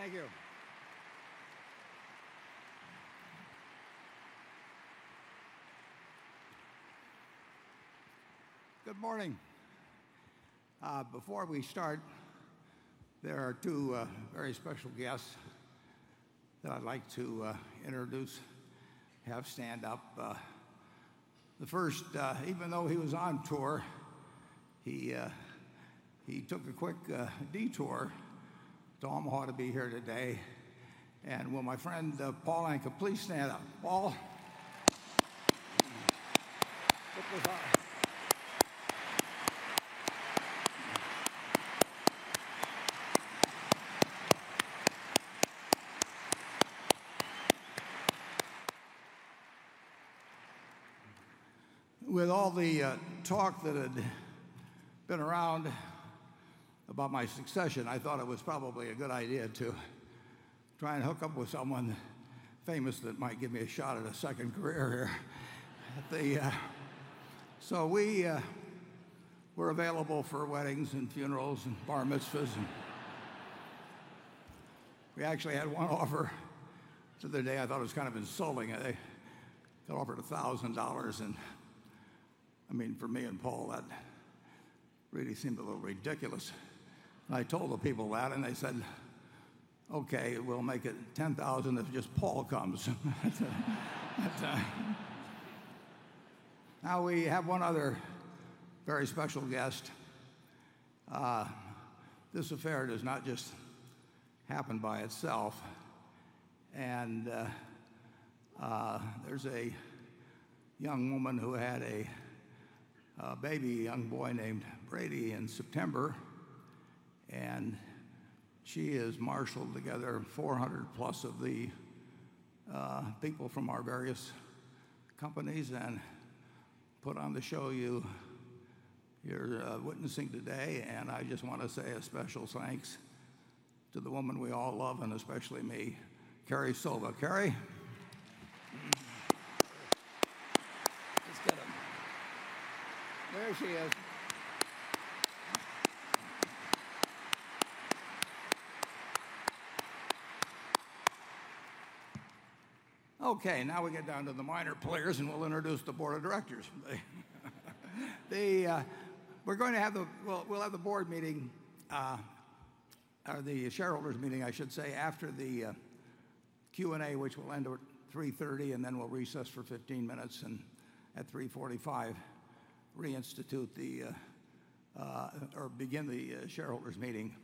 Thank you. Good morning. Before we start, there are two very special guests that I'd like to introduce, have stand up. The first, even though he was on tour, he took a quick detour to Omaha to be here today. Will my friend, Paul Anka, please stand up? Paul. With all the talk that had been around about my succession, I thought it was probably a good idea to try and hook up with someone famous that might give me a shot at a second career here. We're available for weddings and funerals and bar mitzvahs and we actually had one offer the other day, I thought it was kind of insulting. They offered $1,000, and I mean, for me and Paul, that really seemed a little ridiculous. I told the people that, and they said, "Okay, we'll make it $10,000 if just Paul comes." We have one other very special guest. This affair does not just happen by itself, and there's a young woman who had a baby, a young boy named Brady, in September, and she has marshaled together 400-plus of the people from our various companies and put on the show you're witnessing today. I just want to say a special thanks to the woman we all love, and especially me, Carrie Sova. Carrie. Let's get them. There she is. We get down to the minor players, and we'll introduce the board of directors. We'll have the board meeting, or the shareholders' meeting, I should say, after the Q&A, which will end at 3:30 P.M., and then we'll recess for 15 minutes, and at 3:45 P.M., begin the shareholders' meeting.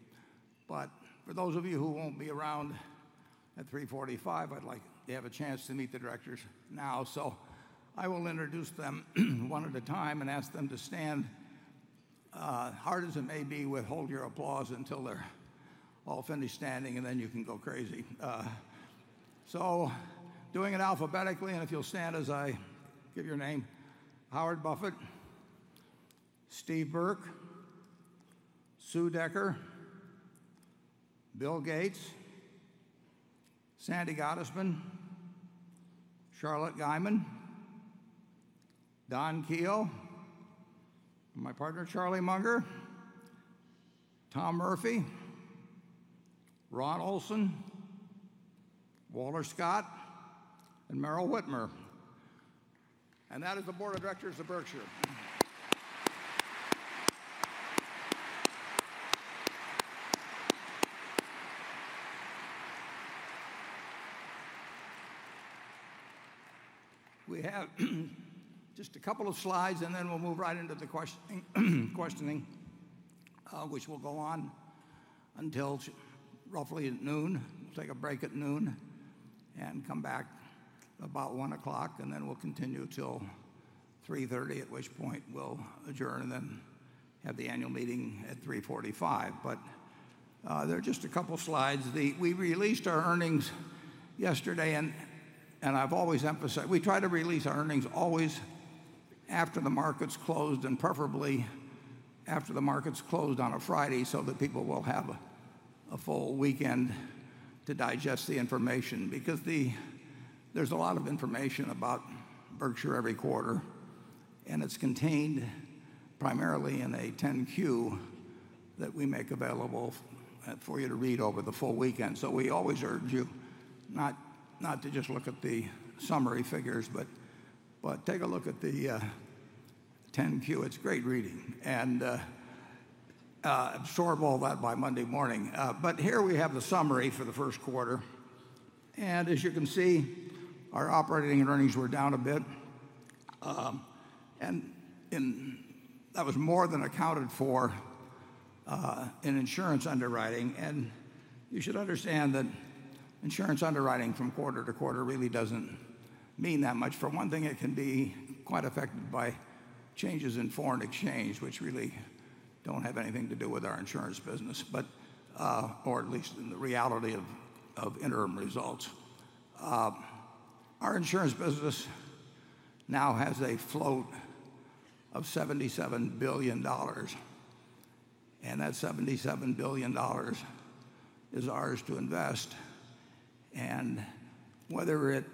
For those of you who won't be around at 3:45 P.M., I'd like to have a chance to meet the directors now. I will introduce them one at a time and ask them to stand. Hard as it may be, withhold your applause until they're all finished standing, and then you can go crazy. Doing it alphabetically, and if you'll stand as I give your name. Howard Buffett, Steve Burke, Sue Decker, Bill Gates, Sandy Gottesman, Charlotte Guyman, Don Keil, and my partner, Charlie Munger, Tom Murphy, Ron Olson, Walter Scott, and Meryl Witmer. That is the board of directors of Berkshire. We have just a couple of slides, and then we'll move right into the questioning, which will go on until roughly noon. We'll take a break at noon and come back about 1:00 P.M., and then we'll continue till 3:30 P.M., at which point we'll adjourn and then have the annual meeting at 3:45 P.M. There are just a couple slides. We released our earnings yesterday, and we try to release our earnings always after the market's closed and preferably after the market's closed on a Friday so that people will have a full weekend to digest the information. There's a lot of information about Berkshire every quarter, and it's contained primarily in a 10-Q that we make available for you to read over the full weekend. We always urge you not to just look at the summary figures, but take a look at the 10-Q. It's great reading. Absorb all that by Monday morning. Here we have the summary for the first quarter. As you can see, our operating earnings were down a bit, and that was more than accounted for in insurance underwriting. You should understand that insurance underwriting from quarter to quarter really doesn't mean that much. For one thing, it can be quite affected by changes in foreign exchange, which really don't have anything to do with our insurance business, or at least in the reality of interim results. Our insurance business now has a float of $77 billion, and that $77 billion is ours to invest. Whether it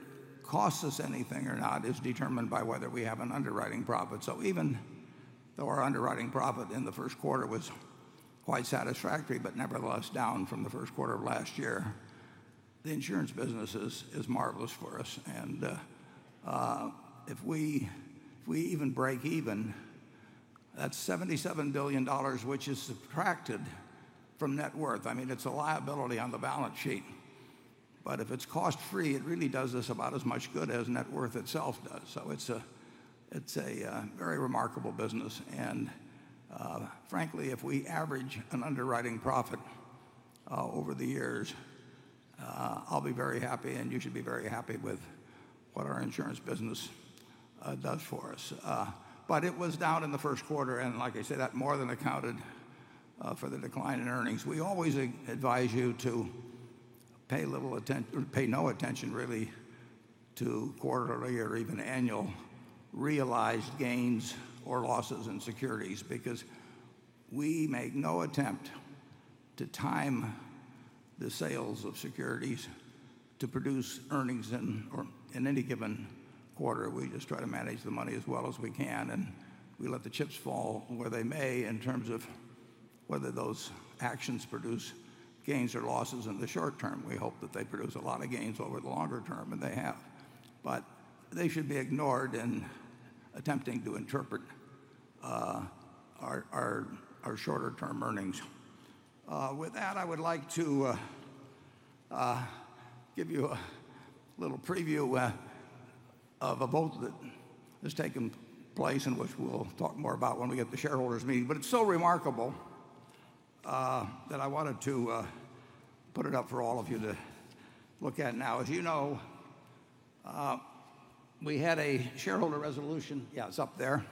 costs us anything or not is determined by whether we have an underwriting profit. Even though our underwriting profit in the first quarter was quite satisfactory, but nevertheless down from the first quarter of last year, the insurance business is marvelous for us. If we even break even, that's $77 billion, which is subtracted from net worth. It's a liability on the balance sheet, but if it's cost-free, it really does us about as much good as net worth itself does. It's a very remarkable business and, frankly, if we average an underwriting profit over the years, I'll be very happy and you should be very happy with what our insurance business does for us. It was down in the first quarter, and like I say, that more than accounted for the decline in earnings. We always advise you to pay no attention, really, to quarterly or even annual realized gains or losses in securities because we make no attempt to time the sales of securities to produce earnings in any given quarter. We just try to manage the money as well as we can, and we let the chips fall where they may in terms of whether those actions produce gains or losses in the short term. We hope that they produce a lot of gains over the longer term, and they have. They should be ignored in attempting to interpret our shorter-term earnings. With that, I would like to give you a little preview of a vote that has taken place and which we'll talk more about when we get to shareholders' meeting. It's so remarkable that I wanted to put it up for all of you to look at now. As you know, we had a shareholder resolution. Yeah, it's up there.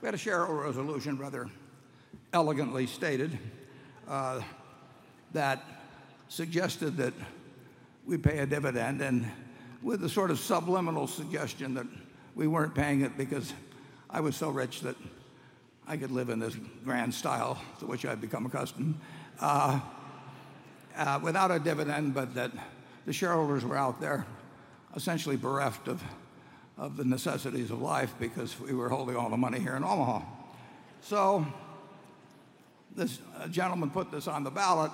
We had a shareholder resolution rather elegantly stated that suggested that we pay a dividend and with a sort of subliminal suggestion that we weren't paying it because I was so rich that I could live in this grand style to which I'd become accustomed without a dividend, but that the shareholders were out there essentially bereft of the necessities of life because we were holding all the money here in Omaha. This gentleman put this on the ballot,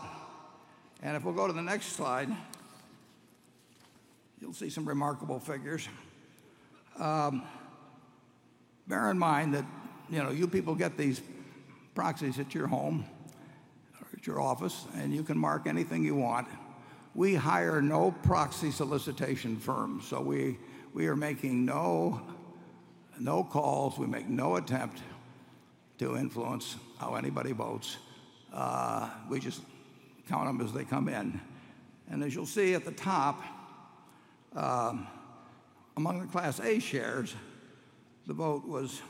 and if we'll go to the next slide, you'll see some remarkable figures. Bear in mind that you people get these proxies at your home or at your office, and you can mark anything you want. We hire no proxy solicitation firms. We are making no calls. We make no attempt to influence how anybody votes. We just count them as they come in. As you'll see at the top, among the Class A shares, the vote was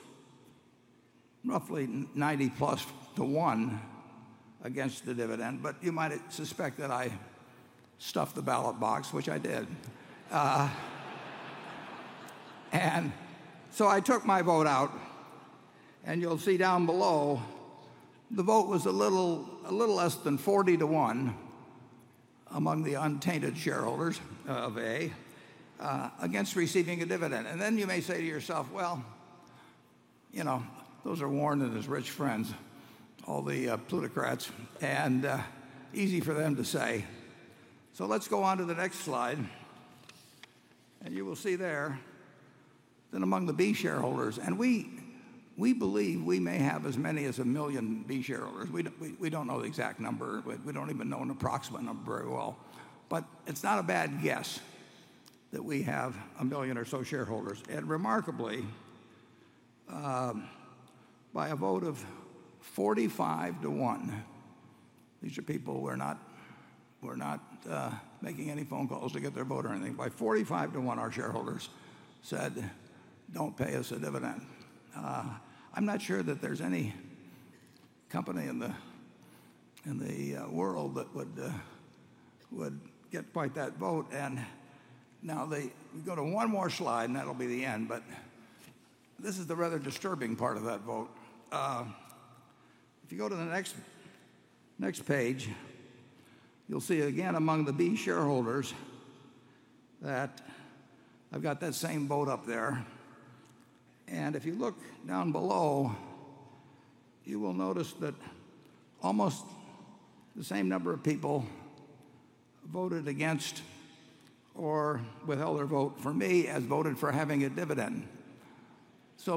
roughly 90+ to one against the dividend. You might suspect that I stuffed the ballot box, which I did. I took my vote out, and you'll see down below the vote was a little less than 40 to one among the untainted shareholders of A against receiving a dividend. You may say to yourself, "Well, those are Warren and his rich friends, all the plutocrats, and easy for them to say." Let's go on to the next slide, and you will see there that among the B shareholders, and we believe we may have as many as 1 million B shareholders. We don't know the exact number. We don't even know an approximate number very well, but it's not a bad guess that we have 1 million or so shareholders. Remarkably, by a vote of 45 to one, these are people who are not making any phone calls to get their vote or anything. By 45 to one, our shareholders said, "Don't pay us a dividend." I'm not sure that there's any company in the world that would get quite that vote. Now we go to one more slide, and that'll be the end, this is the rather disturbing part of that vote. If you go to the next page, you'll see again among the B shareholders that I've got that same vote up there. If you look down below, you will notice that almost the same number of people voted against or withheld their vote for me as voted for having a dividend.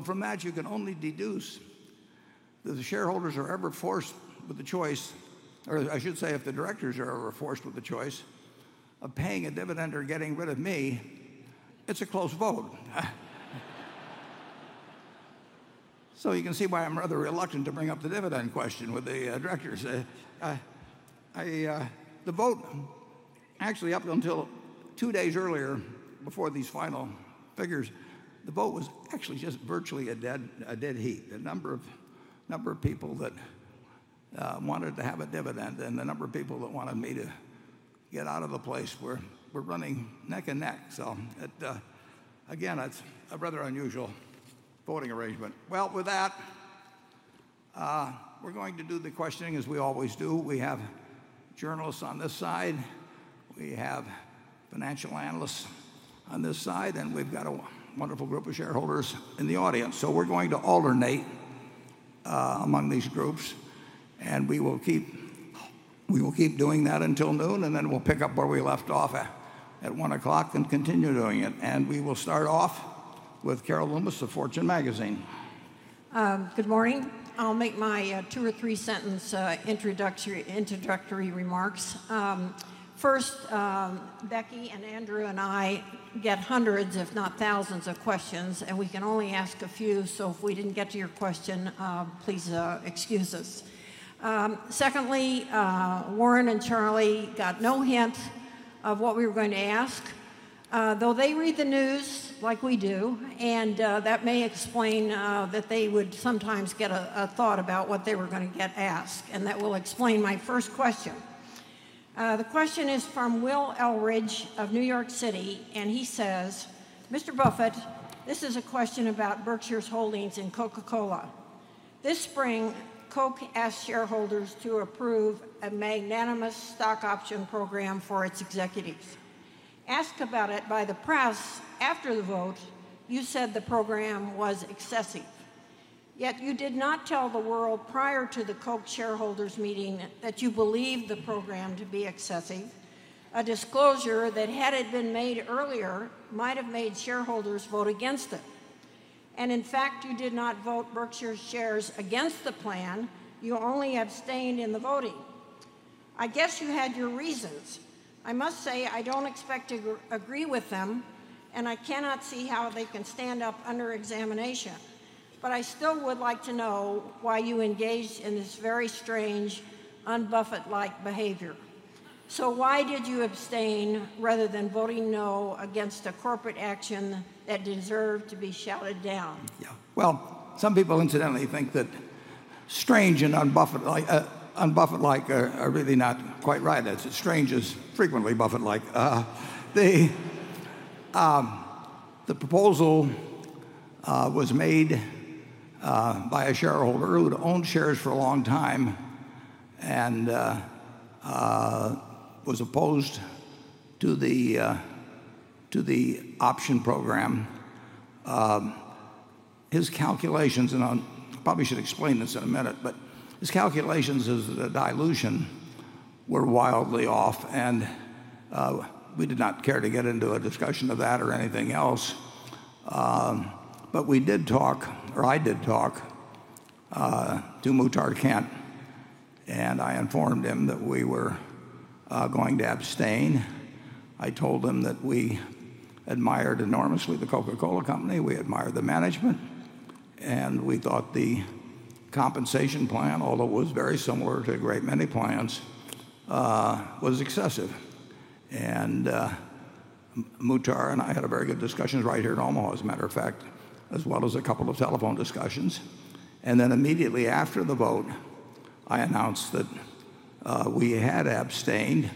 From that, you can only deduce that the shareholders are ever forced with the choice, or I should say if the directors are ever forced with the choice of paying a dividend or getting rid of me, it's a close vote. You can see why I'm rather reluctant to bring up the dividend question with the directors. The vote actually up until two days earlier before these final figures, the vote was actually just virtually a dead heat. The number of people that wanted to have a dividend and the number of people that wanted me to get out of the place were running neck and neck. Again, that's a rather unusual voting arrangement. With that, We're going to do the questioning as we always do. We have journalists on this side, we have financial analysts on this side, and we've got a wonderful group of shareholders in the audience. We're going to alternate among these groups, and we will keep doing that until noon, and then we'll pick up where we left off at 1:00 P.M. and continue doing it. We will start off with Carol Loomis of Fortune Magazine. Good morning. I'll make my two or three-sentence introductory remarks. First, Becky and Andrew and I get hundreds, if not thousands of questions, and we can only ask a few. If we didn't get to your question, please excuse us. Secondly, Warren and Charlie got no hint of what we were going to ask. That may explain that they would sometimes get a thought about what they were going to get asked, and that will explain my first question. The question is from Will Elridge of New York City. He says, "Mr. Buffett, this is a question about Berkshire's holdings in Coca-Cola. This spring, Coke asked shareholders to approve a magnanimous stock option program for its executives. Asked about it by the press after the vote, you said the program was excessive. Yet you did not tell the world prior to the Coke shareholders meeting that you believed the program to be excessive, a disclosure that had it been made earlier might have made shareholders vote against it. In fact, you did not vote Berkshire's shares against the plan, you only abstained in the voting. I guess you had your reasons. I must say, I don't expect to agree with them. I cannot see how they can stand up under examination. I still would like to know why you engaged in this very strange, un-Buffett-like behavior. Why did you abstain rather than voting no against a corporate action that deserved to be shouted down? Yeah. Well, some people incidentally think that strange and un-Buffett-like are really not quite right, as strange is frequently Buffett-like. The proposal was made by a shareholder who had owned shares for a long time and was opposed to the option program. His calculations, I probably should explain this in a minute, his calculations of the dilution were wildly off. We did not care to get into a discussion of that or anything else. We did talk, or I did talk to Muhtar Kent. I informed him that we were going to abstain. I told him that we admired enormously The Coca-Cola Company, we admired the management. We thought the compensation plan, although it was very similar to a great many plans, was excessive. Muhtar and I had very good discussions right here in Omaha, as a matter of fact, as well as a couple of telephone discussions. Immediately after the vote, I announced that we had abstained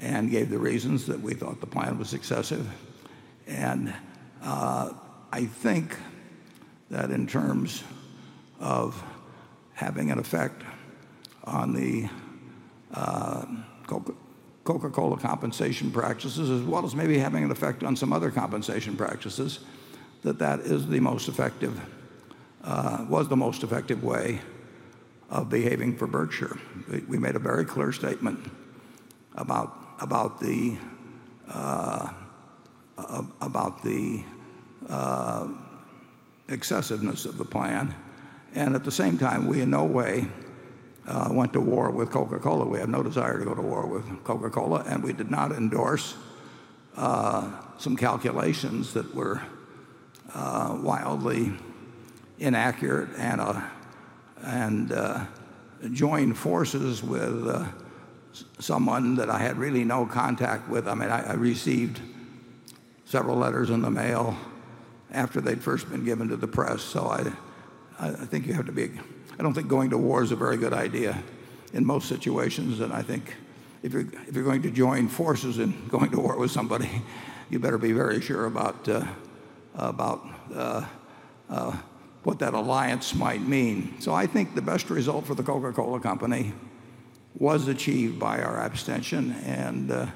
and gave the reasons that we thought the plan was excessive. I think that in terms of having an effect on the Coca-Cola compensation practices, as well as maybe having an effect on some other compensation practices, that that was the most effective way of behaving for Berkshire. We made a very clear statement about the excessiveness of the plan. At the same time, we in no way went to war with Coca-Cola. We have no desire to go to war with Coca-Cola. We did not endorse some calculations that were wildly inaccurate and join forces with someone that I had really no contact with. I received several letters in the mail after they'd first been given to the press. I don't think going to war is a very good idea in most situations, and I think if you're going to join forces in going to war with somebody, you better be very sure about what that alliance might mean. I think the best result for The Coca-Cola Company was achieved by our abstention, and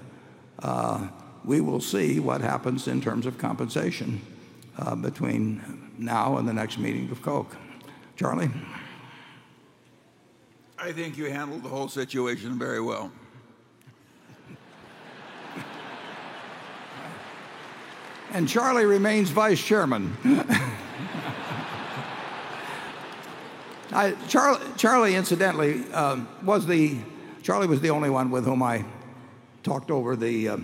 we will see what happens in terms of compensation between now and the next meeting of Coke. Charlie? I think you handled the whole situation very well. Charlie remains vice chairman. Charlie incidentally was the only one with whom I talked over the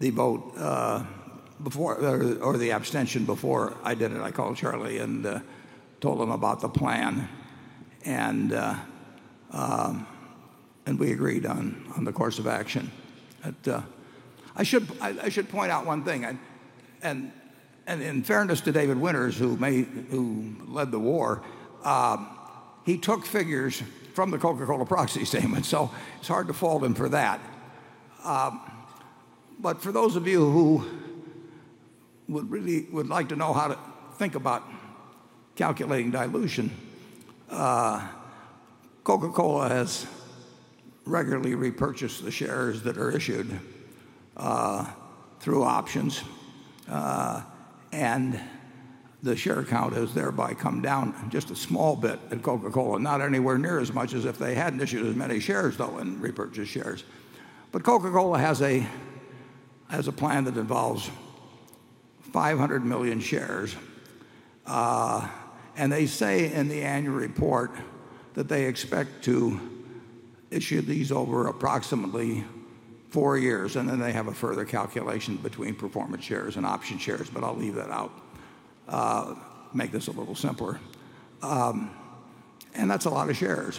vote or the abstention before I did it. I called Charlie and told him about the plan, and we agreed on the course of action. I should point out one thing, in fairness to David Winters, who led the war, he took figures from The Coca-Cola proxy statement, it's hard to fault him for that. For those of you who would like to know how to think about calculating dilution. Coca-Cola has regularly repurchased the shares that are issued through options, and the share count has thereby come down just a small bit at Coca-Cola. Not anywhere near as much as if they hadn't issued as many shares, though, and repurchased shares. Coca-Cola has a plan that involves 500 million shares, they say in the annual report that they expect to issue these over approximately 4 years, then they have a further calculation between performance shares and option shares, I'll leave that out, make this a little simpler. That's a lot of shares.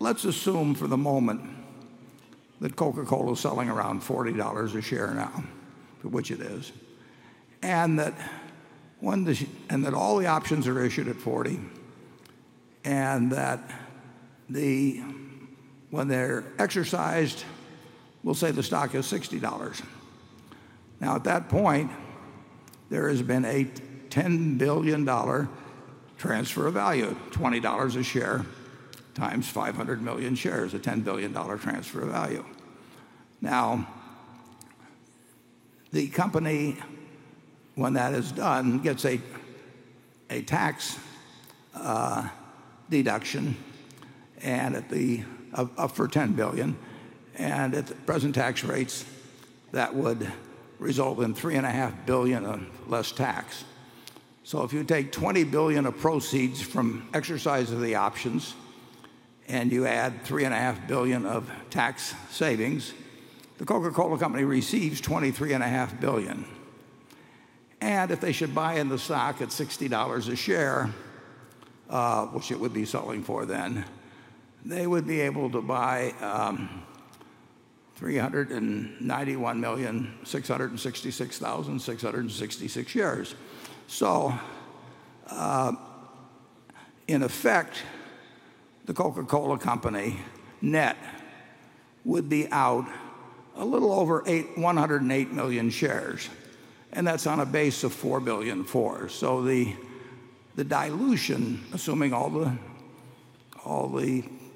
Let's assume for the moment that Coca-Cola is selling around $40 a share now, which it is, that all the options are issued at $40, and that when they're exercised, we'll say the stock is $60. At that point, there has been a $10 billion transfer of value, $20 a share times 500 million shares, a $10 billion transfer of value. The company, when that is done, gets a tax deduction up for $10 billion, and at present tax rates, that would result in $3.5 billion of less tax. If you take $20 billion of proceeds from exercise of the options, and you add $3.5 billion of tax savings, The Coca-Cola Company receives $23.5 billion. If they should buy in the stock at $60 a share, which it would be selling for then, they would be able to buy 391,666,666 shares. In effect, The Coca-Cola Company net would be out a little over 108 million shares, and that's on a base of 4.4 billion. The dilution, assuming all the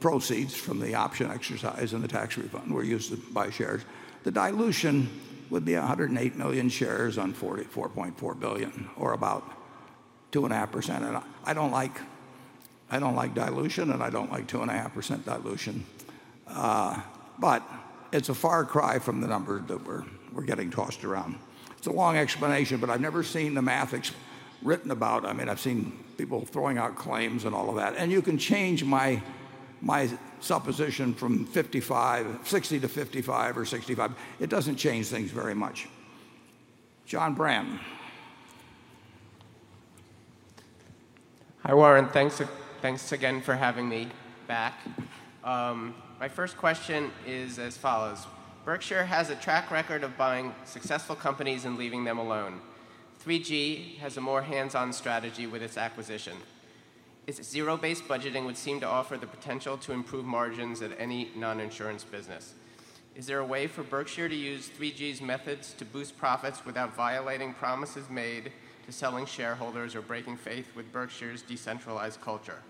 proceeds from the option exercise and the tax refund were used to buy shares, the dilution would be 108 million shares on 44.4 billion, or about 2.5%. I don't like dilution, and I don't like 2.5% dilution. It's a far cry from the number that we're getting tossed around. It's a long explanation, but I've never seen the math written about. I've seen people throwing out claims and all of that, you can change my supposition from 60 to 55 or 65. It doesn't change things very much. John Brandt. Hi, Warren. Thanks again for having me back. My first question is as follows. Berkshire has a track record of buying successful companies and leaving them alone. 3G has a more hands-on strategy with its acquisition. Its zero-based budgeting would seem to offer the potential to improve margins at any non-insurance business. Is there a way for Berkshire to use 3G's methods to boost profits without violating promises made to selling shareholders or breaking faith with Berkshire's decentralized culture?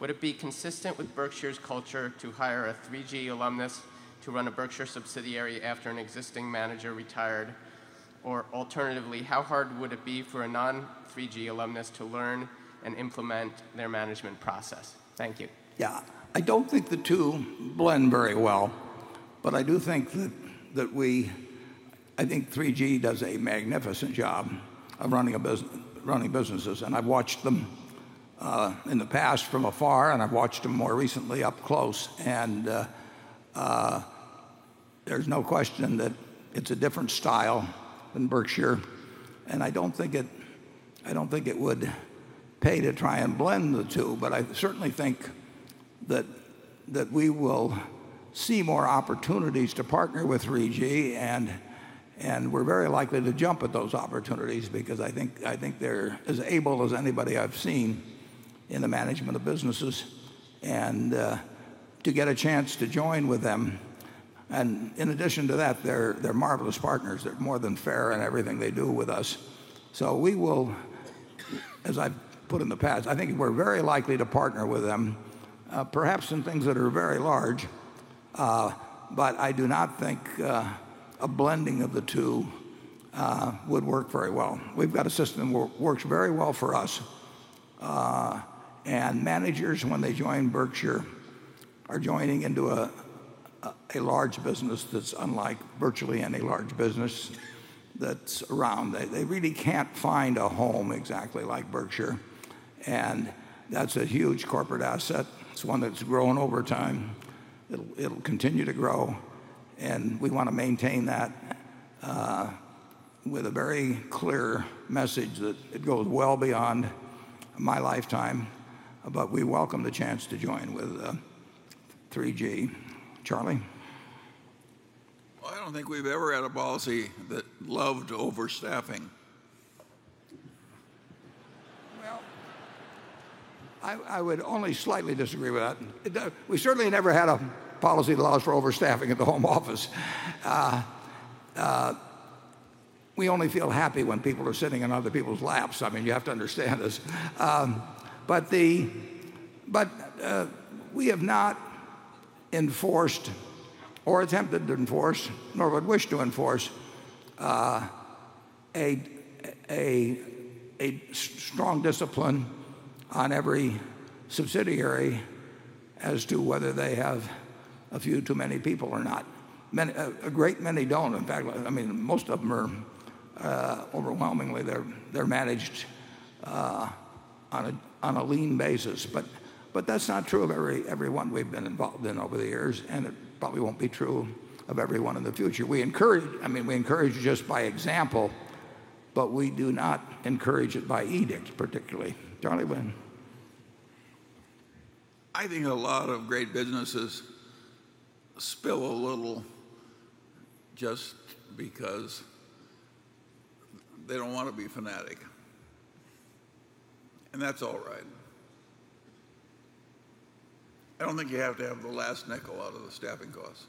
Would it be consistent with Berkshire's culture to hire a 3G alumnus to run a Berkshire subsidiary after an existing manager retired? Alternatively, how hard would it be for a non-3G alumnus to learn and implement their management process? Thank you. Yeah. I don't think the two blend very well, I do think that 3G does a magnificent job of running businesses. I've watched them in the past from afar, I've watched them more recently up close, there's no question that it's a different style than Berkshire, I don't think it would pay to try and blend the two. I certainly think that we will see more opportunities to partner with 3G, we're very likely to jump at those opportunities because I think they're as able as anybody I've seen in the management of businesses, to get a chance to join with them. In addition to that, they're marvelous partners. They're more than fair in everything they do with us. We will as I've put in the past, I think we're very likely to partner with them, perhaps in things that are very large, but I do not think a blending of the two would work very well. We've got a system that works very well for us. Managers, when they join Berkshire, are joining into a large business that's unlike virtually any large business that's around. They really can't find a home exactly like Berkshire, and that's a huge corporate asset. It's one that's grown over time. It'll continue to grow, and we want to maintain that with a very clear message that it goes well beyond my lifetime, but we welcome the chance to join with 3G. Charlie? Well, I don't think we've ever had a policy that loved overstaffing I would only slightly disagree with that. We certainly never had a policy that allows for overstaffing at the home office. We only feel happy when people are sitting on other people's laps. You have to understand this. We have not enforced or attempted to enforce, nor would wish to enforce a strong discipline on every subsidiary as to whether they have a few too many people or not. A great many don't, in fact. Most of them are overwhelmingly managed on a lean basis. That's not true of everyone we've been involved in over the years, and it probably won't be true of everyone in the future. We encourage just by example, but we do not encourage it by edict, particularly. Charlie, when? I think a lot of great businesses spill a little just because they don't want to be fanatic, and that's all right. I don't think you have to have the last nickel out of the staffing costs.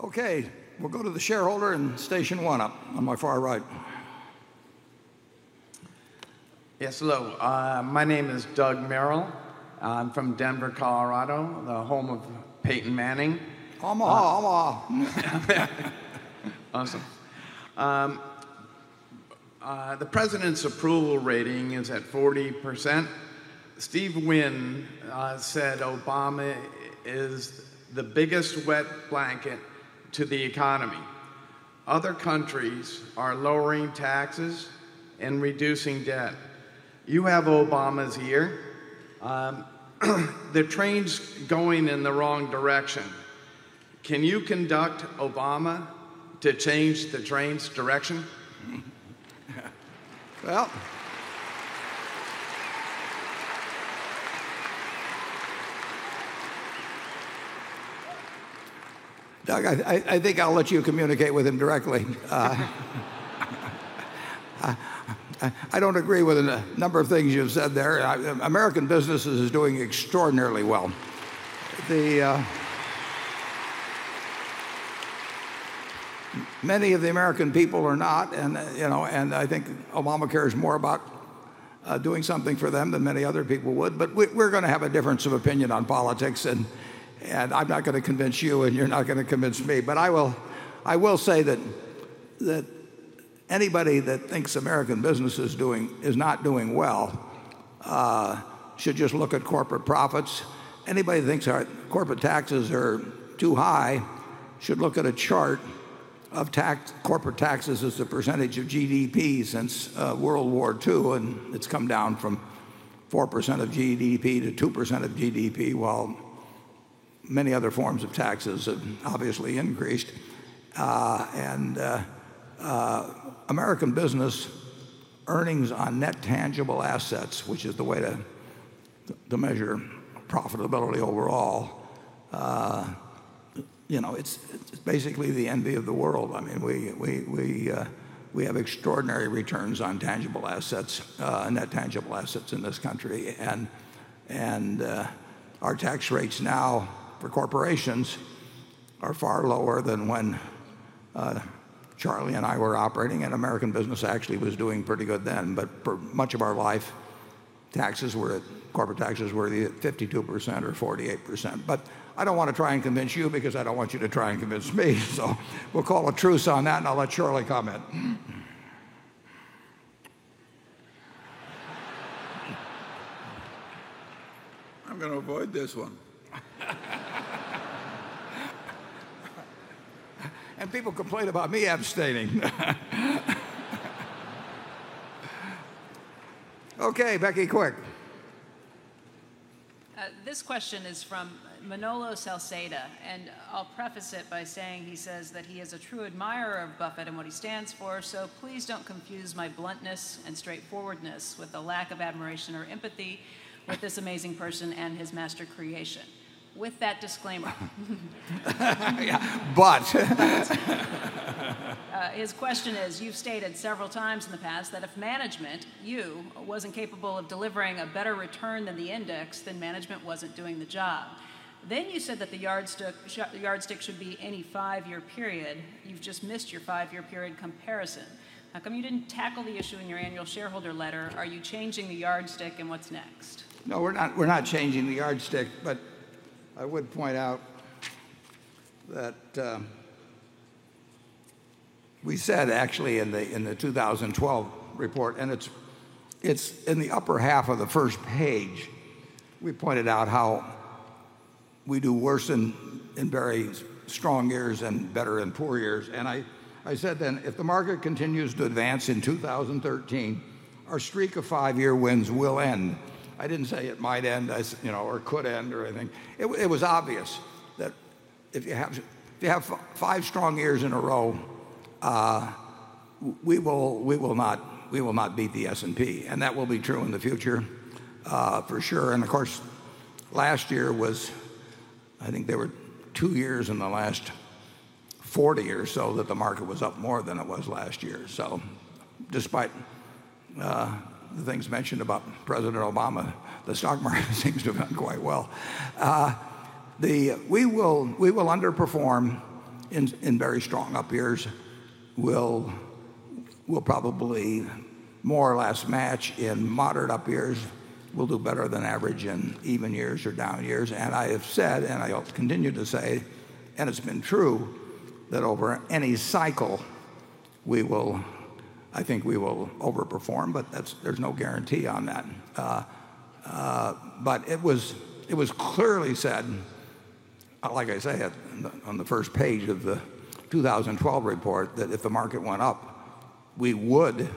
Okay. We'll go to the shareholder in station one on my far right. Yes, hello. My name is Doug Merrill. I'm from Denver, Colorado, the home of Peyton Manning. Mahma, mahma. Awesome. The President's approval rating is at 40%. Steve Wynn said Obama is the biggest wet blanket to the economy. Other countries are lowering taxes and reducing debt. You have Obama's ear. The train's going in the wrong direction. Can you conduct Obama to change the train's direction? Well Doug, I think I'll let you communicate with him directly. I don't agree with a number of things you've said there. American business is doing extraordinarily well. Many of the American people are not, I think Obama cares more about doing something for them than many other people would. We're going to have a difference of opinion on politics, I'm not going to convince you, and you're not going to convince me. I will say that anybody that thinks American business is not doing well should just look at corporate profits. Anybody that thinks our corporate taxes are too high should look at a chart of corporate taxes as a percentage of GDP since World War II, and it's come down from 4% of GDP to 2% of GDP while many other forms of taxes have obviously increased. American business earnings on net tangible assets, which is the way to measure profitability overall, it's basically the envy of the world. We have extraordinary returns on tangible assets, net tangible assets in this country. Our tax rates now for corporations are far lower than when Charlie and I were operating, and American business actually was doing pretty good then. For much of our life, corporate taxes were 52% or 48%. I don't want to try and convince you because I don't want you to try and convince me. We'll call a truce on that, and I'll let Charlie comment. I'm going to avoid this one. People complain about me abstaining. Okay, Becky Quick. This question is from Manolo Salceda. I'll preface it by saying he says that he is a true admirer of Buffett and what he stands for, "Please don't confuse my bluntness and straightforwardness with a lack of admiration or empathy with this amazing person and his master creation." With that disclaimer. Yeah. His question is, you've stated several times in the past that if management, you, wasn't capable of delivering a better return than the index, management wasn't doing the job. You said that the yardstick should be any five-year period. You've just missed your five-year period comparison. How come you didn't tackle the issue in your annual shareholder letter? Are you changing the yardstick, what's next? No, we're not changing the yardstick. I would point out that we said, actually, in the 2012 report, it's in the upper half of the first page, we pointed out how we do worse in very strong years and better in poor years. I said then, "If the market continues to advance in 2013, our streak of five-year wins will end." I didn't say it might end, or could end or anything. It was obvious that if you have five strong years in a row, we will not beat the S&P, that will be true in the future for sure. Of course, last year I think there were two years in the last 40 or so that the market was up more than it was last year. Despite the things mentioned about President Obama, the stock market seems to have done quite well. We will underperform in very strong up years. We'll probably more or less match in moderate up years. We'll do better than average in even years or down years. I have said, and I continue to say, and it's been true, that over any cycle, I think we will overperform, but there's no guarantee on that. It was clearly said, like I say, on the first page of the 2012 report, that if the market went up, we would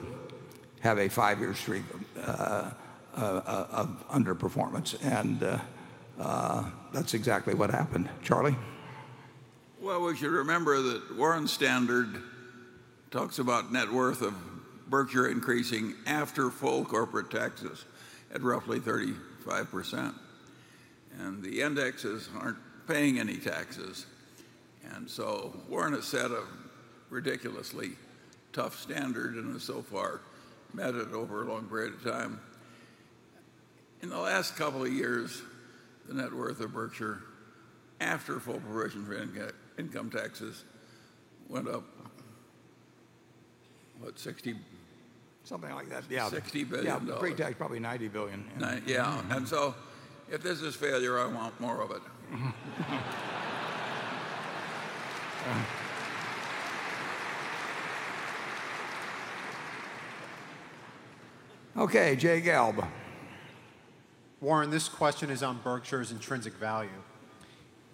have a five-year streak of underperformance, and that's exactly what happened. Charlie? Well, we should remember that Warren's standard talks about net worth of Berkshire increasing after full corporate taxes at roughly 35%. The indexes aren't paying any taxes. Warren has set a ridiculously tough standard and has so far met it over a long period of time. In the last couple of years, the net worth of Berkshire after full provision for income taxes went up, what, 60 Something like that, yeah $60 billion. Pre-tax, probably $90 billion. If this is failure, I want more of it. Jay Gelb. Warren, this question is on Berkshire's intrinsic value.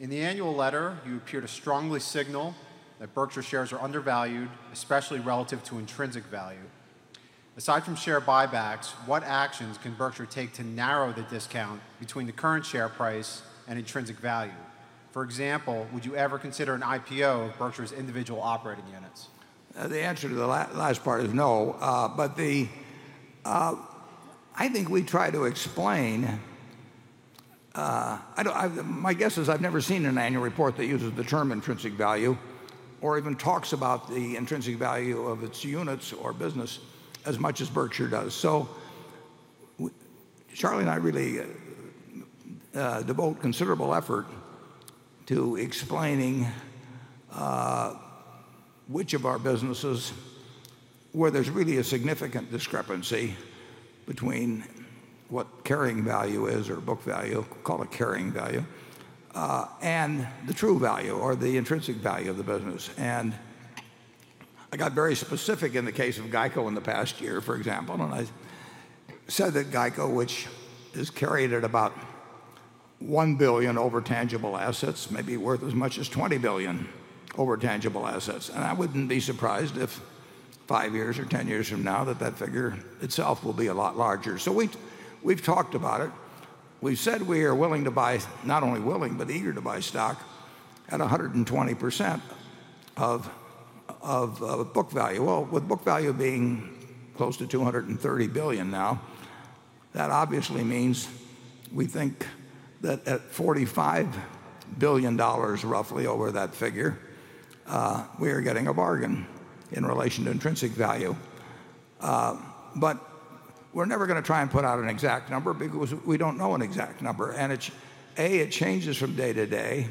In the annual letter, you appeared to strongly signal that Berkshire shares are undervalued, especially relative to intrinsic value. Aside from share buybacks, what actions can Berkshire take to narrow the discount between the current share price and intrinsic value? For example, would you ever consider an IPO of Berkshire's individual operating units? The answer to the last part is no. My guess is I've never seen an annual report that uses the term intrinsic value or even talks about the intrinsic value of its units or business as much as Berkshire does. Charlie and I really devote considerable effort to explaining which of our businesses where there's really a significant discrepancy between what carrying value is or book value, call it carrying value, and the true value or the intrinsic value of the business. I got very specific in the case of GEICO in the past year, for example, and I said that GEICO, which is carried at about $1 billion over tangible assets, may be worth as much as $20 billion over tangible assets. I wouldn't be surprised if five years or 10 years from now that that figure itself will be a lot larger. We've talked about it. We've said we are willing to buy, not only willing, but eager to buy stock at 120% of book value. With book value being close to $230 billion now, that obviously means we think that at $45 billion roughly over that figure, we are getting a bargain in relation to intrinsic value. We're never going to try and put out an exact number because we don't know an exact number. A, it changes from day to day,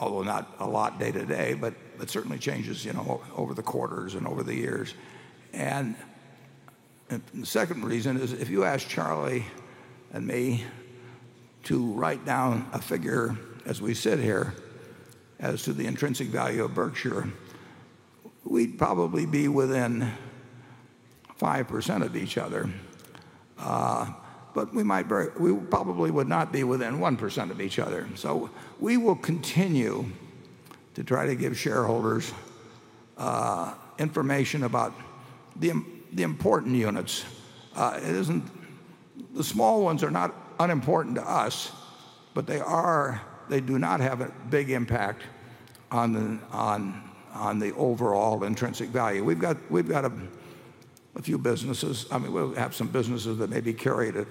although not a lot day to day, but it certainly changes over the quarters and over the years. The second reason is if you ask Charlie and me to write down a figure as we sit here as to the intrinsic value of Berkshire, we'd probably be within 5% of each other. We probably would not be within 1% of each other. We will continue to try to give shareholders information about the important units. The small ones are not unimportant to us, but they do not have a big impact on the overall intrinsic value. We've got a few businesses. We have some businesses that may be carried at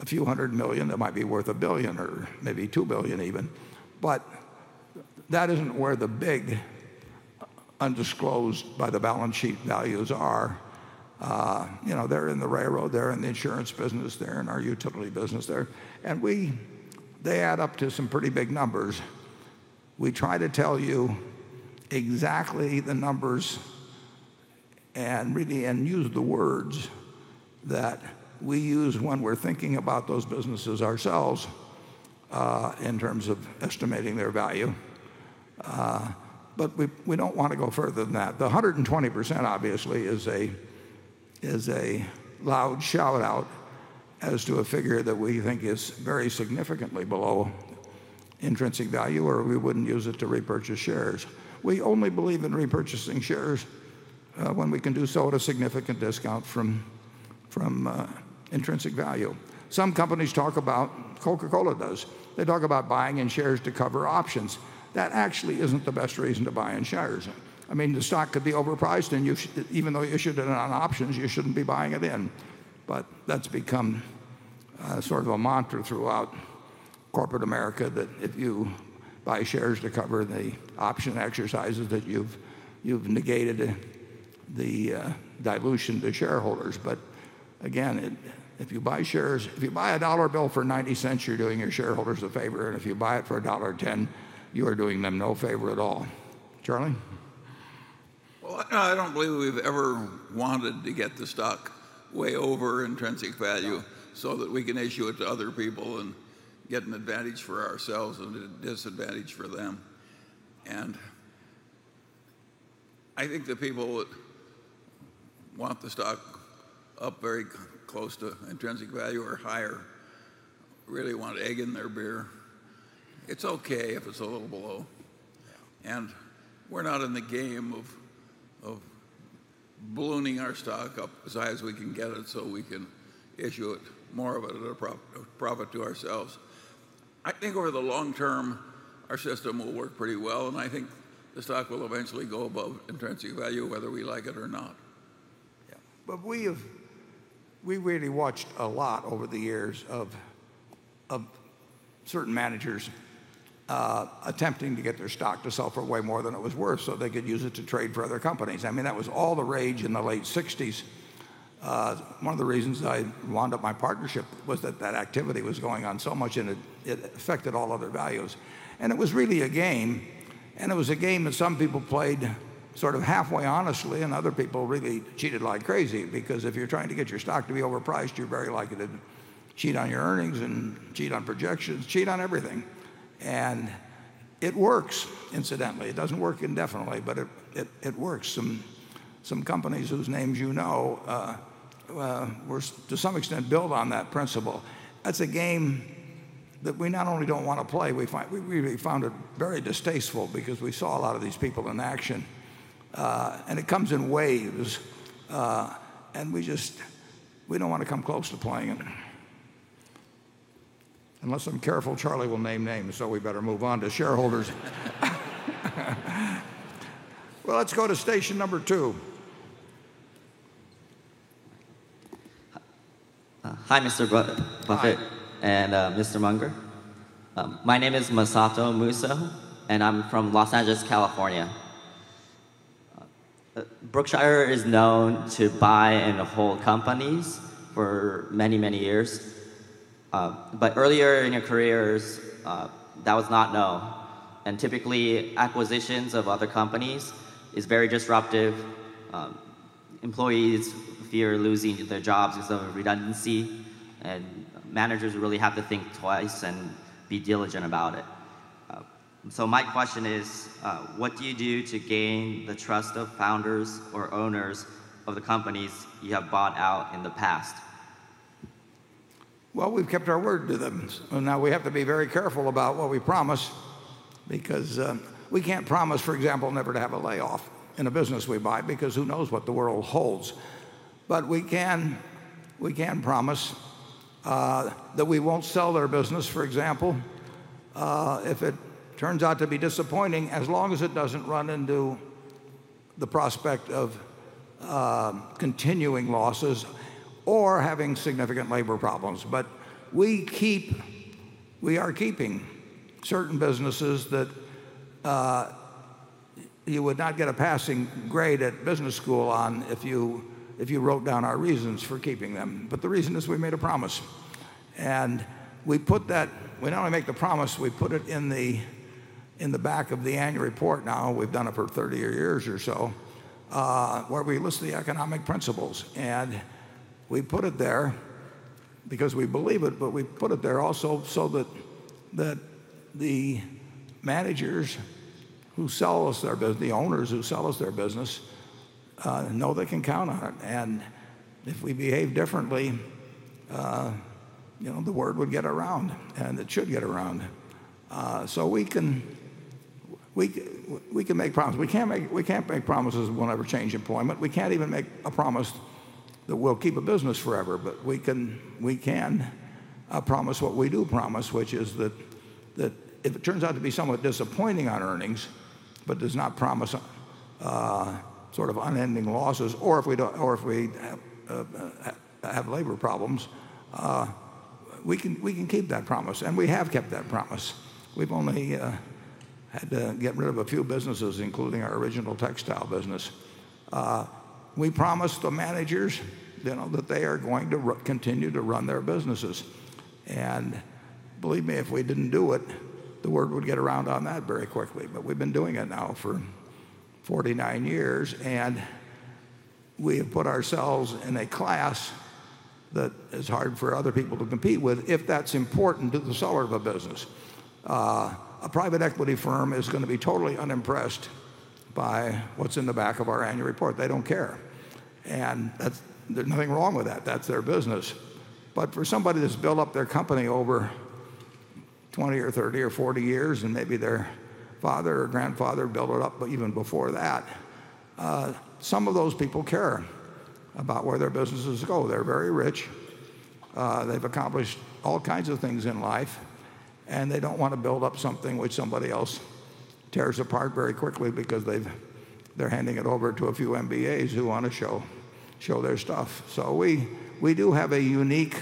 a few hundred million that might be worth $1 billion or maybe $2 billion even. That isn't where the big undisclosed by the balance sheet values are. They're in the railroad, they're in the insurance business, they're in our utility business. They add up to some pretty big numbers. We try to tell you exactly the numbers and really use the words that we use when we're thinking about those businesses ourselves in terms of estimating their value. We don't want to go further than that. The 120% obviously is a loud shout-out as to a figure that we think is very significantly below intrinsic value, or we wouldn't use it to repurchase shares. We only believe in repurchasing shares when we can do so at a significant discount from intrinsic value. Coca-Cola does. They talk about buying in shares to cover options. That actually isn't the best reason to buy in shares. The stock could be overpriced and even though you issued it on options, you shouldn't be buying it in. That's become sort of a mantra throughout corporate America that if you buy shares to cover the option exercises, that you've negated the dilution to shareholders. Again, if you buy a dollar bill for $0.90, you're doing your shareholders a favor, and if you buy it for $1.10, you are doing them no favor at all. Charlie. Well, I don't believe we've ever wanted to get the stock way over intrinsic value so that we can issue it to other people and get an advantage for ourselves and a disadvantage for them. I think the people that want the stock up very close to intrinsic value or higher really want egg in their beer. It's okay if it's a little below. Yeah. We're not in the game of ballooning our stock up as high as we can get it so we can issue it more of a profit to ourselves. I think over the long term, our system will work pretty well, and I think the stock will eventually go above intrinsic value whether we like it or not. Yeah. We really watched a lot over the years of certain managers attempting to get their stock to sell for way more than it was worth so they could use it to trade for other companies. That was all the rage in the late 1960s. One of the reasons that I wound up my partnership was that that activity was going on so much, and it affected all other values. It was really a game, and it was a game that some people played sort of halfway honestly, and other people really cheated like crazy because if you're trying to get your stock to be overpriced, you're very likely to cheat on your earnings and cheat on projections, cheat on everything. It works incidentally. It doesn't work indefinitely, but it works. Some companies whose names you know were to some extent built on that principle. That's a game that we not only don't want to play, we really found it very distasteful because we saw a lot of these people in action. It comes in waves, and we don't want to come close to playing it. Unless I'm careful, Charlie will name names. We better move on to shareholders. Let's go to station number 2. Hi, Mr. Buffett. Hi. Mr. Munger. My name is Masato Muso, and I'm from Los Angeles, California. Berkshire is known to buy and hold companies for many, many years. Earlier in your careers, that was not known, and typically acquisitions of other companies is very disruptive. Employees fear losing their jobs because of redundancy, and managers really have to think twice and be diligent about it. My question is, what do you do to gain the trust of founders or owners of the companies you have bought out in the past? We've kept our word to them. Now, we have to be very careful about what we promise because we can't promise, for example, never to have a layoff in a business we buy because who knows what the world holds. We can promise that we won't sell their business, for example, if it turns out to be disappointing, as long as it doesn't run into the prospect of continuing losses or having significant labor problems. We are keeping certain businesses that you would not get a passing grade at business school on if you wrote down our reasons for keeping them. The reason is we made a promise, and we not only make the promise, we put it in the back of the annual report now, we've done it for 30 years or so, where we list the economic principles. We put it there because we believe it, but we put it there also so that the managers who sell us their business, the owners who sell us their business know they can count on it. If we behave differently, the word would get around, and it should get around. We can make promises. We can't make promises we'll never change employment. We can't even make a promise that we'll keep a business forever. But we can promise what we do promise, which is that if it turns out to be somewhat disappointing on earnings but does not promise unending losses, or if we have labor problems, we can keep that promise, and we have kept that promise. We've only had to get rid of a few businesses, including our original textile business. We promise the managers that they are going to continue to run their businesses. Believe me, if we didn't do it, the word would get around on that very quickly. But we've been doing it now for 49 years, and we have put ourselves in a class that is hard for other people to compete with if that's important to the seller of a business. A private equity firm is going to be totally unimpressed by what's in the back of our annual report. They don't care. And there's nothing wrong with that. That's their business. But for somebody that's built up their company over 20 or 30 or 40 years, and maybe their father or grandfather built it up even before that, some of those people care about where their businesses go. They're very rich. They've accomplished all kinds of things in life, and they don't want to build up something which somebody else tears apart very quickly because they're handing it over to a few MBAs who want to show their stuff. So we do have a unique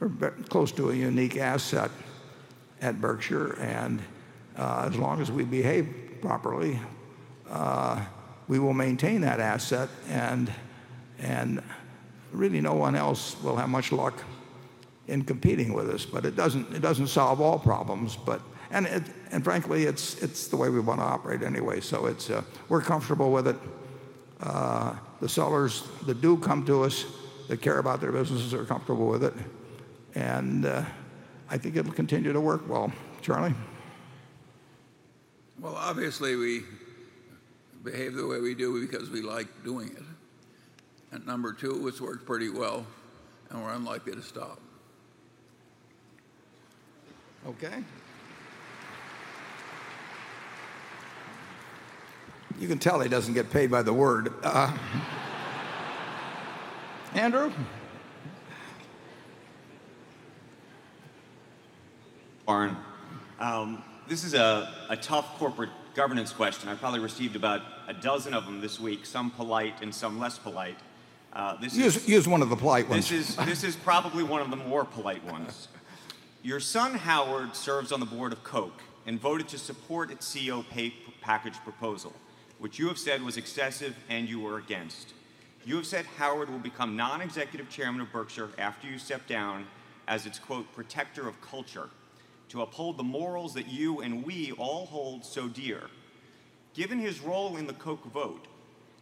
or close to a unique asset at Berkshire, and as long as we behave properly, we will maintain that asset and really no one else will have much luck in competing with us. It doesn't solve all problems, and frankly, it's the way we want to operate anyway. So we're comfortable with it. The sellers that do come to us, that care about their businesses, are comfortable with it, and I think it'll continue to work well. Charlie? Well, obviously we behave the way we do because we like doing it. Number two, it's worked pretty well, and we're unlikely to stop. Okay. You can tell he doesn't get paid by the word. Andrew? Warren, this is a tough corporate governance question. I probably received about a dozen of them this week, some polite and some less polite. Use one of the polite ones. This is probably one of the more polite ones. Your son Howard serves on the board of Coke and voted to support its CEO pay package proposal, which you have said was excessive and you were against. You have said Howard will become non-executive chairman of Berkshire after you step down as its, quote, "protector of culture," to uphold the morals that you and we all hold so dear. Given his role in the Coke vote,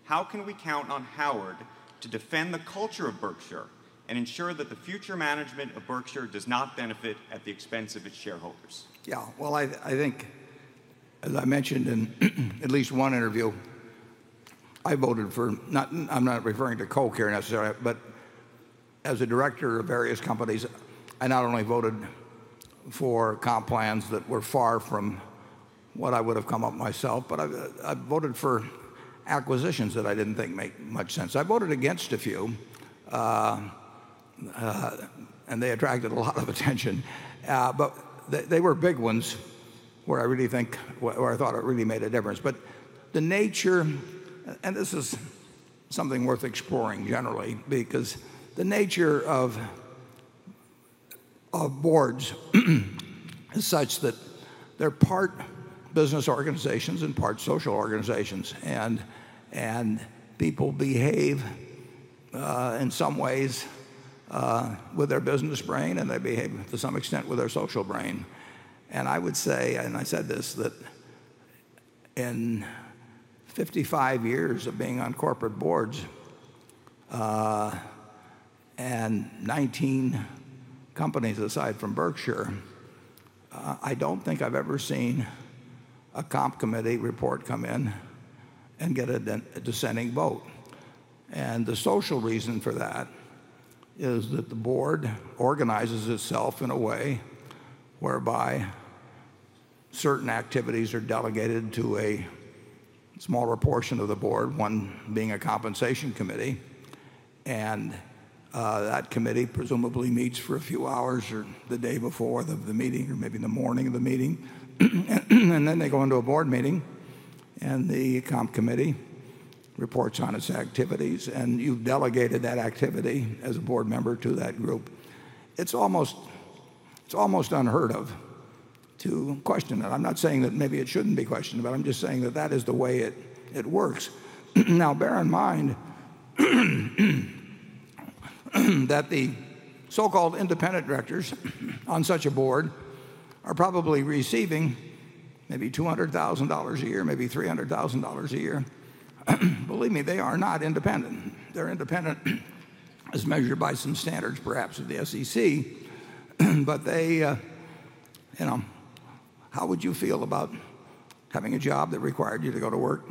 how can we count on Howard to defend the culture of Berkshire and ensure that the future management of Berkshire does not benefit at the expense of its shareholders? Well, I think, as I mentioned in at least one interview, I voted for I'm not referring to Coke here necessarily, but as a director of various companies, I not only voted for comp plans that were far from what I would have come up myself, but I voted for acquisitions that I didn't think made much sense. I voted against a few, and they attracted a lot of attention. They were big ones where I thought it really made a difference. The nature, and this is something worth exploring generally, because the nature of boards is such that they're part business organizations and part social organizations, and people behave, in some ways, with their business brain, and they behave, to some extent, with their social brain. I would say, and I said this, that in 55 years of being on corporate boards, and 19 companies aside from Berkshire, I don't think I've ever seen a comp committee report come in and get a dissenting vote. The social reason for that is that the board organizes itself in a way whereby certain activities are delegated to a smaller portion of the board, one being a compensation committee, and that committee presumably meets for a few hours or the day before the meeting or maybe in the morning of the meeting. Then they go into a board meeting, and the comp committee reports on its activities, and you've delegated that activity as a board member to that group. It's almost unheard of to question it. I'm not saying that maybe it shouldn't be questioned, I'm just saying that that is the way it works. Bear in mind that the so-called independent directors on such a board are probably receiving maybe $200,000 a year, maybe $300,000 a year. Believe me, they are not independent. They're independent as measured by some standards, perhaps, of the SEC, but how would you feel about having a job that required you to go to work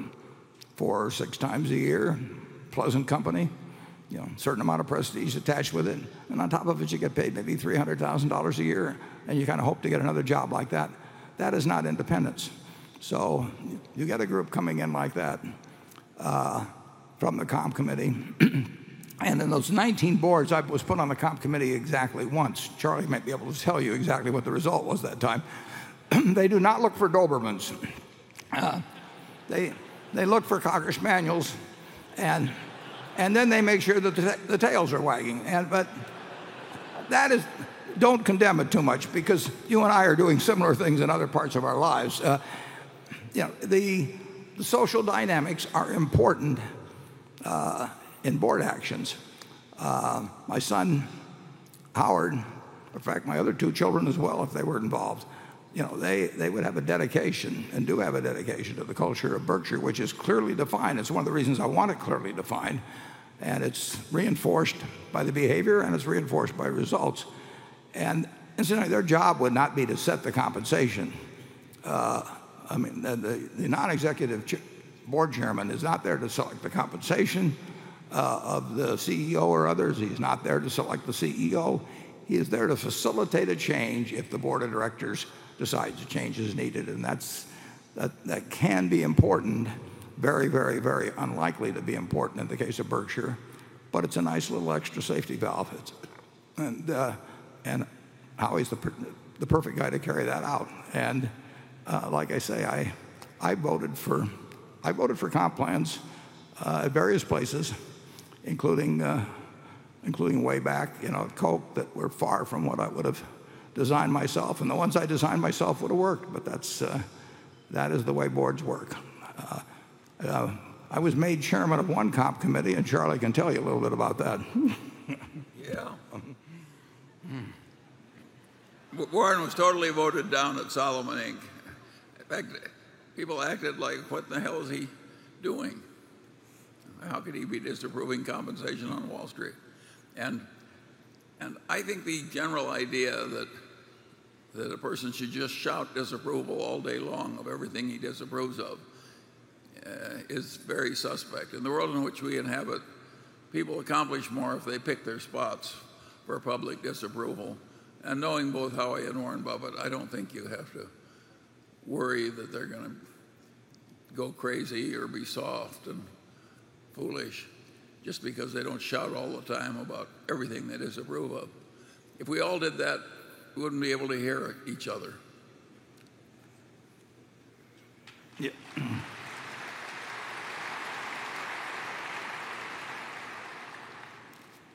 four or six times a year, pleasant company, certain amount of prestige attached with it, and on top of it, you get paid maybe $300,000 a year, and you kind of hope to get another job like that? That is not independence. You get a group coming in like that from the comp committee. In those 19 boards, I was put on the comp committee exactly once. Charlie might be able to tell you exactly what the result was that time. They do not look for Dobermans. They look for Cocker Spaniels, then they make sure that the tails are wagging. Don't condemn it too much because you and I are doing similar things in other parts of our lives. The social dynamics are important in board actions. My son, Howard, in fact, my other two children as well, if they were involved, they would have a dedication and do have a dedication to the culture of Berkshire, which is clearly defined. It's one of the reasons I want it clearly defined, and it's reinforced by the behavior, and it's reinforced by results. Incidentally, their job would not be to set the compensation. The non-executive board chairman is not there to select the compensation of the CEO or others. He's not there to select the CEO. He is there to facilitate a change if the board of directors decides a change is needed, that can be important. Very, very, very unlikely to be important in the case of Berkshire, but it's a nice little extra safety valve. It's Howie's the perfect guy to carry that out. Like I say, I voted for comp plans at various places, including way back at Coke that were far from what I would have designed myself. The ones I designed myself would have worked, but that is the way boards work. I was made chairman of one comp committee, Charlie can tell you a little bit about that. Yeah. Warren was totally voted down at Salomon Inc. In fact, people acted like, "What the hell is he doing? How could he be disapproving compensation on Wall Street?" I think the general idea that a person should just shout disapproval all day long of everything he disapproves of is very suspect. In the world in which we inhabit, people accomplish more if they pick their spots for public disapproval. Knowing both Howie and Warren Buffett, I don't think you have to worry that they're going to go crazy or be soft and foolish just because they don't shout all the time about everything they disapprove of. If we all did that, we wouldn't be able to hear each other. Yeah.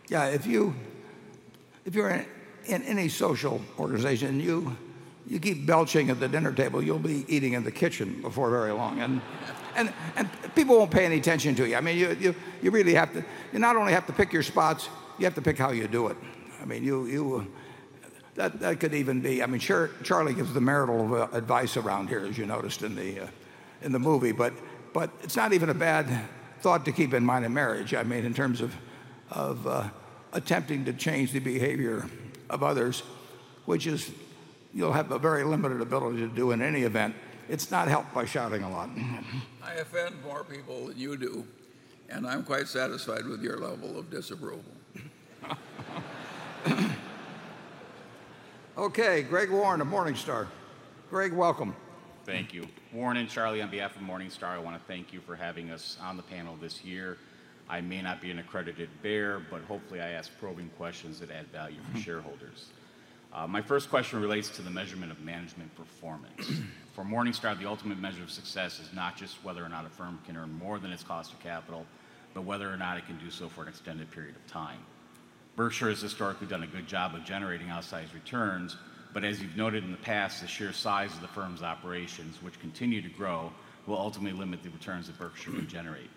Yeah, if you're in any social organization, you keep belching at the dinner table, you'll be eating in the kitchen before very long. People won't pay any attention to you. You not only have to pick your spots, you have to pick how you do it. Charlie gives the marital advice around here, as you noticed in the movie, it's not even a bad thought to keep in mind in marriage, in terms of attempting to change the behavior of others, which is you'll have a very limited ability to do in any event. It's not helped by shouting a lot. I offend more people than you do, I'm quite satisfied with your level of disapproval. Okay, Greggory Warren of Morningstar. Greg, welcome. Thank you. Warren and Charlie, on behalf of Morningstar, I want to thank you for having us on the panel this year. I may not be an accredited bear, but hopefully I ask probing questions that add value for shareholders. My first question relates to the measurement of management performance. For Morningstar, the ultimate measure of success is not just whether or not a firm can earn more than its cost of capital, but whether or not it can do so for an extended period of time. Berkshire has historically done a good job of generating outsized returns, but as you've noted in the past, the sheer size of the firm's operations, which continue to grow, will ultimately limit the returns that Berkshire can generate.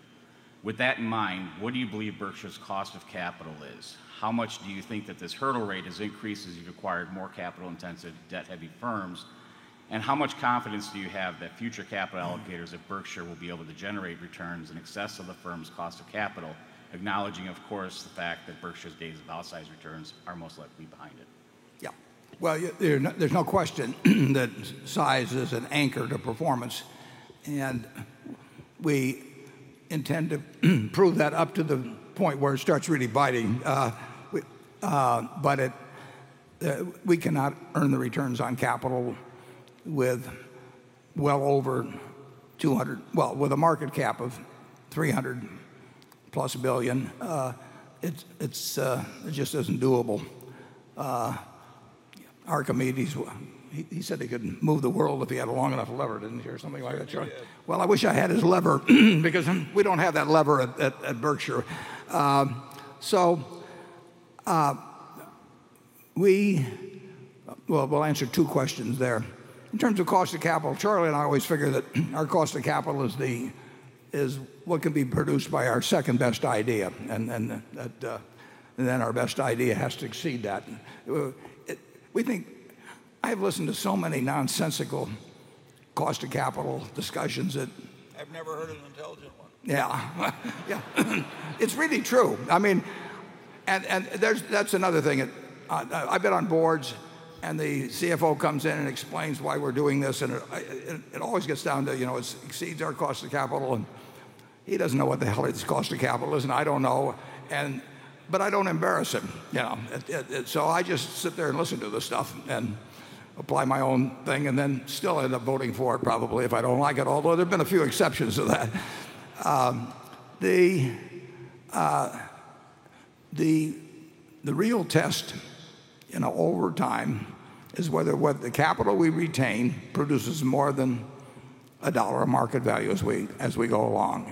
With that in mind, what do you believe Berkshire's cost of capital is? How much do you think that this hurdle rate has increased as you've acquired more capital-intensive, debt-heavy firms? How much confidence do you have that future capital allocators at Berkshire will be able to generate returns in excess of the firm's cost of capital, acknowledging, of course, the fact that Berkshire's days of outsized returns are most likely behind it? Yeah. Well, there's no question that size is an anchor to performance, and we intend to prove that up to the point where it starts really biting. We cannot earn the returns on capital with a market cap of $300-plus billion. It just isn't doable. Archimedes, he said he could move the world if he had a long enough lever, didn't he, or something like that, Charlie? He did. Well, I wish I had his lever because we don't have that lever at Berkshire. Well, we'll answer two questions there. In terms of cost of capital, Charlie and I always figure that our cost of capital is what can be produced by our second-best idea, then our best idea has to exceed that. I've listened to so many nonsensical cost of capital discussions that I've never heard an intelligent one. Yeah. It's really true. That's another thing. I've been on boards, the CFO comes in and explains why we're doing this, it always gets down to it exceeds our cost of capital, he doesn't know what the hell his cost of capital is, I don't know. I don't embarrass him. I just sit there and listen to the stuff and apply my own thing and then still end up voting for it probably if I don't like it, although there have been a few exceptions to that. The real test over time is whether the capital we retain produces more than a dollar of market value as we go along.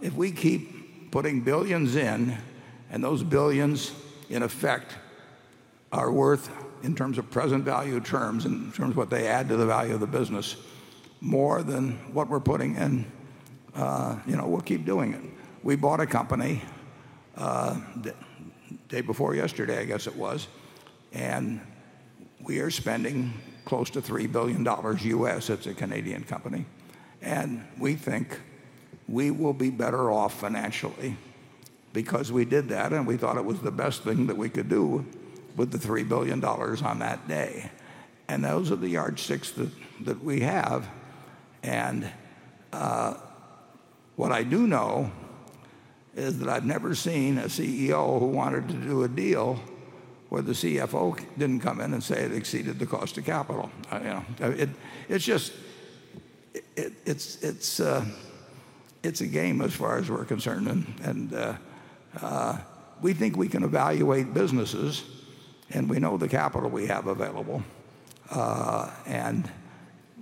If we keep putting billions in and those billions in effect are worth in terms of present value terms, in terms of what they add to the value of the business, more than what we're putting in, we'll keep doing it. We bought a company the day before yesterday, I guess it was, and we are spending close to $3 billion U.S. It's a Canadian company. We think we will be better off financially because we did that, and we thought it was the best thing that we could do with the $3 billion on that day. Those are the yardsticks that we have. What I do know is that I've never seen a CEO who wanted to do a deal where the CFO didn't come in and say it exceeded the cost of capital. It's a game as far as we're concerned, and we think we can evaluate businesses, and we know the capital we have available.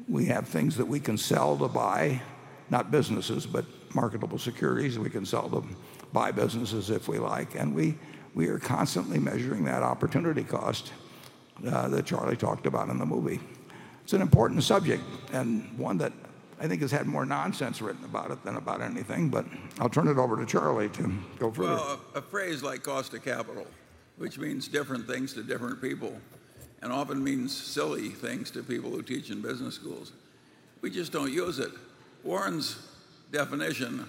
We have things that we can sell to buy, not businesses, but marketable securities. We can sell them, buy businesses if we like. We are constantly measuring that opportunity cost that Charlie talked about in the movie. It's an important subject, and one that I think has had more nonsense written about it than about anything. I'll turn it over to Charlie to go further. Well, a phrase like cost of capital, which means different things to different people, and often means silly things to people who teach in business schools. We just don't use it. Warren's definition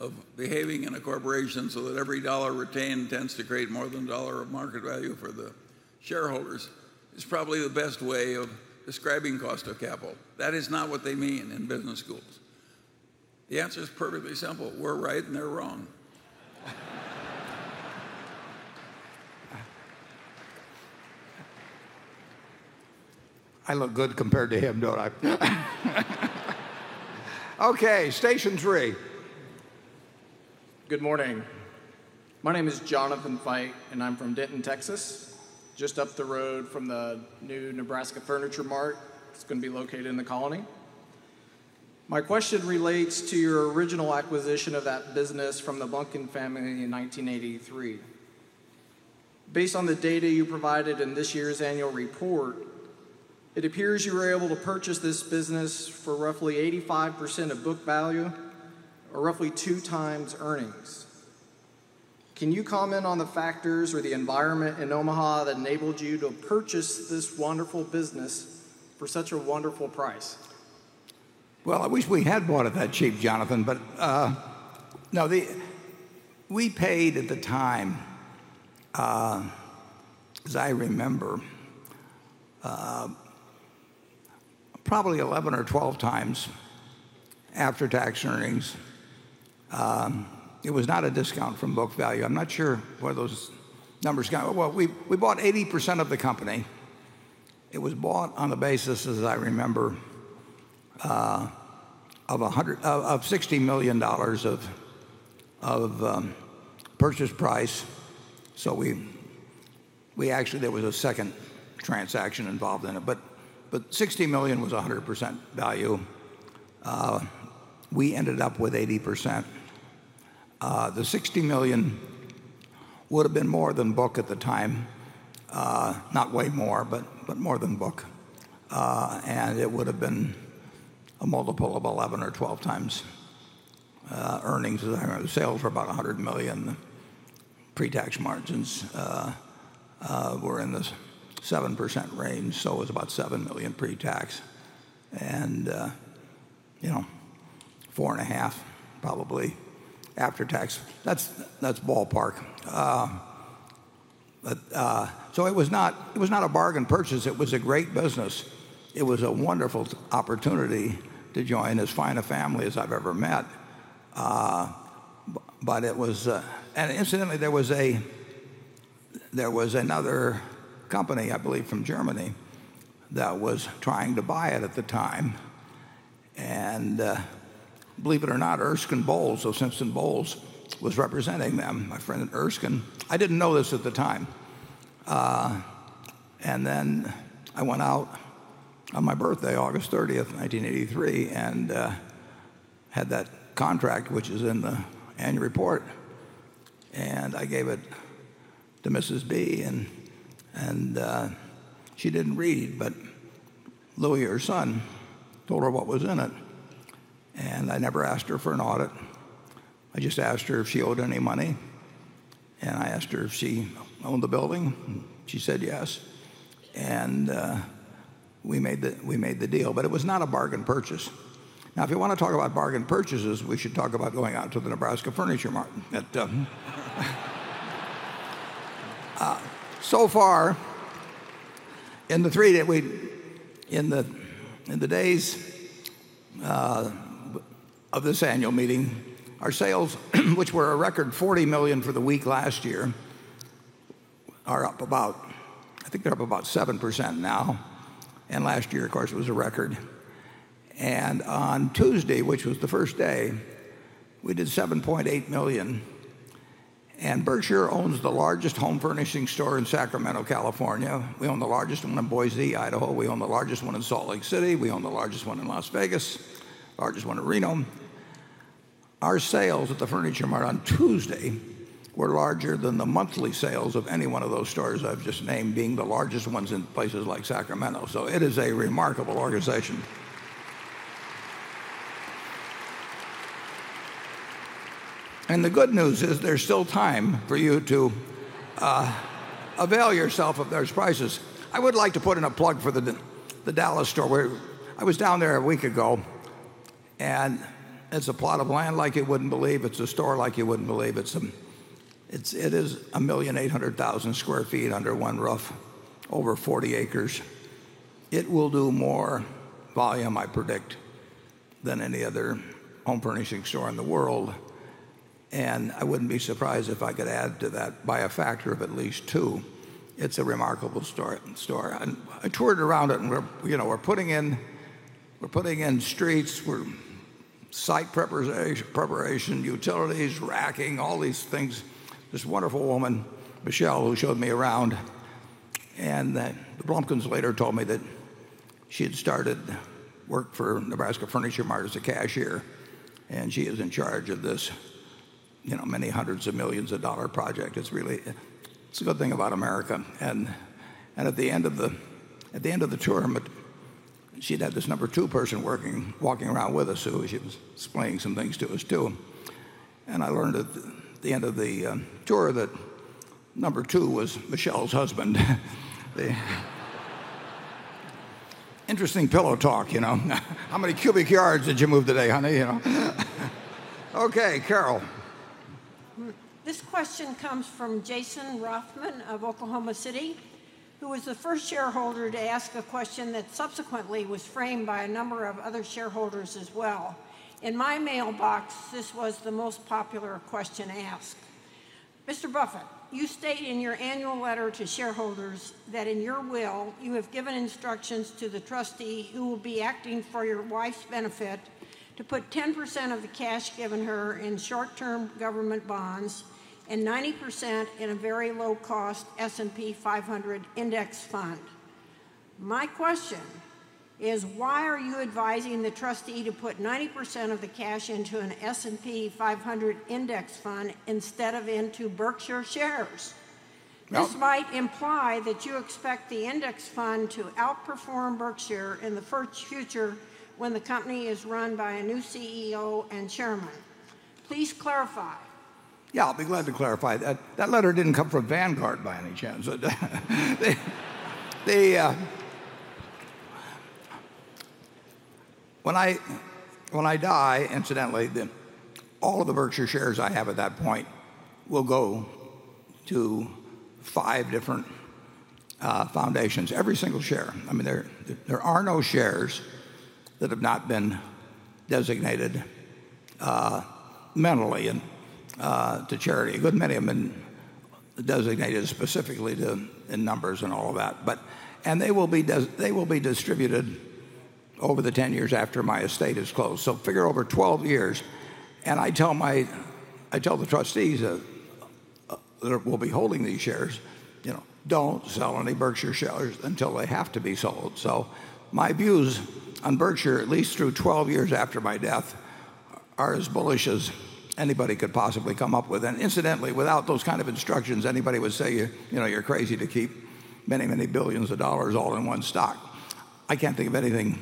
of behaving in a corporation so that every dollar retained tends to create more than a dollar of market value for the shareholders is probably the best way of describing cost of capital. That is not what they mean in business schools. The answer's perfectly simple. We're right, and they're wrong. I look good compared to him, don't I? Okay, station 3. Good morning. My name is Jonathan Fite, and I'm from Denton, Texas, just up the road from the new Nebraska Furniture Mart. It's going to be located in The Colony. My question relates to your original acquisition of that business from the Blumkin family in 1983. Based on the data you provided in this year's annual report, it appears you were able to purchase this business for roughly 85% of book value or roughly two times earnings. Can you comment on the factors or the environment in Omaha that enabled you to purchase this wonderful business for such a wonderful price? Well, I wish we had bought it that cheap, Jonathan. We paid at the time, as I remember, probably 11 or 12 times after-tax earnings. It was not a discount from book value. I'm not sure where those numbers got. Well, we bought 80% of the company. It was bought on the basis, as I remember, of $60 million of purchase price. Actually, there was a second transaction involved in it. $60 million was 100% value. We ended up with 80%. The $60 million would have been more than book at the time, not way more, but more than book. It would have been a multiple of 11 or 12 times earnings. Sales were about $100 million. Pre-tax margins were in the 7% range, so it was about $7 million pre-tax, and four and a half probably after tax. That's ballpark. It was not a bargain purchase. It was a great business. It was a wonderful opportunity to join as fine a family as I've ever met. Incidentally, there was another company, I believe from Germany, that was trying to buy it at the time. Believe it or not, Erskine Bowles of Simpson-Bowles was representing them, my friend Erskine. I didn't know this at the time. Then I went out on my birthday, August 30th, 1983, and had that contract, which is in the annual report, and I gave it to Mrs. B. She didn't read, but Louie, her son, told her what was in it, and I never asked her for an audit. I just asked her if she owed any money, and I asked her if she owned the building. She said yes. We made the deal, but it was not a bargain purchase. Now, if you want to talk about bargain purchases, we should talk about going out to the Nebraska Furniture Mart. So far in the days of this annual meeting, our sales, which were a record $40 million for the week last year, I think they're up about 7% now, and last year, of course, was a record. On Tuesday, which was the first day, we did $7.8 million. Berkshire owns the largest home furnishing store in Sacramento, California. We own the largest one in Boise, Idaho. We own the largest one in Salt Lake City. We own the largest one in Las Vegas, largest one in Reno. Our sales at the Furniture Mart on Tuesday were larger than the monthly sales of any one of those stores I've just named being the largest ones in places like Sacramento. It is a remarkable organization. The good news is there's still time for you to avail yourself of those prices. I would like to put in a plug for the Dallas store. I was down there a week ago, and it's a plot of land like you wouldn't believe. It's a store like you wouldn't believe. It is 1,800,000 sq ft under one roof, over 40 acres. It will do more volume, I predict, than any other home furnishing store in the world. I wouldn't be surprised if I could add to that by a factor of at least two. It's a remarkable store. I toured around it, and we're putting in streets, we're site preparation, utilities, racking, all these things. This wonderful woman, Michelle, who showed me around, and the Blumkins later told me that she had started work for Nebraska Furniture Mart as a cashier, and she is in charge of this many hundreds of millions of dollar project. It's a good thing about America. At the end of the tour, she'd had this number 2 person walking around with us, who she was explaining some things to us, too. I learned at the end of the tour that number 2 was Michelle's husband. Interesting pillow talk. "How many cubic yards did you move today, honey?" Okay, Carol. This question comes from Jason Rothman of Oklahoma City, who was the first shareholder to ask a question that subsequently was framed by a number of other shareholders as well. In my mailbox, this was the most popular question asked. Mr. Buffett, you state in your annual letter to shareholders that in your will you have given instructions to the trustee, who will be acting for your wife's benefit, to put 10% of the cash given her in short-term government bonds and 90% in a very low-cost S&P 500 index fund. My question is why are you advising the trustee to put 90% of the cash into an S&P 500 index fund instead of into Berkshire shares? No. This might imply that you expect the index fund to outperform Berkshire in the future when the company is run by a new CEO and Chairman. Please clarify. I'll be glad to clarify. That letter didn't come from Vanguard by any chance, did it? When I die, incidentally, all of the Berkshire shares I have at that point will go to five different foundations. Every single share. There are no shares that have not been designated mentally to charity. A good many have been designated specifically in numbers and all of that. They will be distributed over the 10 years after my estate is closed, so figure over 12 years. I tell the trustees that will be holding these shares, "Don't sell any Berkshire shares until they have to be sold." My views on Berkshire, at least through 12 years after my death, are as bullish as anybody could possibly come up with. Incidentally, without those kind of instructions, anybody would say, "You're crazy to keep many, many billions of dollars all in one stock." I can't think of anything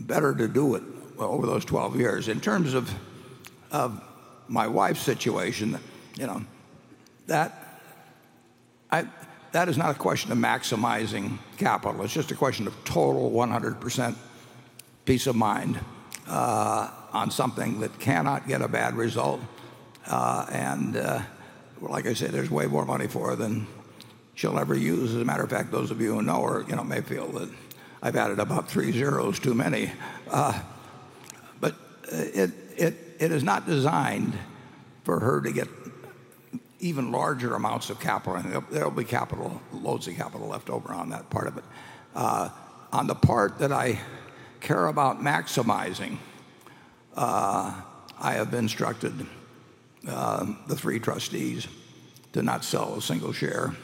better to do it over those 12 years. In terms of my wife's situation, that is not a question of maximizing capital. It's just a question of total 100% peace of mind on something that cannot get a bad result. Like I said, there's way more money for her than she'll ever use. As a matter of fact, those of you who know her may feel that I've added about three zeros too many. It is not designed for her to get even larger amounts of capital, and there'll be loads of capital left over on that part of it. On the part that I care about maximizing, I have instructed the three trustees to not sell a single share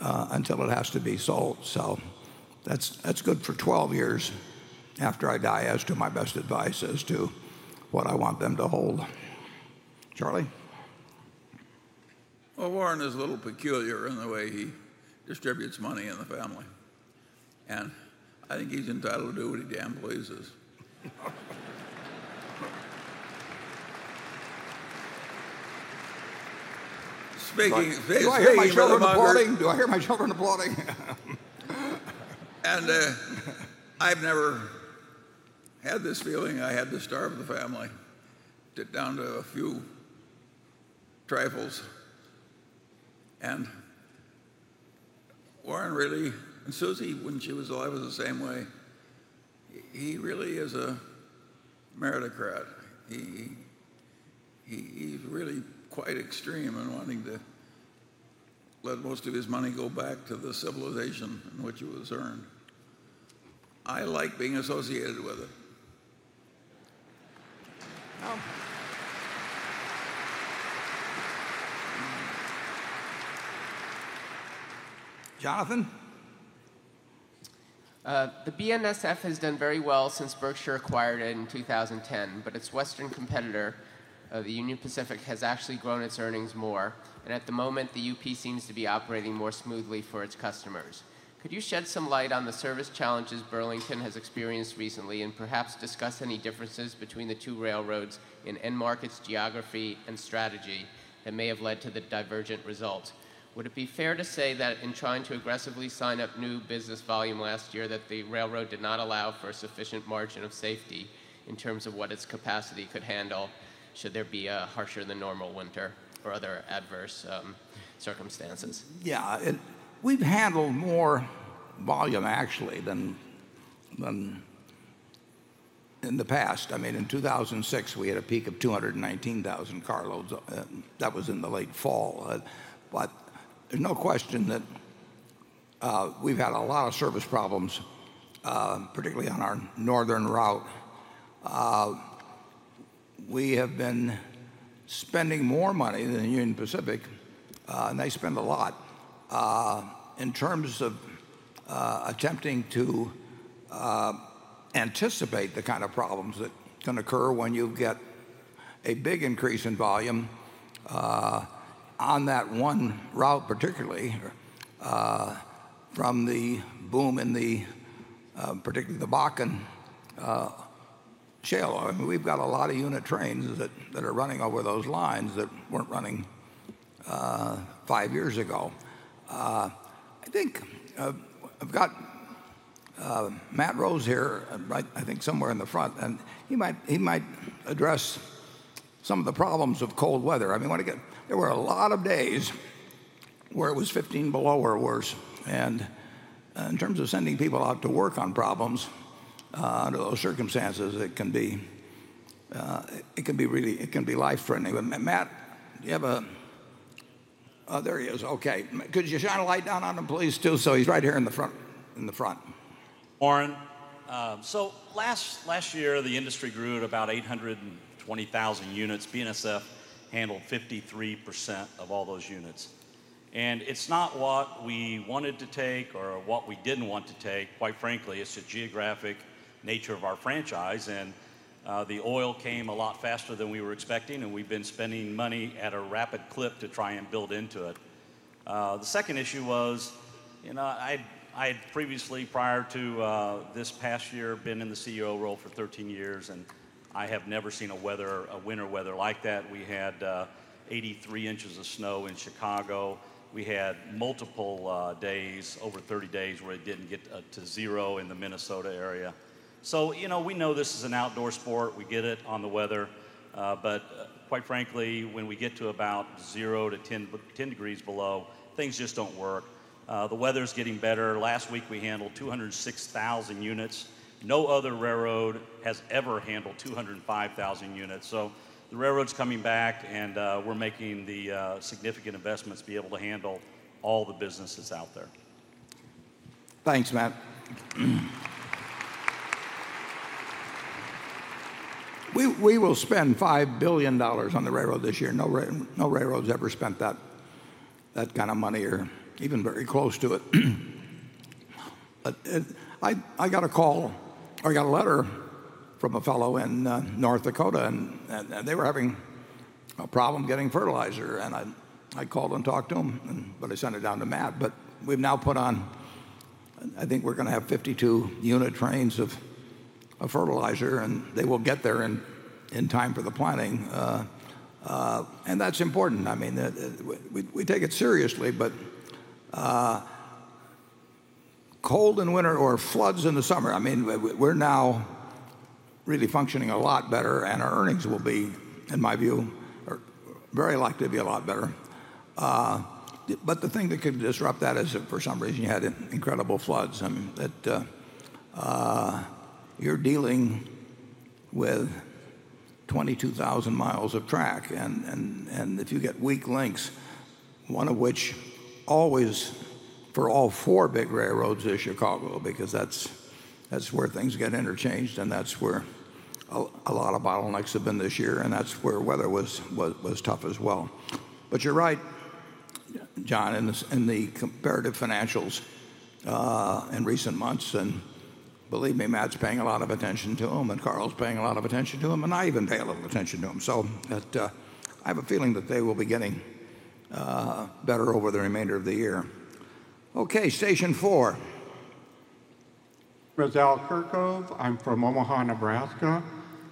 until it has to be sold. That's good for 12 years after I die as to my best advice as to what I want them to hold. Charlie? Well, Warren is a little peculiar in the way he distributes money in the family, and I think he's entitled to do what he damn pleases. Speaking- Do I hear my children applauding? I've never had this feeling I had to starve the family down to a few trifles. Warren really, and Susie, when she was alive, was the same way. He really is a meritocrat. He's really quite extreme in wanting to let most of his money go back to the civilization in which it was earned. I like being associated with it. Oh. Jonathan? The BNSF has done very well since Berkshire acquired it in 2010, but its western competitor, the Union Pacific, has actually grown its earnings more. At the moment, the UP seems to be operating more smoothly for its customers. Could you shed some light on the service challenges Burlington has experienced recently and perhaps discuss any differences between the two railroads in end markets, geography, and strategy that may have led to the divergent result? Would it be fair to say that in trying to aggressively sign up new business volume last year, that the railroad did not allow for a sufficient margin of safety in terms of what its capacity could handle should there be a harsher than normal winter or other adverse circumstances? Yeah. We've handled more volume actually than in the past, in 2006, we had a peak of 219,000 car loads. That was in the late fall. There's no question that we've had a lot of service problems, particularly on our northern route. We have been spending more money than Union Pacific, and they spend a lot, in terms of attempting to anticipate the kind of problems that can occur when you get a big increase in volume on that one route, particularly from the boom in the Bakken Shale. We've got a lot of unit trains that are running over those lines that weren't running five years ago. I've got Matt Rose here, I think somewhere in the front, and he might address some of the problems of cold weather. There were a lot of days where it was 15 below or worse, and in terms of sending people out to work on problems under those circumstances, it can be life-threatening. Matt, do you have a Oh, there he is. Okay. Could you shine a light down on him please too? He's right here in the front. Warren, last year, the industry grew at about 820,000 units. BNSF handled 53% of all those units. It's not what we wanted to take or what we didn't want to take. Quite frankly, it's the geographic nature of our franchise, and the oil came a lot faster than we were expecting, and we've been spending money at a rapid clip to try and build into it. The second issue was, I had previously, prior to this past year, been in the CEO role for 13 years, and I have never seen a winter weather like that. We had 83 inches of snow in Chicago. We had multiple days, over 30 days, where it didn't get to zero in the Minnesota area. We know this is an outdoor sport. We get it on the weather. Quite frankly, when we get to about zero to 10 degrees below, things just don't work. The weather's getting better. Last week, we handled 206,000 units. No other railroad has ever handled 205,000 units. The railroad's coming back, and we're making the significant investments to be able to handle all the businesses out there. Thanks, Matt. We will spend $5 billion on the railroad this year. No railroad's ever spent that kind of money or even very close to it. I got a letter from a fellow in North Dakota, and they were having a problem getting fertilizer, and I called and talked to him, but I sent it down to Matt. We've now put on, I think we're going to have 52 unit trains of fertilizer, and they will get there in time for the planting. That's important. We take it seriously, but cold in winter or floods in the summer, we're now really functioning a lot better, and our earnings will be, in my view, very likely to be a lot better. The thing that could disrupt that is if for some reason you had incredible floods. You're dealing with 22,000 miles of track, and if you get weak links, one of which always for all four big railroads is Chicago, because that's where things get interchanged, and that's where a lot of bottlenecks have been this year, and that's where weather was tough as well. You're right, John, in the comparative financials in recent months. Believe me, Matt's paying a lot of attention to them, and Carl's paying a lot of attention to them, and I even pay a little attention to them. I have a feeling that they will be getting better over the remainder of the year. Okay, station four. Raziel Kerkov. I'm from Omaha, Nebraska.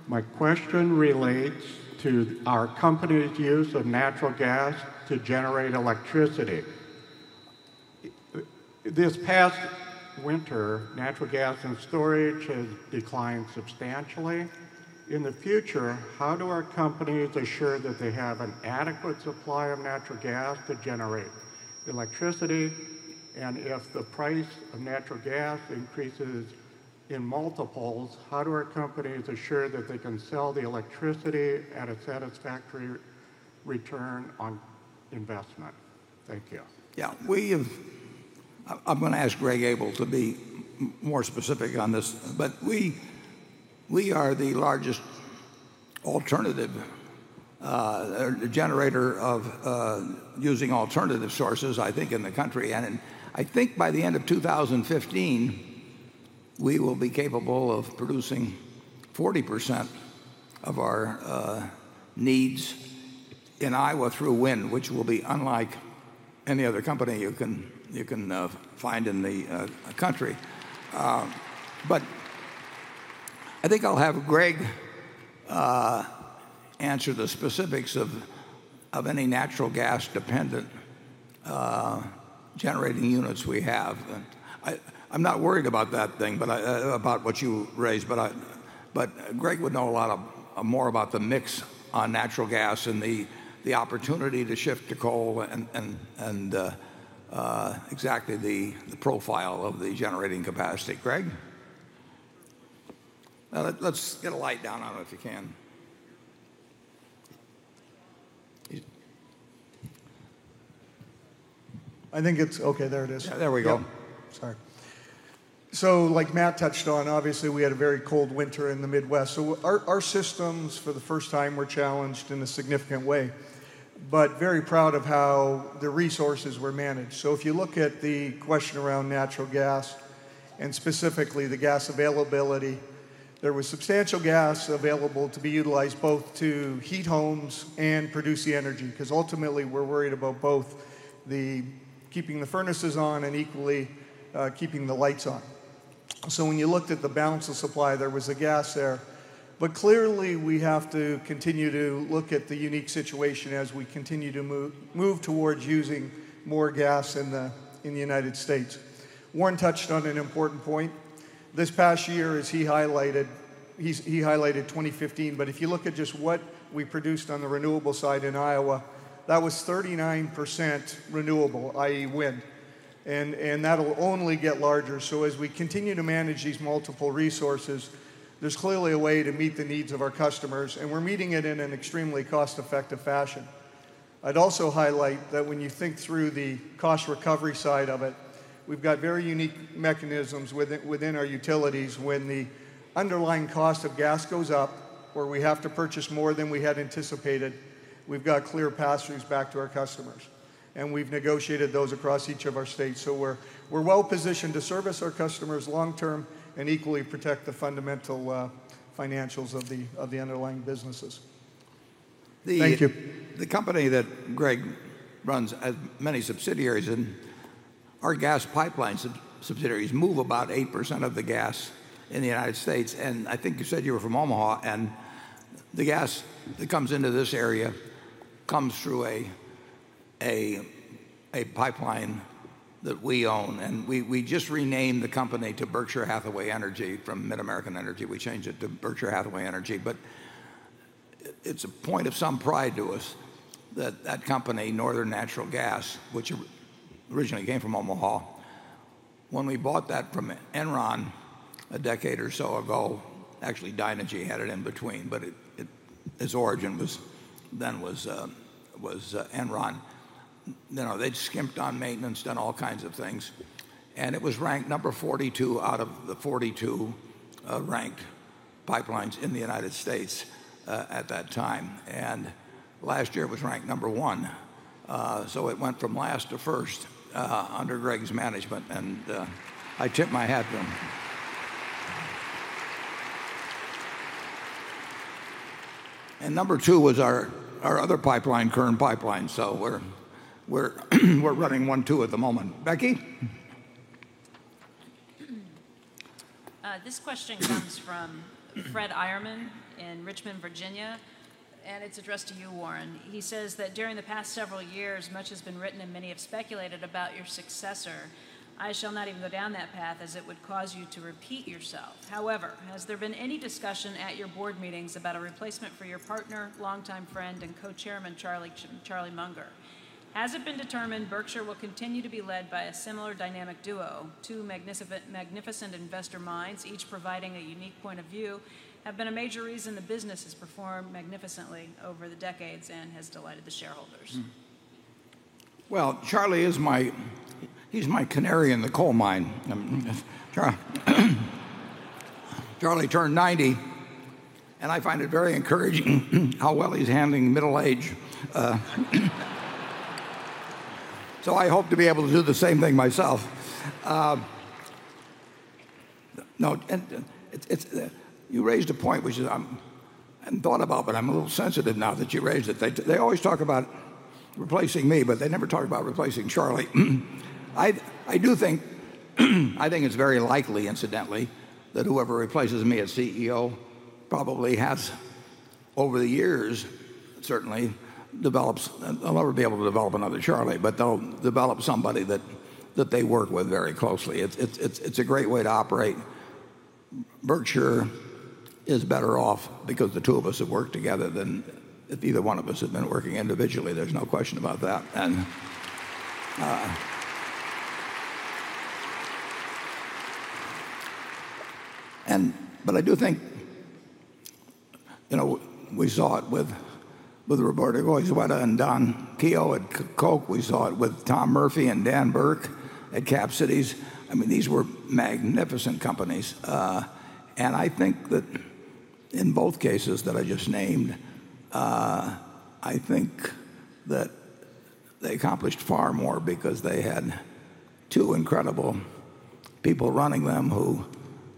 My question relates to our company's use of natural gas to generate electricity. This past winter, natural gas and storage has declined substantially. In the future, how do our companies assure that they have an adequate supply of natural gas to generate electricity? If the price of natural gas increases in multiples, how do our companies assure that they can sell the electricity at a satisfactory return on investment? Thank you. Yeah. I'm going to ask Greg Abel to be more specific on this. We are the largest generator using alternative sources, I think, in the country. I think by the end of 2015, we will be capable of producing 40% of our needs in Iowa through wind, which will be unlike any other company you can find in the country. I think I'll have Greg answer the specifics of any natural gas-dependent generating units we have. I'm not worried about that thing, about what you raised, but Greg would know a lot more about the mix on natural gas and the opportunity to shift to coal and Exactly the profile of the generating capacity. Greg? Let's get a light down on it if you can. I think it's Okay, there it is. Yeah, there we go. Yeah. Sorry. Like Matt touched on, obviously, we had a very cold winter in the Midwest. Our systems, for the first time, were challenged in a significant way, but very proud of how the resources were managed. If you look at the question around natural gas and specifically the gas availability, there was substantial gas available to be utilized both to heat homes and produce the energy because ultimately we're worried about both the keeping the furnaces on and equally keeping the lights on. When you looked at the balance of supply, there was the gas there. Clearly, we have to continue to look at the unique situation as we continue to move towards using more gas in the U.S. Warren touched on an important point. This past year, as he highlighted 2015, if you look at just what we produced on the renewable side in Iowa, that was 39% renewable, i.e., wind, and that'll only get larger. As we continue to manage these multiple resources, there's clearly a way to meet the needs of our customers, and we're meeting it in an extremely cost-effective fashion. I'd also highlight that when you think through the cost recovery side of it, we've got very unique mechanisms within our utilities. When the underlying cost of gas goes up, where we have to purchase more than we had anticipated, we've got clear pass-throughs back to our customers, and we've negotiated those across each of our states. We're well positioned to service our customers long term and equally protect the fundamental financials of the underlying businesses. Thank you. The company that Greg runs has many subsidiaries in. Our gas pipeline subsidiaries move about 8% of the gas in the U.S., I think you said you were from Omaha. The gas that comes into this area comes through a pipeline that we own, and we just renamed the company to Berkshire Hathaway Energy from MidAmerican Energy. We changed it to Berkshire Hathaway Energy. It's a point of some pride to us that that company, Northern Natural Gas, which originally came from Omaha, when we bought that from Enron a decade or so ago, actually Dynegy had it in between, its origin then was Enron. They'd skimped on maintenance, done all kinds of things, and it was ranked number 42 out of the 42 ranked pipelines in the U.S. at that time. Last year it was ranked number 1. It went from last to first under Greg's management, and I tip my hat to him. Number 2 was our other pipeline, Kern Pipeline. We're running 1, 2 at the moment. Becky? This question comes from Fred Ironmen in Richmond, Virginia, and it's addressed to you, Warren. He says that during the past several years, much has been written and many have speculated about your successor. I shall not even go down that path as it would cause you to repeat yourself. However, has there been any discussion at your board meetings about a replacement for your partner, longtime friend, and co-chairman Charlie Munger? Has it been determined Berkshire will continue to be led by a similar dynamic duo? Two magnificent investor minds, each providing a unique point of view, have been a major reason the business has performed magnificently over the decades and has delighted the shareholders. Well, Charlie, he's my canary in the coal mine. Charlie turned 90, and I find it very encouraging how well he's handling middle age. I hope to be able to do the same thing myself. You raised a point which I hadn't thought about, I'm a little sensitive now that you raised it. They always talk about replacing me, but they never talk about replacing Charlie. I think it's very likely, incidentally, that whoever replaces me as CEO probably has over the years certainly, they'll never be able to develop another Charlie, but they'll develop somebody that they work with very closely. It's a great way to operate. Berkshire is better off because the two of us have worked together than if either one of us had been working individually. There's no question about that. I do think we saw it with Roberto Goizueta and Don Keough at Coke. We saw it with Tom Murphy and Dan Burke at Capital Cities. These were magnificent companies. I think that in both cases that I just named, I think that they accomplished far more because they had two incredible people running them who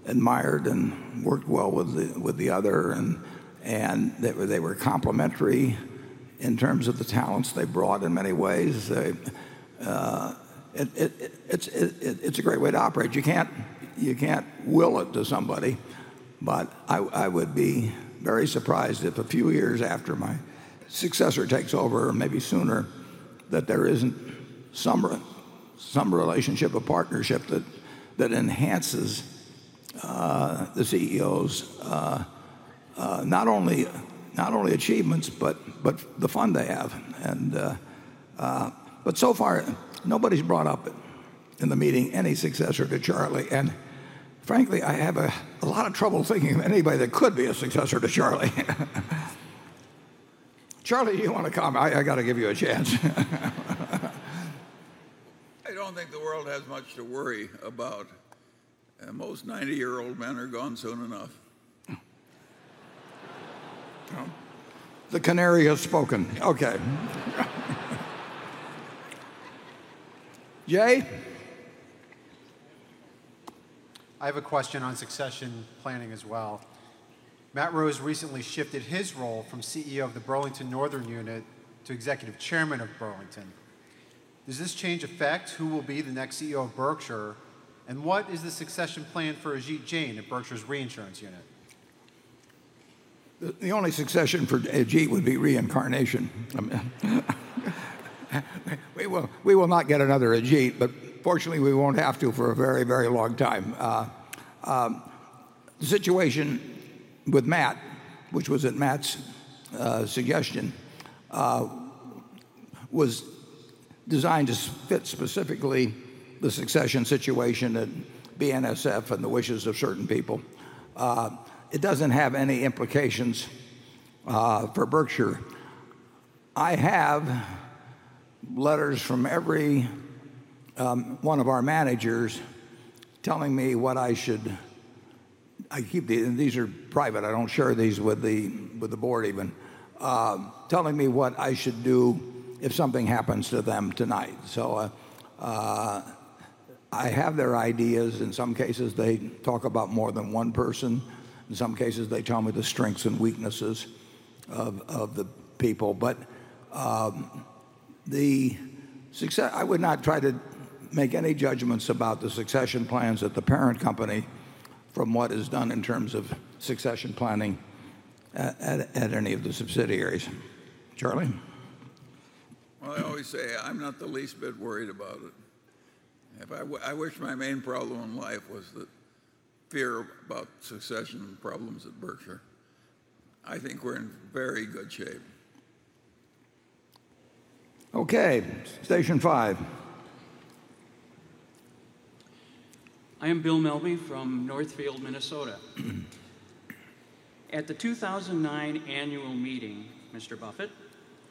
admired and worked well with the other, and they were complementary in terms of the talents they brought in many ways. It's a great way to operate. You can't will it to somebody, but I would be very surprised if a few years after my successor takes over, or maybe sooner, that there isn't some relationship or partnership that enhances the CEOs, not only achievements, but the fun they have. So far, nobody's brought up in the meeting any successor to Charlie, and frankly, I have a lot of trouble thinking of anybody that could be a successor to Charlie. Charlie, do you want to comment? I got to give you a chance. I don't think the world has much to worry about. Most 90-year-old men are gone soon enough. The canary has spoken. Okay. Jay? I have a question on succession planning as well. Matt Rose recently shifted his role from CEO of the Burlington Northern unit to Executive Chairman of Burlington. Does this change affect who will be the next CEO of Berkshire, and what is the succession plan for Ajit Jain at Berkshire's reinsurance unit? The only succession for Ajit would be reincarnation. We will not get another Ajit, but fortunately, we won't have to for a very long time. The situation with Matt, which was at Matt's suggestion, was designed to fit specifically the succession situation at BNSF and the wishes of certain people. It doesn't have any implications for Berkshire. I have letters from every one of our managers I keep these, and these are private, I don't share these with the board even, telling me what I should do if something happens to them tonight. I have their ideas. In some cases, they talk about more than one person. In some cases, they tell me the strengths and weaknesses of the people. I would not try to make any judgments about the succession plans at the parent company from what is done in terms of succession planning at any of the subsidiaries. Charlie? I always say I'm not the least bit worried about it. I wish my main problem in life was the fear about succession problems at Berkshire. I think we're in very good shape. Station 5. I am Bill Melby from Northfield, Minnesota. At the 2009 annual meeting, Mr. Buffett,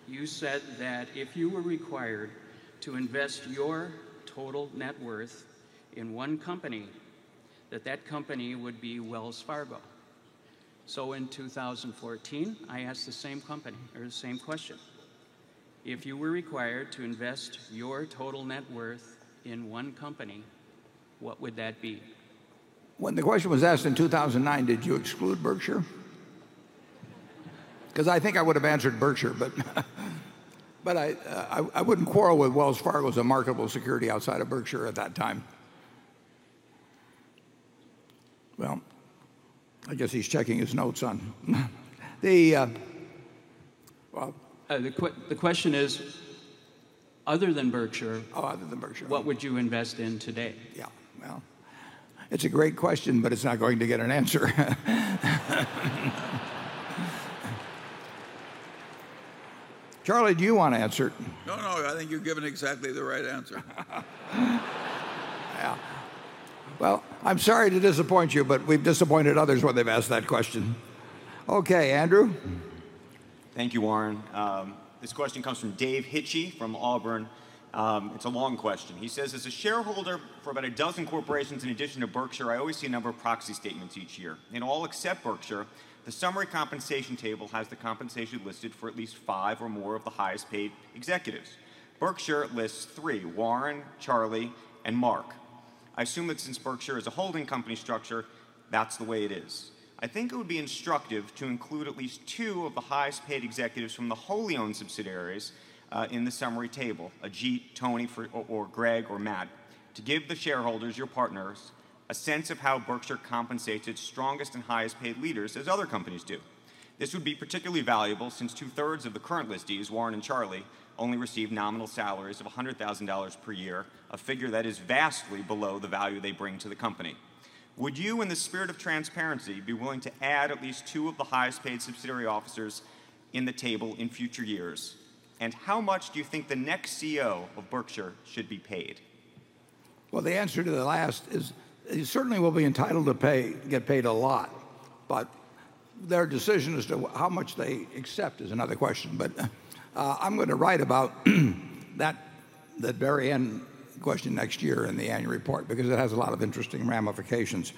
you said that if you were required to invest your total net worth in one company, that that company would be Wells Fargo. In 2014, I ask the same question. If you were required to invest your total net worth in one company, what would that be? When the question was asked in 2009, did you exclude Berkshire? Because I think I would've answered Berkshire, but I wouldn't quarrel with Wells Fargo as a marketable security outside of Berkshire at that time. Well, I guess he's checking his notes on. The question is, other than Berkshire- Oh, other than Berkshire. What would you invest in today? Yeah. Well, it's a great question, but it's not going to get an answer. Charlie, do you want to answer it? No, no. I think you've given exactly the right answer. Yeah. Well, I'm sorry to disappoint you, but we've disappointed others when they've asked that question. Okay, Andrew. Thank you, Warren. This question comes from Dave Hitchy from Auburn. It's a long question. He says, "As a shareholder for about a dozen corporations in addition to Berkshire, I always see a number of proxy statements each year. In all except Berkshire, the summary compensation table has the compensation listed for at least five or more of the highest-paid executives. Berkshire lists three, Warren, Charlie, and Mark. I assume that since Berkshire is a holding company structure, that's the way it is. I think it would be instructive to include at least two of the highest-paid executives from the wholly owned subsidiaries in the summary table, Ajit, Tony, or Greg, or Matt, to give the shareholders, your partners, a sense of how Berkshire compensates its strongest and highest-paid leaders as other companies do. This would be particularly valuable since two-thirds of the current listees, Warren and Charlie, only receive nominal salaries of $100,000 per year, a figure that is vastly below the value they bring to the company. Would you, in the spirit of transparency, be willing to add at least two of the highest-paid subsidiary officers in the table in future years? How much do you think the next CEO of Berkshire should be paid? Well, the answer to the last is he certainly will be entitled to get paid a lot, their decision as to how much they accept is another question. I'm going to write about that very end question next year in the annual report because it has a lot of interesting ramifications.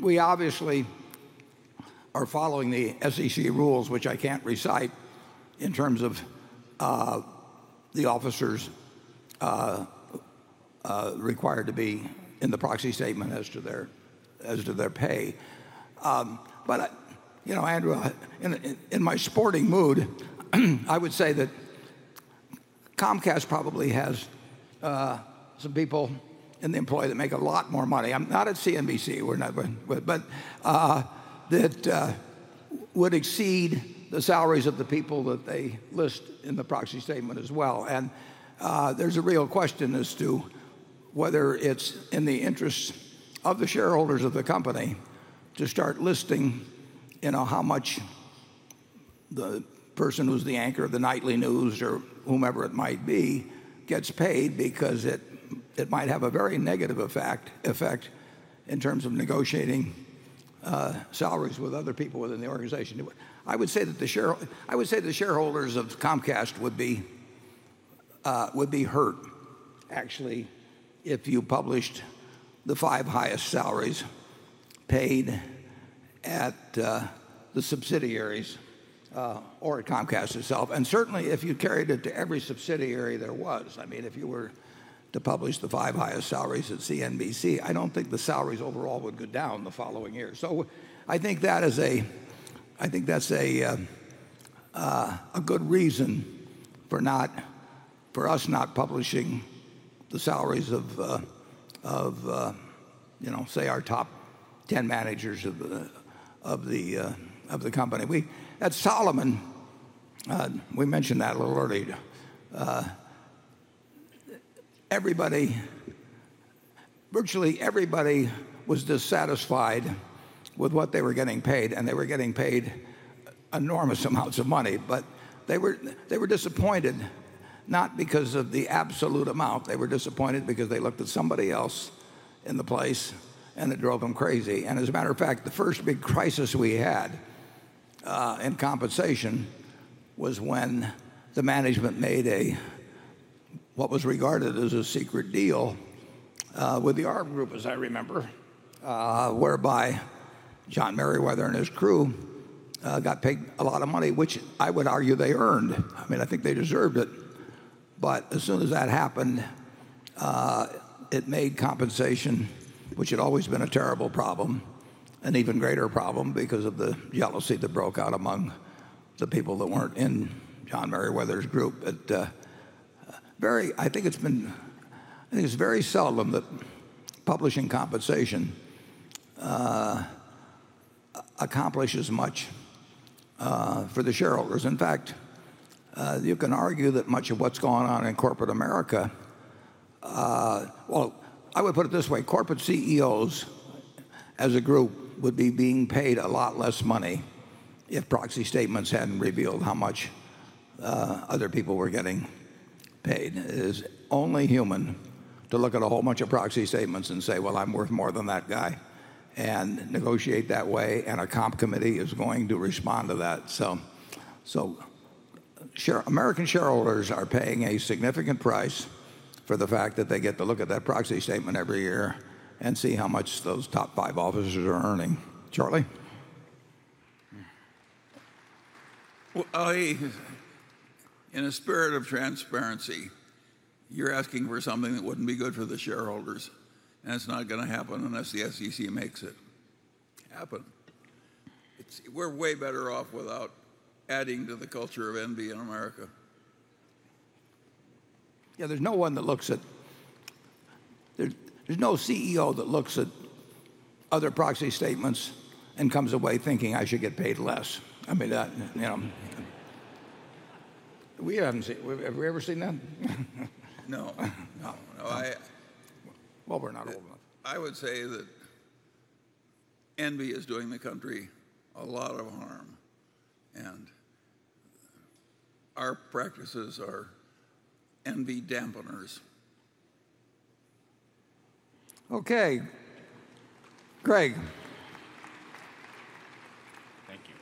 We obviously are following the SEC rules, which I can't recite in terms of the officers required to be in the proxy statement as to their pay. Andrew, in my sporting mood, I would say that Comcast probably has some people in the employ that make a lot more money. Not at CNBC, but that would exceed the salaries of the people that they list in the proxy statement as well. There's a real question as to whether it's in the interest of the shareholders of the company to start listing how much the person who's the anchor of the nightly news or whomever it might be gets paid, because it might have a very negative effect in terms of negotiating salaries with other people within the organization. I would say the shareholders of Comcast would be hurt, actually, if you published the five highest salaries paid at the subsidiaries or at Comcast itself. Certainly, if you carried it to every subsidiary there was, if you were to publish the five highest salaries at CNBC, I don't think the salaries overall would go down the following year. I think that's a good reason for us not publishing the salaries of, say, our top 10 managers of the company. At Salomon, we mentioned that a little earlier, virtually everybody was dissatisfied with what they were getting paid, and they were getting paid enormous amounts of money. They were disappointed, not because of the absolute amount. They were disappointed because they looked at somebody else in the place, and it drove them crazy. As a matter of fact, the first big crisis we had in compensation was when the management made what was regarded as a secret deal with the arb group, as I remember, whereby John Meriwether and his crew got paid a lot of money, which I would argue they earned. I think they deserved it. As soon as that happened, it made compensation, which had always been a terrible problem, an even greater problem because of the jealousy that broke out among the people that weren't in John Meriwether's group. I think it's very seldom that publishing compensation accomplishes much for the shareholders. In fact, you can argue that much of what's gone on in corporate America. I would put it this way. Corporate CEOs, as a group, would be being paid a lot less money if proxy statements hadn't revealed how much other people were getting paid. It is only human to look at a whole bunch of proxy statements and say, "Well, I'm worth more than that guy," and negotiate that way, and a comp committee is going to respond to that. American shareholders are paying a significant price for the fact that they get to look at that proxy statement every year and see how much those top five officers are earning. Charlie? In a spirit of transparency, you're asking for something that wouldn't be good for the shareholders, and it's not going to happen unless the SEC makes it happen. We're way better off without adding to the culture of envy in America. There's no CEO that looks at other proxy statements and comes away thinking, "I should get paid less." Have we ever seen that? No. We're not old enough. I would say that envy is doing the country a lot of harm, and our practices are envy dampeners. Okay. Greg. Thank you.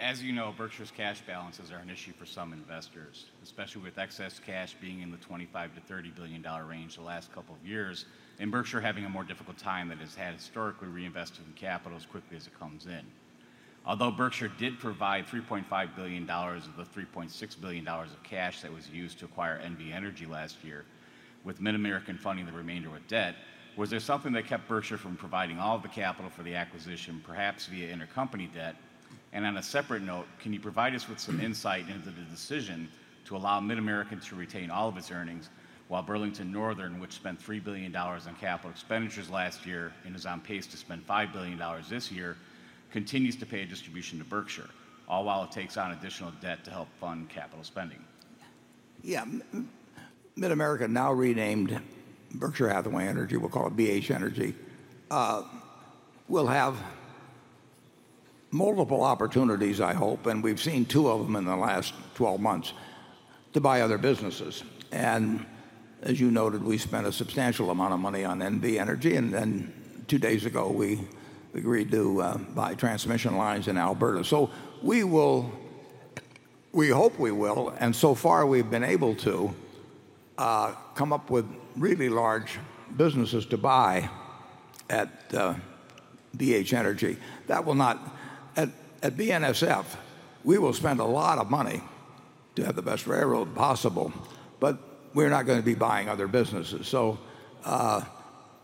As you know, Berkshire's cash balances are an issue for some investors, especially with excess cash being in the $25 billion-$30 billion range the last couple of years, and Berkshire having a more difficult time than it has had historically reinvesting capital as quickly as it comes in. Although Berkshire did provide $3.5 billion of the $3.6 billion of cash that was used to acquire NV Energy last year, with MidAmerican funding the remainder with debt, was there something that kept Berkshire from providing all the capital for the acquisition, perhaps via intercompany debt? On a separate note, can you provide us with some insight into the decision to allow MidAmerican to retain all of its earnings while Burlington Northern, which spent $3 billion on capital expenditures last year and is on pace to spend $5 billion this year, continues to pay a distribution to Berkshire, all while it takes on additional debt to help fund capital spending? Yeah. MidAmerican, now renamed Berkshire Hathaway Energy, we'll call it BH Energy, will have multiple opportunities, I hope, and we've seen two of them in the last 12 months, to buy other businesses. As you noted, we spent a substantial amount of money on NV Energy, and then two days ago we agreed to buy transmission lines in Alberta. We hope we will, and so far we've been able to, come up with really large businesses to buy at BH Energy. At BNSF, we will spend a lot of money to have the best railroad possible, but we're not going to be buying other businesses.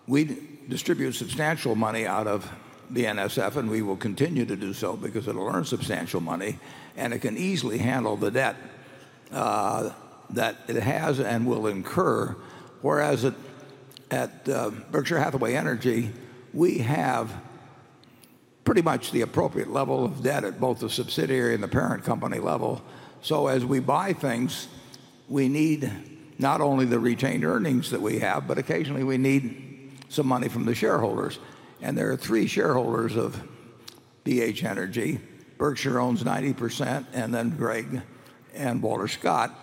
We distribute substantial money out of BNSF, and we will continue to do so because it'll earn substantial money, and it can easily handle the debt. that it has and will incur, whereas at Berkshire Hathaway Energy, we have pretty much the appropriate level of debt at both the subsidiary and the parent company level. As we buy things, we need not only the retained earnings that we have, but occasionally we need some money from the shareholders. There are three shareholders of BH Energy. Berkshire owns 90%, and then Greg and Walter Scott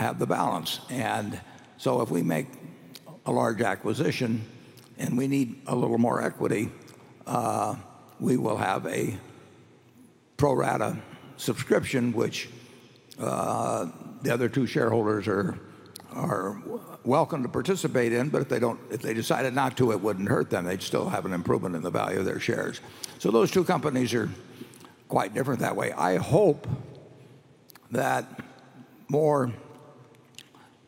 have the balance. If we make a large acquisition, and we need a little more equity, we will have a pro rata subscription, which the other two shareholders are welcome to participate in, but if they decided not to, it wouldn't hurt them. They'd still have an improvement in the value of their shares. Those two companies are quite different that way. I hope that more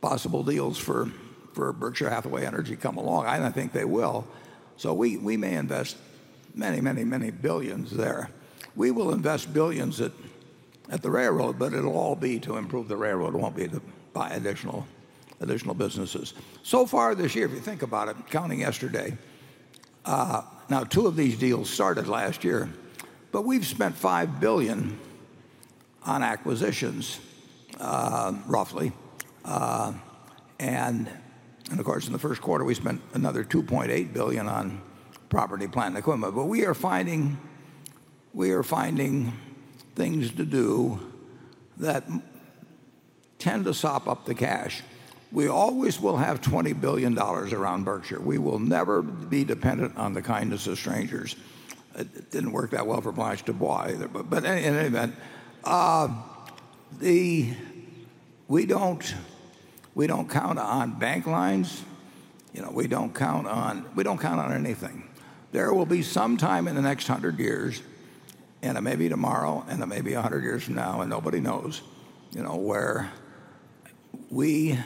possible deals for Berkshire Hathaway Energy come along, and I think they will. We may invest many, many, many billions there. We will invest billions at the railroad, but it'll all be to improve the railroad. It won't be to buy additional businesses. Far this year, if you think about it, counting yesterday, now two of these deals started last year, but we've spent $5 billion on acquisitions, roughly. Of course, in the first quarter, we spent another $2.8 billion on property, plant, and equipment. We are finding things to do that tend to sop up the cash. We always will have $20 billion around Berkshire. We will never be dependent on the kindness of strangers. It didn't work that well for Blanche DuBois either, but in any event. We don't count on bank lines. We don't count on anything. There will be some time in the next 100 years, and it may be tomorrow, and it may be 100 years from now, and nobody knows, where we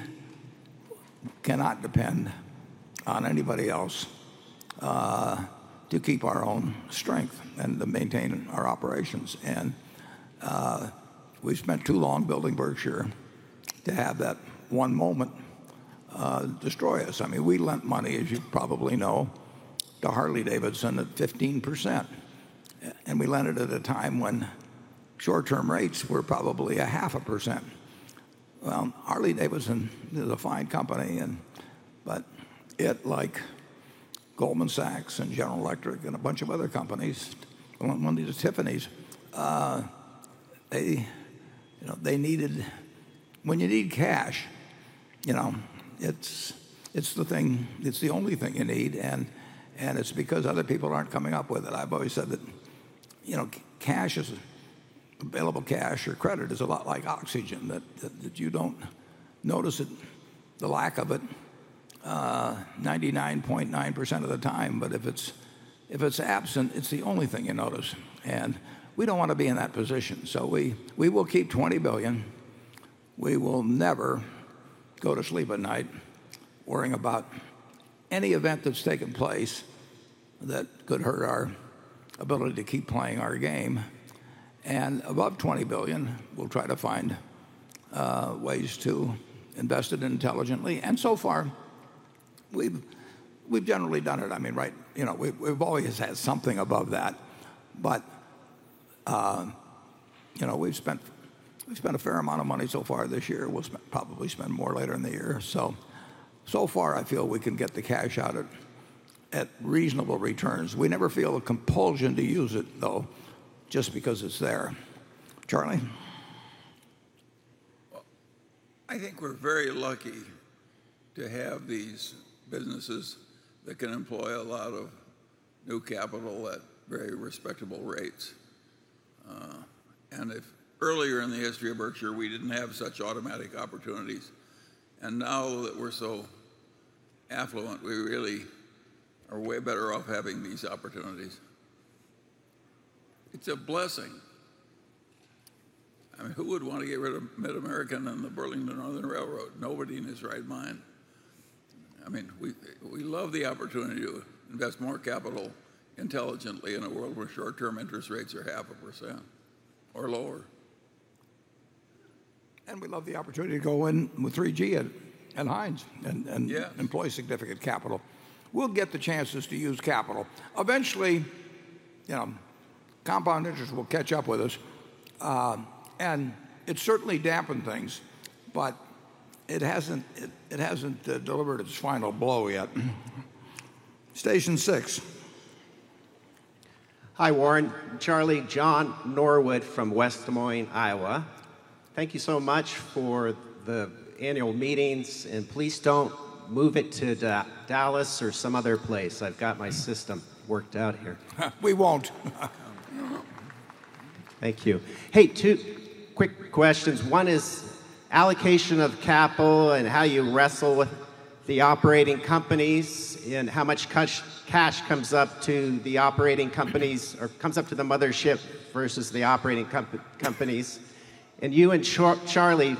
cannot depend on anybody else to keep our own strength and to maintain our operations. We've spent too long building Berkshire to have that one moment destroy us. We lent money, as you probably know, to Harley-Davidson at 15%, and we lent it at a time when short-term rates were probably a half a percent. Well, Harley-Davidson is a fine company, but it, like Goldman Sachs and General Electric and a bunch of other companies, among them Tiffany's, when you need cash, it's the only thing you need, and it's because other people aren't coming up with it. I've always said that available cash or credit is a lot like oxygen, that you don't notice the lack of it 99.9% of the time. If it's absent, it's the only thing you notice, and we don't want to be in that position. We will keep $20 billion. We will never go to sleep at night worrying about any event that's taken place that could hurt our ability to keep playing our game. Above $20 billion, we'll try to find ways to invest it intelligently, and so far we've generally done it. We've always had something above that, but we've spent a fair amount of money so far this year. We'll probably spend more later in the year. So far I feel we can get the cash out at reasonable returns. We never feel a compulsion to use it, though, just because it's there. Charlie? Well, I think we're very lucky to have these businesses that can employ a lot of new capital at very respectable rates. Earlier in the history of Berkshire, we didn't have such automatic opportunities, and now that we're so affluent, we really are way better off having these opportunities. It's a blessing. Who would want to get rid of MidAmerican and the Burlington Northern Railroad? Nobody in his right mind. We love the opportunity to invest more capital intelligently in a world where short-term interest rates are half a percent or lower. We love the opportunity to go in with 3G and Heinz. Yeah We employ significant capital. We'll get the chances to use capital. Eventually, compound interest will catch up with us, and it's certainly dampened things, but it hasn't delivered its final blow yet. Station six. Hi, Warren, Charlie. John Norwood from West Des Moines, Iowa. Thank you so much for the annual meetings, and please don't move it to Dallas or some other place. I've got my system worked out here. We won't. Thank you. Hey, two quick questions. One is allocation of capital and how you wrestle with the operating companies and how much cash comes up to the mothership versus the operating companies. You and Charlie,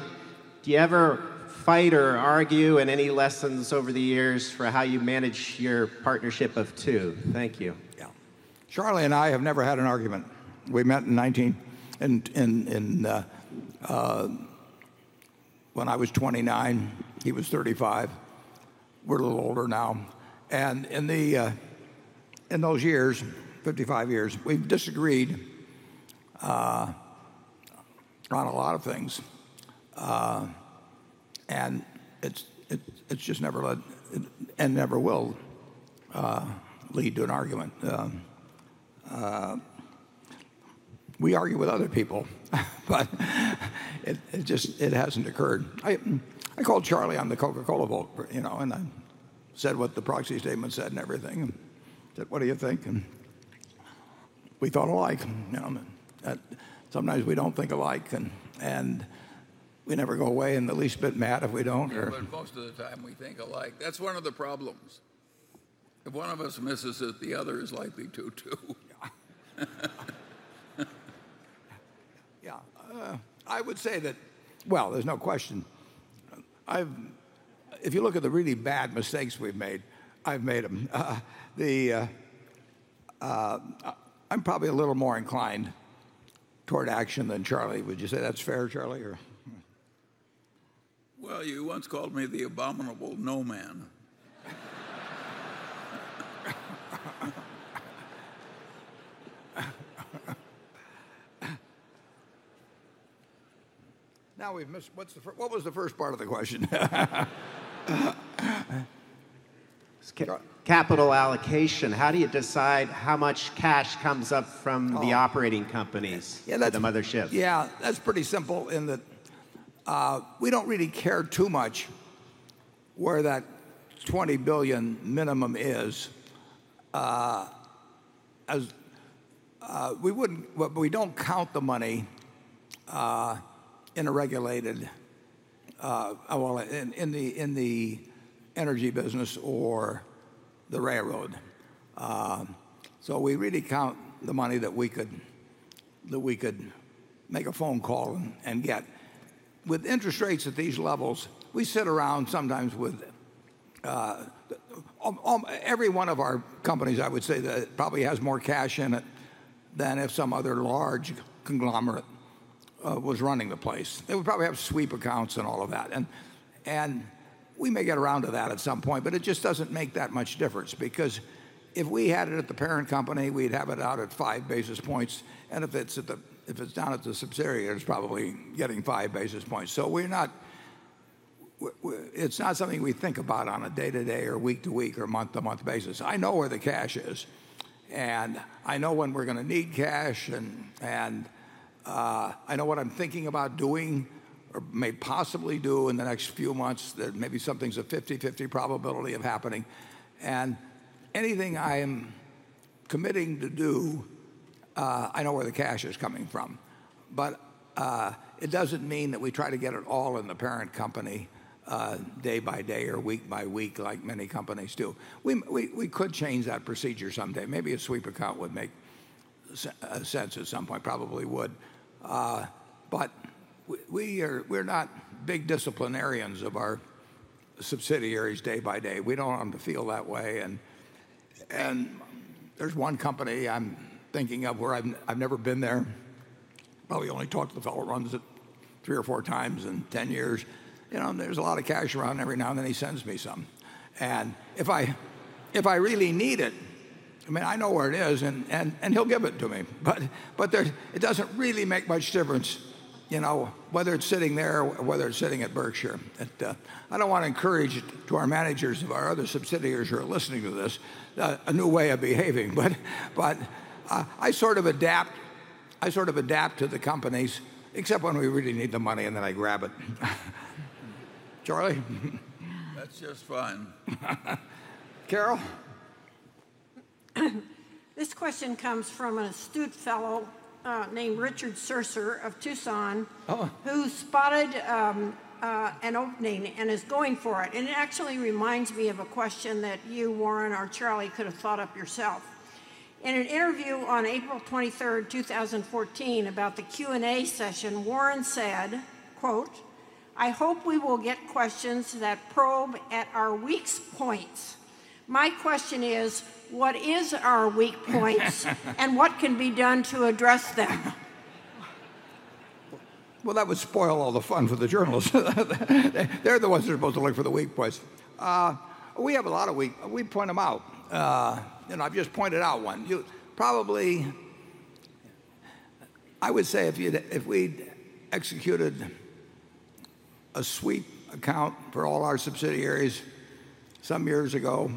do you ever fight or argue, and any lessons over the years for how you manage your partnership of two? Thank you. Charlie and I have never had an argument. We met when I was 29, he was 35. We're a little older now. In those years, 55 years, we've disagreed on a lot of things. It's just never led, and never will lead to an argument. We argue with other people, but it hasn't occurred. I called Charlie on the Coca-Cola vote, and said what the proxy statement said and everything, and said, "What do you think?" We thought alike. Sometimes we don't think alike, and we never go away in the least bit mad if we don't. Yeah, most of the time we think alike. That's one of the problems. If one of us misses it, the other is likely to too. Yeah. I would say that, well, there's no question, if you look at the really bad mistakes we've made, I've made them. I'm probably a little more inclined toward action than Charlie. Would you say that's fair, Charlie, or? Well, you once called me the abominable no-man. Now we've missed. What was the first part of the question? It's capital allocation. How do you decide how much cash comes up from the operating companies? Yeah, that's. The mother ship. Yeah, that's pretty simple in that we don't really care too much where that $20 billion minimum is. We don't count the money in a regulated well, in the energy business or the railroad. We really count the money that we could make a phone call and get. With interest rates at these levels, we sit around sometimes with, Every one of our companies, I would say, that it probably has more cash in it than if some other large conglomerate was running the place. They would probably have sweep accounts and all of that and we may get around to that at some point, but it just doesn't make that much difference because if we had it at the parent company, we'd have it out at five basis points, and if it's down at the subsidiary, it's probably getting five basis points. It's not something we think about on a day-to-day or week-to-week or month-to-month basis. I know where the cash is, and I know when we're going to need cash, and I know what I'm thinking about doing or may possibly do in the next few months that maybe something's a 50/50 probability of happening. Anything I am committing to do, I know where the cash is coming from. It doesn't mean that we try to get it all in the parent company day by day or week by week like many companies do. We could change that procedure someday. Maybe a sweep account would make sense at some point, probably would. We're not big disciplinarians of our subsidiaries day by day. We don't want them to feel that way and there's one company I'm thinking of where I've never been there, probably only talked to the fellow who runs it three or four times in 10 years. There's a lot of cash around. Every now and then he sends me some. If I really need it, I know where it is, and he'll give it to me. It doesn't really make much difference whether it's sitting there or whether it's sitting at Berkshire. I don't want to encourage to our managers of our other subsidiaries who are listening to this a new way of behaving. I sort of adapt to the companies, except when we really need the money and then I grab it. Charlie? That's just fine. Carol? This question comes from an astute fellow, named Richard Sercer of Tucson. Oh who spotted an opening and is going for it. It actually reminds me of a question that you, Warren, or Charlie could have thought up yourself. In an interview on April 23rd, 2014 about the Q&A session, Warren said, quote, "I hope we will get questions that probe at our weak points." My question is, what is our weak points, and what can be done to address them? Well, that would spoil all the fun for the journalists. They're the ones who are supposed to look for the weak points. We point them out. I've just pointed out one. Probably, I would say if we'd executed a sweep account for all our subsidiaries some years ago,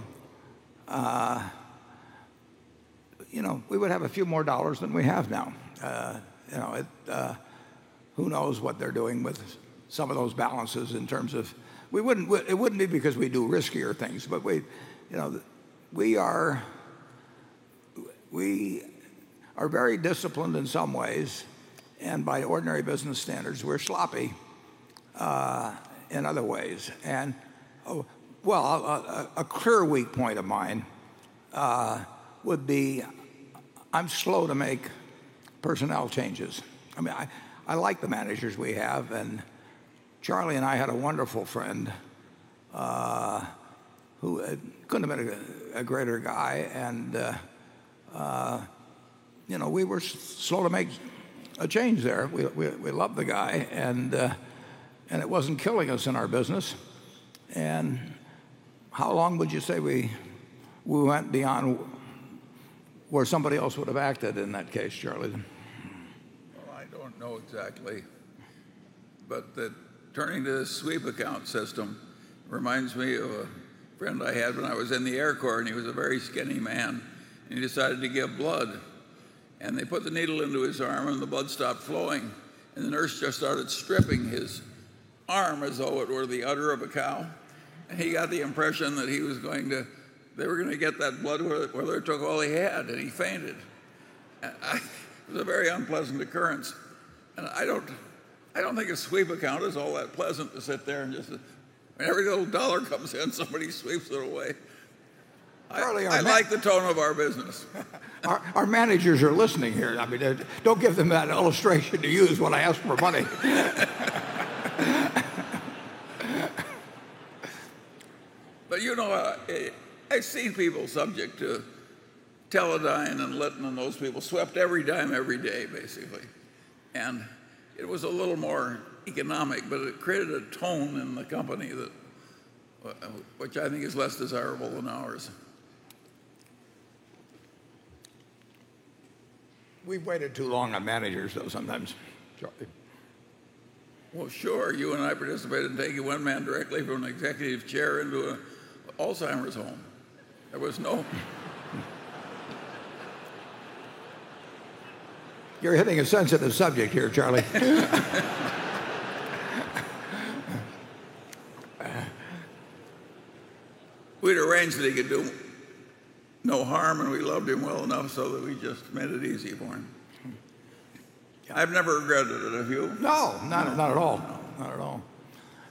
we would have a few more dollars than we have now. Who knows what they're doing with some of those balances. It wouldn't be because we do riskier things, but we are very disciplined in some ways, and by ordinary business standards, we're sloppy in other ways. Well, a clear weak point of mine would be I'm slow to make personnel changes. I like the managers we have and Charlie and I had a wonderful friend who couldn't have been a greater guy, and we were slow to make a change there. We loved the guy, and it wasn't killing us in our business. How long would you say we went beyond where somebody else would have acted in that case, Charlie? Well, I don't know exactly, but the turning to the sweep account system reminds me of a friend I had when I was in the Air Corps, and he was a very skinny man. He decided to give blood, and they put the needle into his arm, and the blood stopped flowing. The nurse just started stripping his arm as though it were the udder of a cow. He got the impression that they were going to get that blood whether it took all he had, and he fainted. It was a very unpleasant occurrence. I don't think a sweep account is all that pleasant to sit there and just every little dollar comes in, somebody sweeps it away. Charlie. I like the tone of our business. Our managers are listening here. Don't give them that illustration to use when I ask for money. I've seen people subject to Teledyne and Litton, and those people swept every dime, every day, basically. It was a little more economic, but it created a tone in the company which I think is less desirable than ours. We've waited too long on managers though, sometimes, Charlie. Well, sure. You and I participated in taking one man directly from an executive chair into an Alzheimer's home. There was no You're hitting a sensitive subject here, Charlie. We'd arranged that he could do no harm, and we loved him well enough so that we just made it easy for him. I've never regretted it. Have you? No, not at all. Not at all.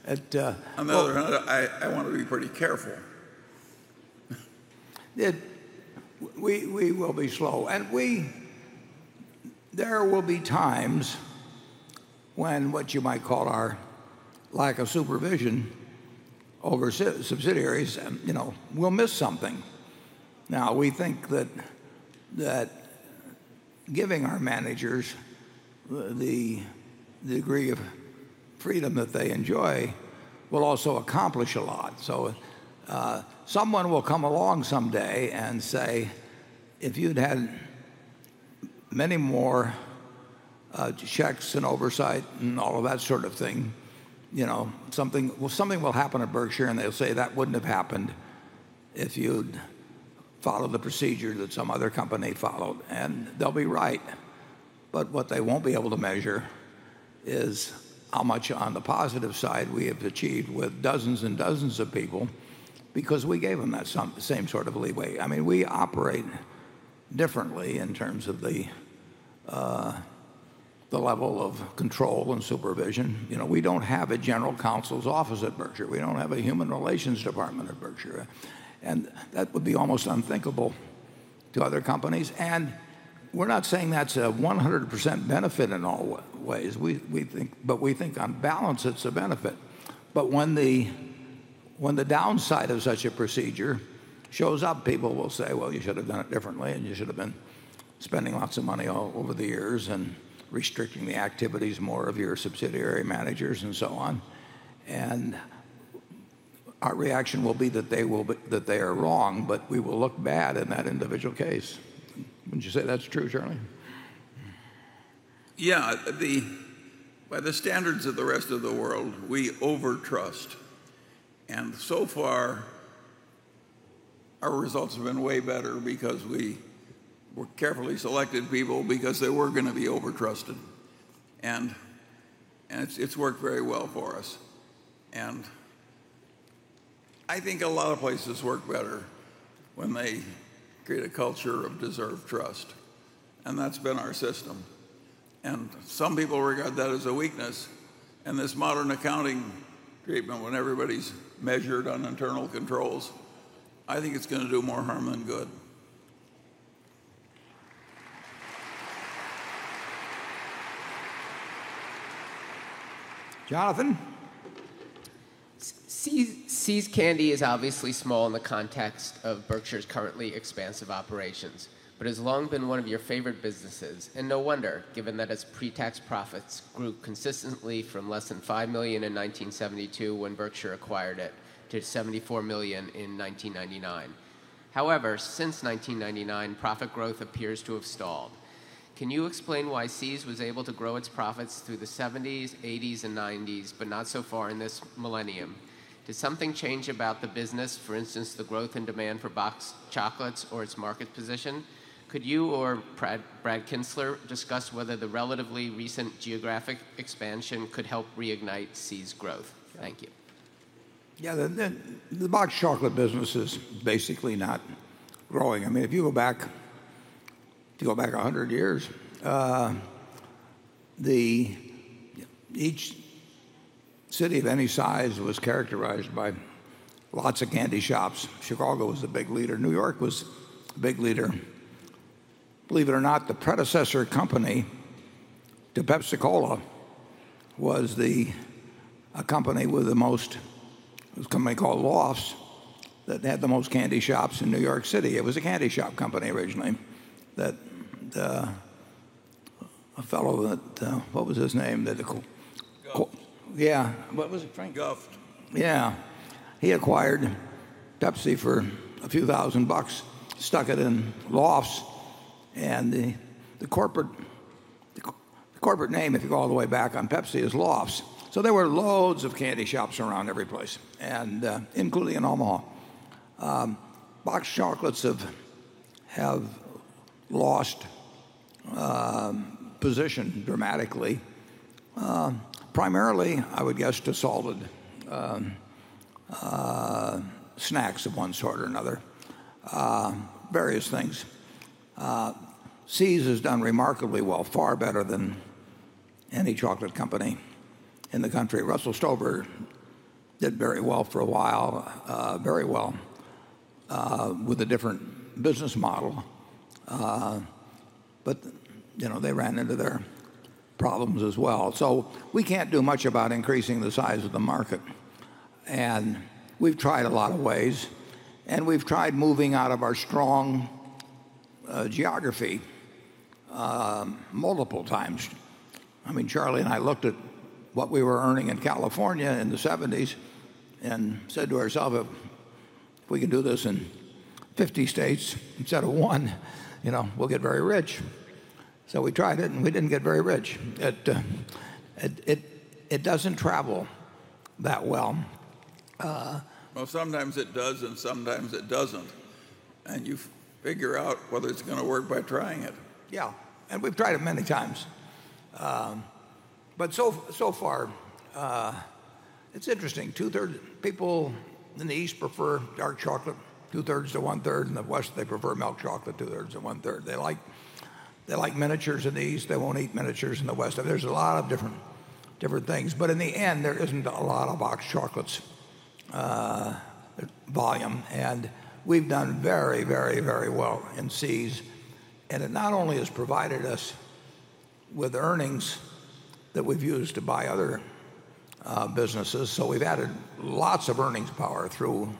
I want to be pretty careful We will be slow, there will be times when what you might call our lack of supervision over subsidiaries, we'll miss something. We think that giving our managers the degree of freedom that they enjoy will also accomplish a lot. Someone will come along someday and say, "If you'd had many more checks and oversight and all of that sort of thing," something will happen at Berkshire, they'll say, "That wouldn't have happened if you'd followed the procedure that some other company followed." They'll be right, what they won't be able to measure is how much on the positive side we have achieved with dozens and dozens of people because we gave them that same sort of leeway. We operate differently in terms of the level of control and supervision. We don't have a general counsel's office at Berkshire. We don't have a human relations department at Berkshire, that would be almost unthinkable to other companies. We're not saying that's a 100% benefit in all ways, we think on balance, it's a benefit. When the downside of such a procedure shows up, people will say, "Well, you should have done it differently, you should have been spending lots of money all over the years and restricting the activities more of your subsidiary managers and so on." Our reaction will be that they are wrong, we will look bad in that individual case. Wouldn't you say that's true, Charlie? Yeah. By the standards of the rest of the world, we overtrust, and so far, our results have been way better because we were carefully selected people because they were going to be overtrusted. It's worked very well for us. I think a lot of places work better when they create a culture of deserved trust, and that's been our system. Some people regard that as a weakness. This modern accounting treatment, when everybody's measured on internal controls, I think it's going to do more harm than good. Jonathan? See's Candies is obviously small in the context of Berkshire's currently expansive operations but has long been one of your favorite businesses. No wonder, given that its pre-tax profits grew consistently from less than $5 million in 1972 when Berkshire acquired it to $74 million in 1999. However, since 1999, profit growth appears to have stalled. Can you explain why See's was able to grow its profits through the '70s, '80s, and '90s, but not so far in this millennium? Did something change about the business, for instance, the growth and demand for boxed chocolates or its market position? Could you or Brad Kinstler discuss whether the relatively recent geographic expansion could help reignite See's growth? Thank you. Yeah. The boxed chocolate business is basically not growing. If you go back 100 years, each city of any size was characterized by lots of candy shops. Chicago was a big leader. New York was a big leader. Believe it or not, the predecessor company to Pepsi-Cola was a company called Lofts that had the most candy shops in New York City. It was a candy shop company originally that a fellow that. Gough. Yeah. What was it, Frank? Gough. Yeah. He acquired Pepsi for a few thousand bucks, stuck it in Lofts, and the corporate name, if you go all the way back on Pepsi, is Lofts. There were loads of candy shops around every place, including in Omaha. Boxed chocolates have lost position dramatically. Primarily, I would guess to salted snacks of one sort or another. Various things. See's has done remarkably well, far better than any chocolate company in the country. Russell Stover did very well for a while with a different business model. They ran into their problems as well. We can't do much about increasing the size of the market, and we've tried a lot of ways, and we've tried moving out of our strong geography multiple times. Charlie and I looked at what we were earning in California in the '70s and said to ourselves, "If we can do this in 50 states instead of one, we'll get very rich." We tried it, and we didn't get very rich. It doesn't travel that well. Well, sometimes it does and sometimes it doesn't, and you figure out whether it's going to work by trying it. Yeah. We've tried it many times. So far, it's interesting. People in the East prefer dark chocolate two-thirds to one-third. In the West, they prefer milk chocolate two-thirds to one-third. They like miniatures in the East, they won't eat miniatures in the West. There's a lot of different things. In the end, there isn't a lot of boxed chocolates volume. We've done very well in See's. It not only has provided us with earnings that we've used to buy other businesses, we've added lots of earnings power through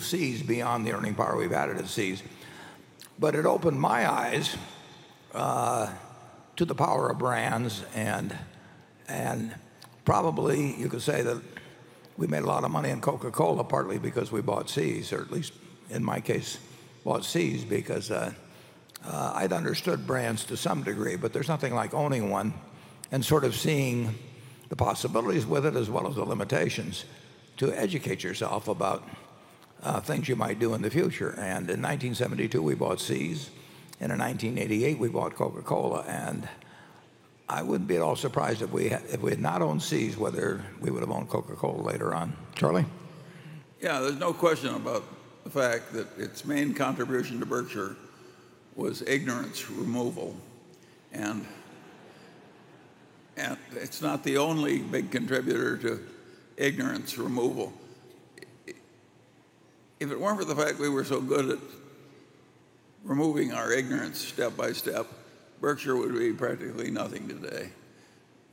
See's beyond the earning power we've added at See's. It opened my eyes to the power of brands and probably you could say that we made a lot of money in Coca-Cola, partly because we bought See's, or at least in my case, bought See's because I'd understood brands to some degree. There's nothing like owning one and sort of seeing the possibilities with it as well as the limitations to educate yourself about things you might do in the future. In 1972, we bought See's, in 1988, we bought The Coca-Cola Company, and I wouldn't be at all surprised if we had not owned See's whether we would have owned The Coca-Cola Company later on. Charlie? Yeah, there's no question about the fact that its main contribution to Berkshire was ignorance removal. It's not the only big contributor to ignorance removal. If it weren't for the fact we were so good at removing our ignorance step by step, Berkshire would be practically nothing today.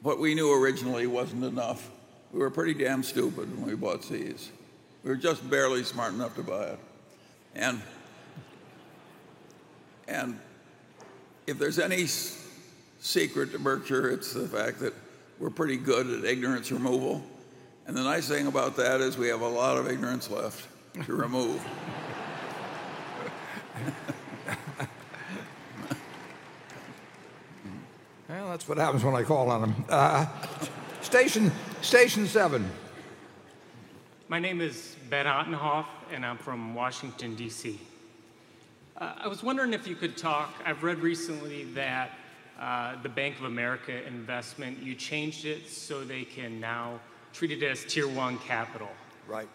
What we knew originally wasn't enough. We were pretty damn stupid when we bought See's. We were just barely smart enough to buy it. If there's any secret to Berkshire, it's the fact that we're pretty good at ignorance removal. The nice thing about that is we have a lot of ignorance left to remove. Well, that's what happens when I call on him. Station seven. My name is Ben Ottenhof, and I'm from Washington, D.C. I was wondering if you could talk, I've read recently that the Bank of America investment, you changed it so they can now treat it as Tier 1 capital. Right.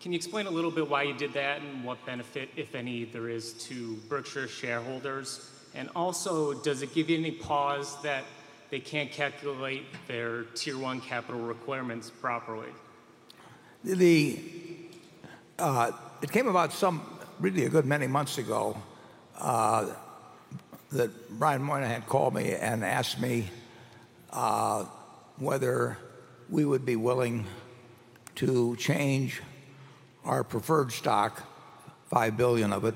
Can you explain a little bit why you did that and what benefit, if any, there is to Berkshire shareholders? Also, does it give you any pause that they can't calculate their Tier 1 capital requirements properly? It came about really a good many months ago that Brian Moynihan called me and asked me whether we would be willing to change our preferred stock, $5 billion of it,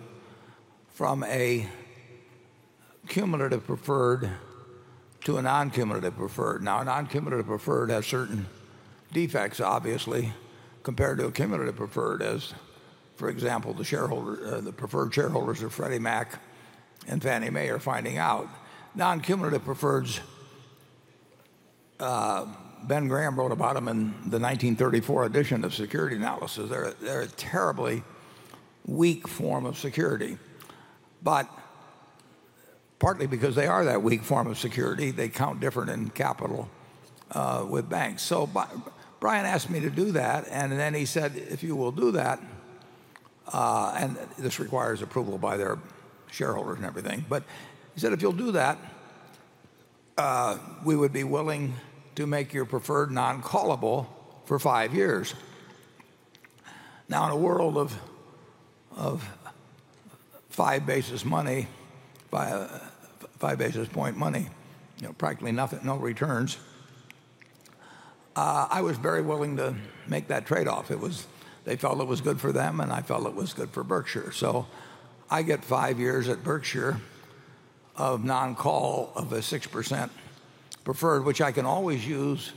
from a cumulative preferred to a non-cumulative preferred. Now, a non-cumulative preferred has certain defects, obviously, compared to a cumulative preferred as, for example, the preferred shareholders of Freddie Mac and Fannie Mae are finding out. Non-cumulative preferred, Benjamin Graham wrote about them in the 1934 edition of "Security Analysis." They're a terribly weak form of security. Partly because they are that weak form of security, they count different in capital with banks. Brian asked me to do that, then he said, "If you will do that," and this requires approval by their shareholders and everything. He said, "If you'll do that, we would be willing to make your preferred non-callable for five years." Now, in a world of five basis point money, practically no returns, I was very willing to make that trade-off. They felt it was good for them, and I felt it was good for Berkshire. I get five years at Berkshire of non-call of a 6% preferred, which I can always use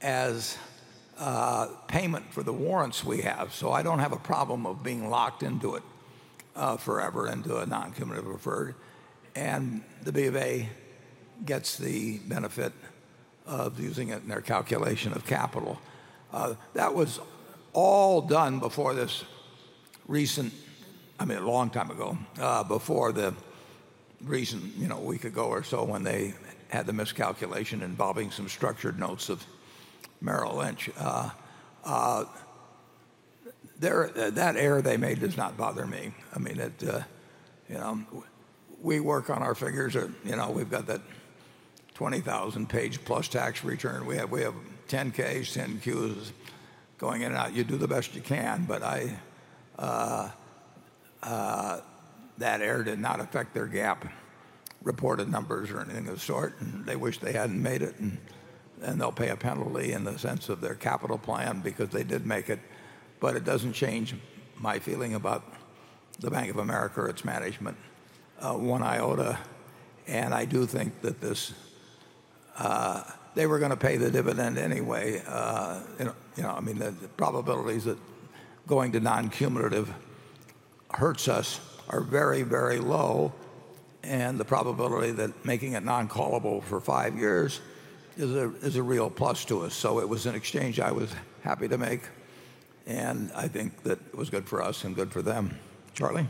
as payment for the warrants we have. I don't have a problem of being locked into it forever, into a non-cumulative preferred. The Bank of America gets the benefit of using it in their calculation of capital. That was all done before this, I mean, a long time ago, before the recent week ago or so when they had the miscalculation involving some structured notes of Merrill Lynch. That error they made does not bother me. We work on our figures. We've got that 20,000-page plus tax return. We have 10-Ks, 10-Qs going in and out. You do the best you can, that error did not affect their GAAP reported numbers or anything of the sort, they wish they hadn't made it, they'll pay a penalty in the sense of their capital plan because they did make it. It doesn't change my feeling about the Bank of America or its management one iota. I do think that they were going to pay the dividend anyway. The probabilities that going to non-cumulative hurts us are very, very low, and the probability that making it non-callable for five years is a real plus to us. It was an exchange I was happy to make, and I think that it was good for us and good for them. Charlie?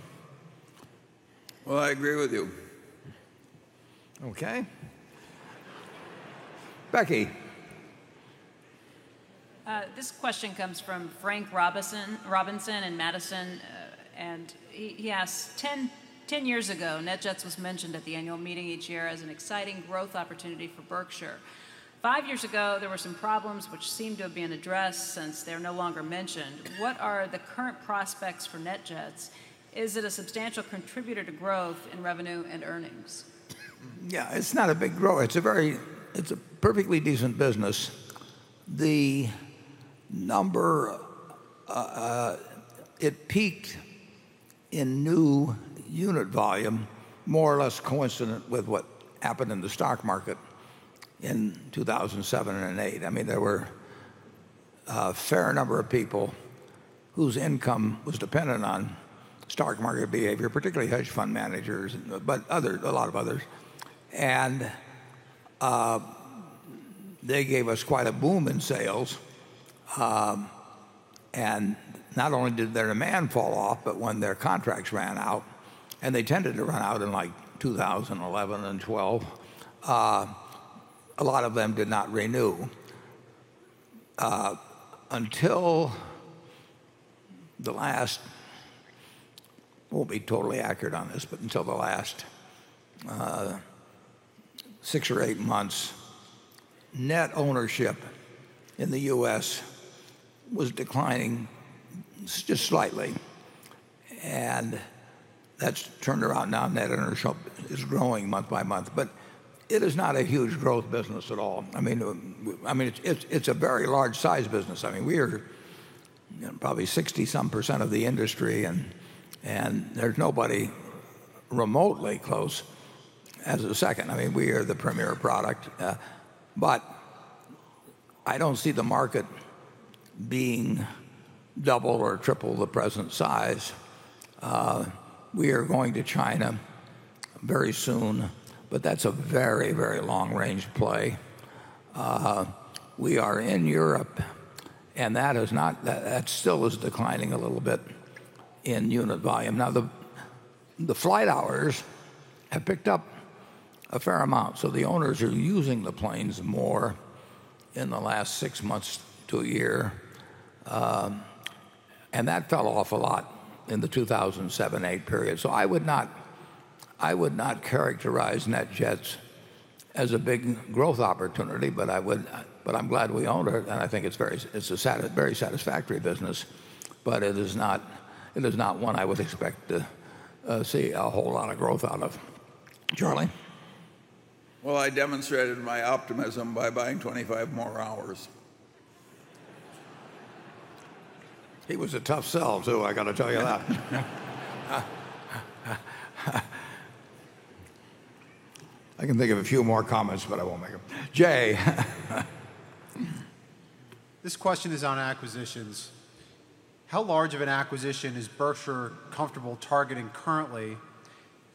I agree with you. Okay. Becky. This question comes from Frank Robinson in Madison, and he asks, "10 years ago, NetJets was mentioned at the annual meeting each year as an exciting growth opportunity for Berkshire. Five years ago, there were some problems which seem to have been addressed since they're no longer mentioned. What are the current prospects for NetJets? Is it a substantial contributor to growth in revenue and earnings? Yeah, it's not a big growth. It's a perfectly decent business. The number, it peaked in new unit volume more or less coincident with what happened in the stock market in 2007 and 2008. There were a fair number of people whose income was dependent on stock market behavior, particularly hedge fund managers, but a lot of others. They gave us quite a boom in sales. Not only did their demand fall off, but when their contracts ran out, and they tended to run out in like 2011 and 2012, a lot of them did not renew. Until the last, won't be totally accurate on this, but until the last six or eight months, net ownership in the U.S. was declining just slightly. That's turned around. Now net ownership is growing month by month. It is not a huge growth business at all. It's a very large size business. We are probably 60-some% of the industry, and there's nobody remotely close as a second. We are the premier product. I don't see the market being double or triple the present size. We are going to China very soon, but that's a very, very long-range play. We are in Europe, and that still is declining a little bit in unit volume. Now, the flight hours have picked up a fair amount, so the owners are using the planes more in the last six months to a year. That fell off a lot in the 2007-2008 period. I would not characterize NetJets as a big growth opportunity, but I'm glad we own it, and I think it's a very satisfactory business. It is not one I would expect to see a whole lot of growth out of. Charlie? Well, I demonstrated my optimism by buying 25 more hours. He was a tough sell, too, I got to tell you that. I can think of a few more comments, but I won't make them. Jay. This question is on acquisitions. How large of an acquisition is Berkshire comfortable targeting currently?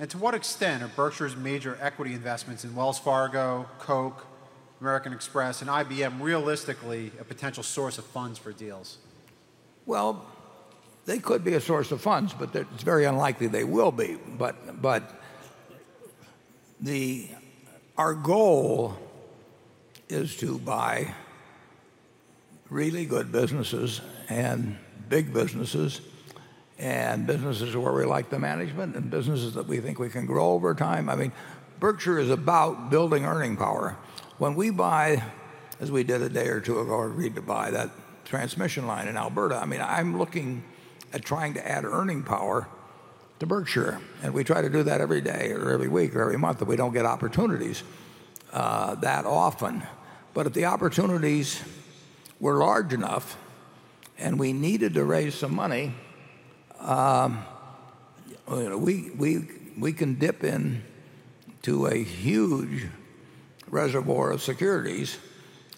To what extent are Berkshire's major equity investments in Wells Fargo, Coke, American Express, and IBM realistically a potential source of funds for deals? Well, they could be a source of funds, it's very unlikely they will be. Our goal is to buy really good businesses and big businesses businesses where we like the management and businesses that we think we can grow over time. Berkshire is about building earning power. When we buy, as we did a day or two ago, agreed to buy that transmission line in Alberta, I'm looking at trying to add earning power to Berkshire. We try to do that every day or every week or every month, we don't get opportunities that often. If the opportunities were large enough and we needed to raise some money, we can dip into a huge reservoir of securities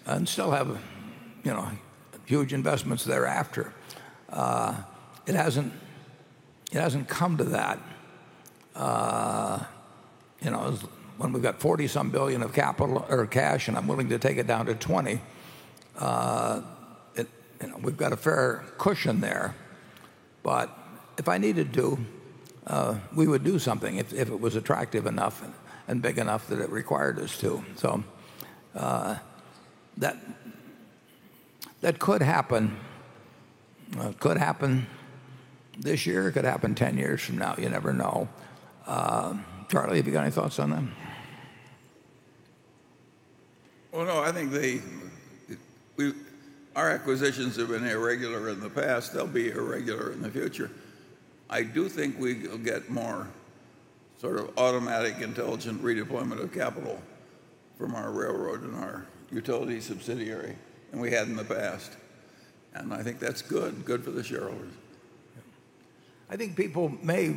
and still have huge investments thereafter. It hasn't come to that. When we've got $40-some billion of capital or cash, I'm willing to take it down to $20 billion, we've got a fair cushion there. If I needed to, we would do something if it was attractive enough and big enough that it required us to. That could happen. Could happen this year, could happen 10 years from now, you never know. Charlie, have you got any thoughts on that? Well, no, I think our acquisitions have been irregular in the past. They'll be irregular in the future. I do think we will get more sort of automatic, intelligent redeployment of capital from our railroad and our utility subsidiary than we had in the past. I think that's good for the shareholders. I think people may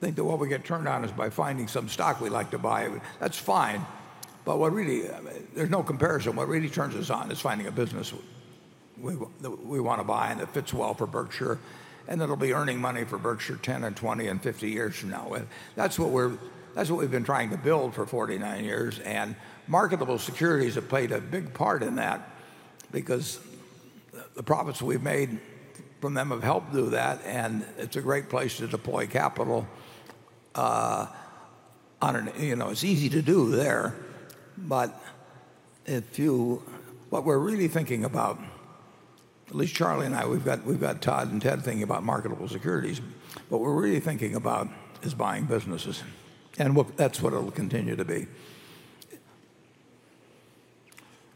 think that what we get turned on is by finding some stock we like to buy. That's fine, but there's no comparison. What really turns us on is finding a business that we want to buy and that fits well for Berkshire, and that'll be earning money for Berkshire 10 and 20 and 50 years from now. That's what we've been trying to build for 49 years, and marketable securities have played a big part in that because the profits we've made from them have helped do that, and it's a great place to deploy capital. It's easy to do there. What we're really thinking about, at least Charlie and I, we've got Todd and Ted thinking about marketable securities. What we're really thinking about is buying businesses, and that's what it'll continue to be.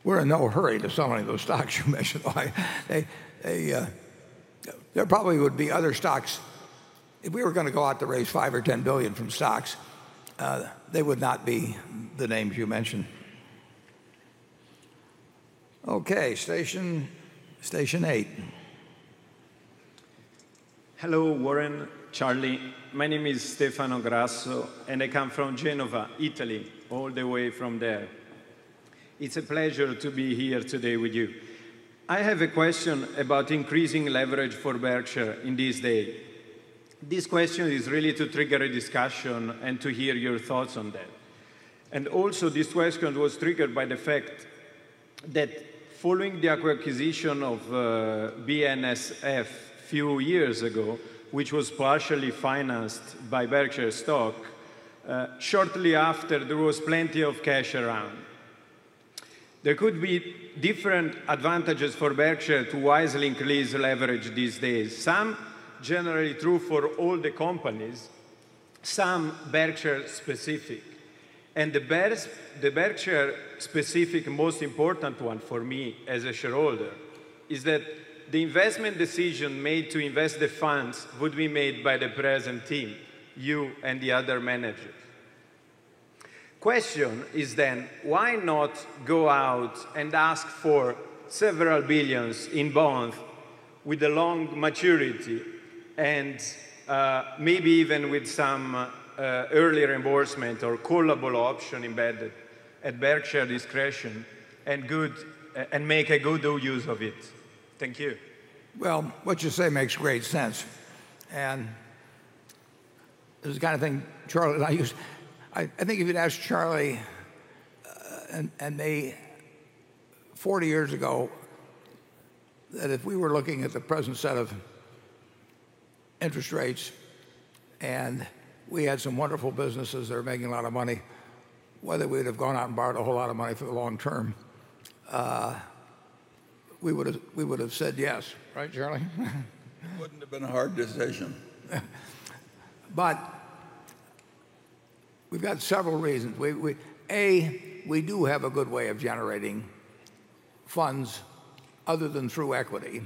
We're in no hurry to sell any of those stocks you mentioned. If we were going to go out to raise $5 billion or $10 billion from stocks, they would not be the names you mentioned. Okay. Station eight. Hello, Warren, Charlie. My name is Stefano Grasso, and I come from Genova, Italy, all the way from there. It's a pleasure to be here today with you. I have a question about increasing leverage for Berkshire in this day. This question is really to trigger a discussion and to hear your thoughts on that. Also, this question was triggered by the fact that following the acquisition of BNSF a few years ago, which was partially financed by Berkshire stock, shortly after there was plenty of cash around. There could be different advantages for Berkshire to wisely increase leverage these days. Some generally true for all the companies, some Berkshire specific. And the Berkshire specific most important one for me as a shareholder is that the investment decision made to invest the funds would be made by the present team, you and the other managers. Question is, why not go out and ask for several billions in bond with a long maturity and maybe even with some early reimbursement or callable option embedded at Berkshire discretion and make a good use of it? Thank you. Well, what you say makes great sense, and it's the kind of thing Charlie and I think if you'd asked Charlie 40 years ago that if we were looking at the present set of interest rates and we had some wonderful businesses that are making a lot of money, whether we'd have gone out and borrowed a whole lot of money for the long term, we would've said yes. Right, Charlie? It wouldn't have been a hard decision. We've got several reasons. A, we do have a good way of generating funds other than through equity,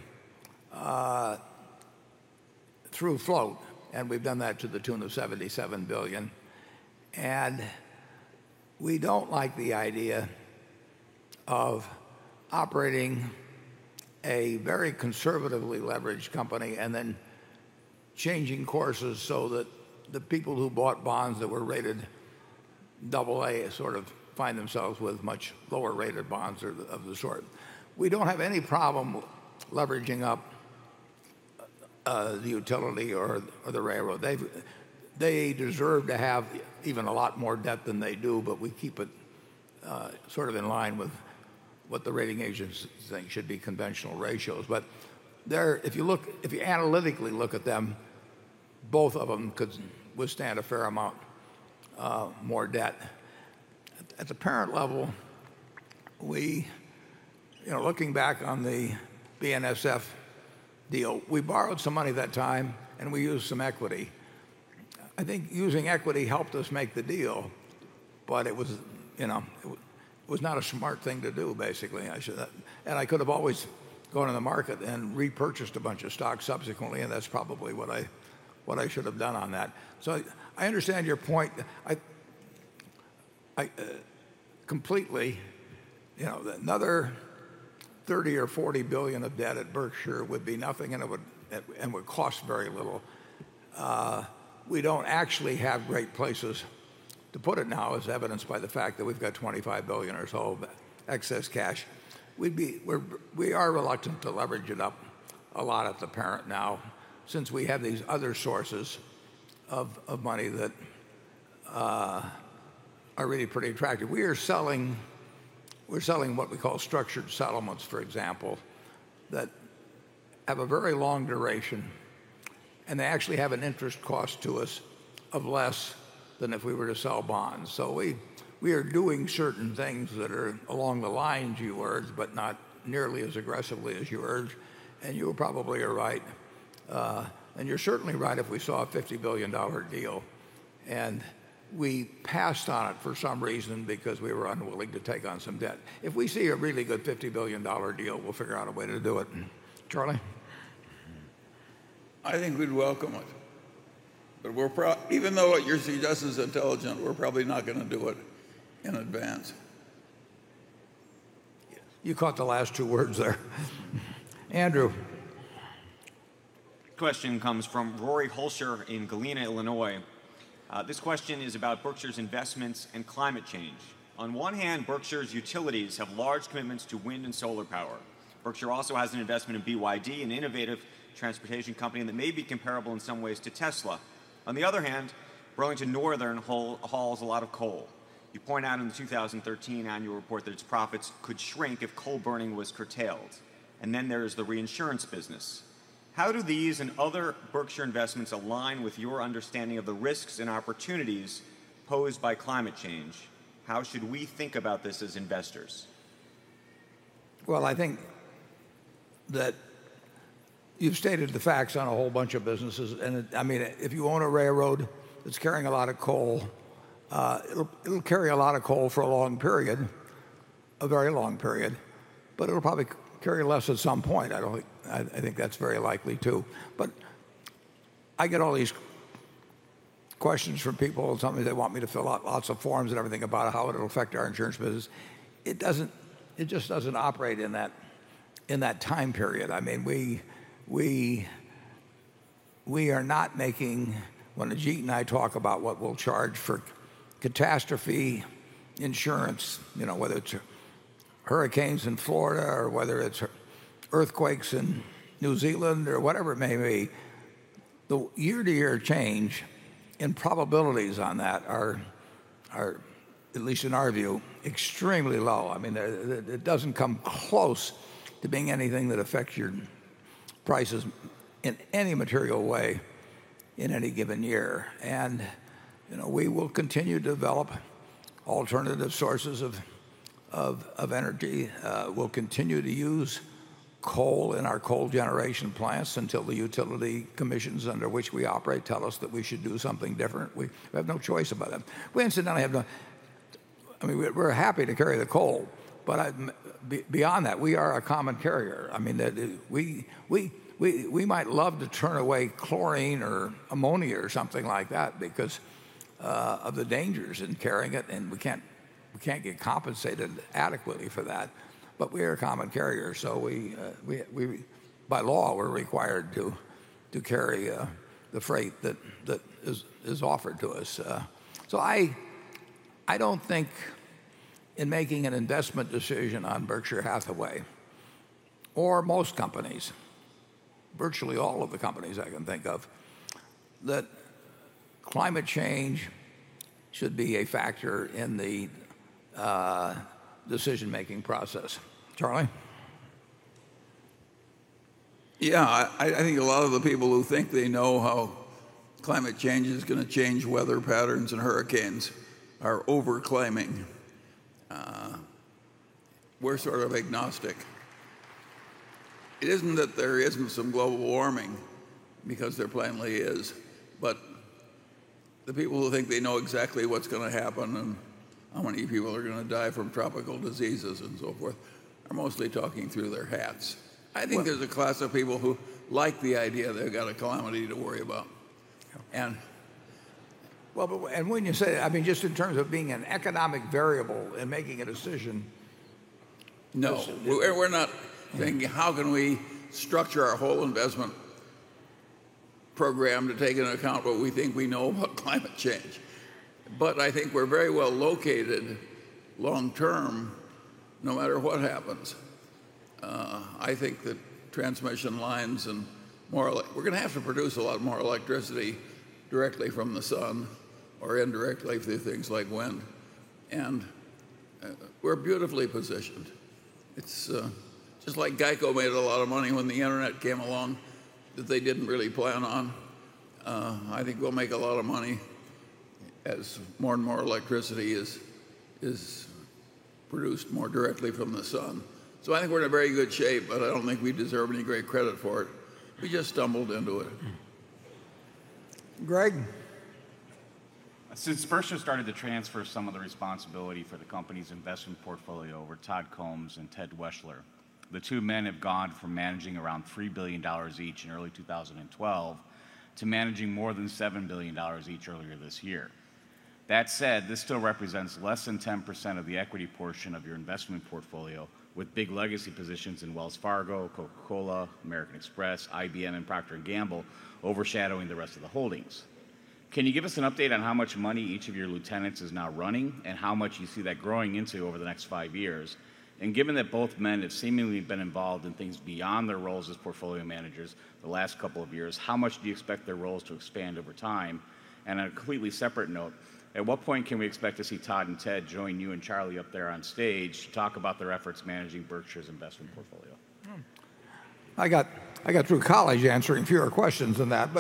through float, and we've done that to the tune of $77 billion. We don't like the idea of operating a very conservatively leveraged company and then changing courses so that the people who bought bonds that were rated double A sort of find themselves with much lower rated bonds or of the sort. We don't have any problem leveraging up the utility or the railroad. They deserve to have even a lot more debt than they do, we keep it sort of in line with what the rating agencies think should be conventional ratios. If you analytically look at them, both of them could withstand a fair amount more debt. At the parent level, looking back on the BNSF deal, we borrowed some money that time and we used some equity. I think using equity helped us make the deal, but it was not a smart thing to do, basically. I could have always gone in the market and repurchased a bunch of stock subsequently, and that's probably what I should have done on that. I understand your point completely, that another $30 billion or $40 billion of debt at Berkshire would be nothing and it would cost very little. We don't actually have great places to put it now, as evidenced by the fact that we've got $25 billion or so of excess cash. We are reluctant to leverage it up a lot at the parent now, since we have these other sources of money that are really pretty attractive. We're selling what we call structured settlements, for example, that have a very long duration, and they actually have an interest cost to us of less than if we were to sell bonds. We are doing certain things that are along the lines you urge, but not nearly as aggressively as you urge, and you probably are right. You're certainly right if we saw a $50 billion deal and we passed on it for some reason because we were unwilling to take on some debt. If we see a really good $50 billion deal, we'll figure out a way to do it. Charlie? I think we'd welcome it. Even though what you're suggesting is intelligent, we're probably not going to do it in advance. You caught the last two words there. Andrew. This question comes from Rory Holscher in Galena, Illinois. This question is about Berkshire's investments and climate change. On one hand, Berkshire's utilities have large commitments to wind and solar power. Berkshire also has an investment in BYD, an innovative transportation company that may be comparable in some ways to Tesla. On the other hand, Burlington Northern hauls a lot of coal. You point out in the 2013 annual report that its profits could shrink if coal burning was curtailed. Then there is the reinsurance business. How do these and other Berkshire investments align with your understanding of the risks and opportunities posed by climate change? How should we think about this as investors? Well, I think that you've stated the facts on a whole bunch of businesses. If you own a railroad that's carrying a lot of coal, it'll carry a lot of coal for a long period, a very long period, but it'll probably carry less at some point. I think that's very likely, too. I get all these questions from people, and some of them, they want me to fill out lots of forms and everything about how it'll affect our insurance business. It just doesn't operate in that time period. When Ajit and I talk about what we'll charge for catastrophe insurance, whether it's hurricanes in Florida or whether it's earthquakes in New Zealand or whatever it may be, the year-to-year change in probabilities on that are, at least in our view, extremely low. It doesn't come close to being anything that affects your prices in any material way in any given year. We will continue to develop alternative sources of energy. We'll continue to use coal in our coal generation plants until the utility commissions under which we operate tell us that we should do something different. We have no choice about that. We're happy to carry the coal, but beyond that, we are a common carrier. We might love to turn away chlorine or ammonia or something like that because of the dangers in carrying it, and we can't get compensated adequately for that. We are a common carrier, so by law, we're required to carry the freight that is offered to us. I don't think in making an investment decision on Berkshire Hathaway or most companies, virtually all of the companies I can think of, that climate change should be a factor in the decision-making process. Charlie? I think a lot of the people who think they know how climate change is going to change weather patterns and hurricanes are over-claiming. We're sort of agnostic. It isn't that there isn't some global warming, because there plainly is. The people who think they know exactly what's going to happen and how many people are going to die from tropical diseases and so forth are mostly talking through their hats. I think there's a class of people who like the idea they've got a calamity to worry about. Well, when you say that, just in terms of being an economic variable and making a decision No. We are not thinking, how can we structure our whole investment program to take into account what we think we know about climate change. I think we are very well located long term, no matter what happens. I think that transmission lines and more We are going to have to produce a lot more electricity directly from the sun or indirectly through things like wind, and we are beautifully positioned. It is just like GEICO made a lot of money when the internet came along that they did not really plan on. I think we will make a lot of money as more and more electricity is produced more directly from the sun. I think we are in a very good shape, but I do not think we deserve any great credit for it. We just stumbled into it. Greg? Since Berkshire started to transfer some of the responsibility for the company's investment portfolio over Todd Combs and Ted Weschler, the two men have gone from managing around $3 billion each in early 2012 to managing more than $7 billion each earlier this year. That said, this still represents less than 10% of the equity portion of your investment portfolio, with big legacy positions in Wells Fargo, Coca-Cola, American Express, IBM, and Procter & Gamble overshadowing the rest of the holdings. Can you give us an update on how much money each of your lieutenants is now running, and how much you see that growing into over the next five years? Given that both men have seemingly been involved in things beyond their roles as portfolio managers the last couple of years, how much do you expect their roles to expand over time? On a completely separate note, at what point can we expect to see Todd and Ted join you and Charlie up there on stage to talk about their efforts managing Berkshire's investment portfolio? I got through college answering fewer questions than that.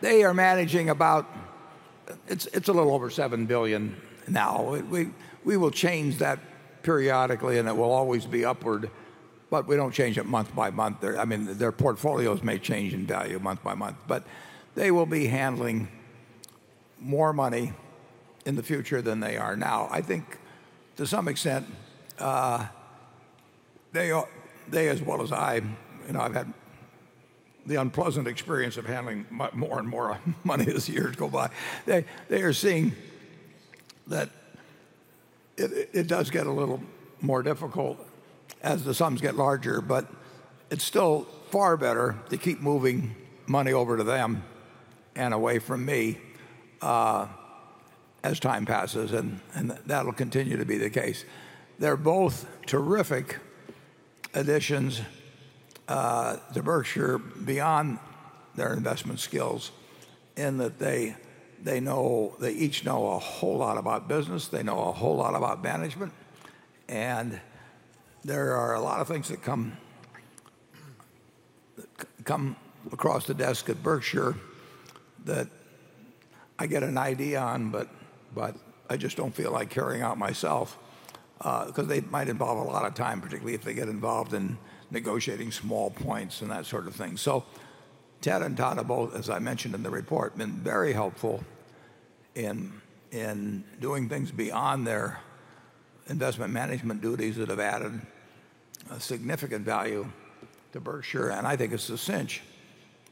They are managing about a little over $7 billion now. We will change that periodically, and it will always be upward. We don't change it month by month. Their portfolios may change in value month by month. They will be handling more money in the future than they are now. I think to some extent, they as well as I've had the unpleasant experience of handling more and more money as the years go by. They are seeing that it does get a little more difficult as the sums get larger, but it's still far better to keep moving money over to them and away from me as time passes, and that'll continue to be the case. They're both terrific additions to Berkshire beyond their investment skills in that they each know a whole lot about business, they know a whole lot about management. There are a lot of things that come across the desk at Berkshire that I get an idea on, but I just don't feel like carrying out myself, because they might involve a lot of time, particularly if they get involved in negotiating small points and that sort of thing. Ted and Todd have both, as I mentioned in the report, been very helpful in doing things beyond their investment management duties that have added a significant value to Berkshire. I think it's a cinch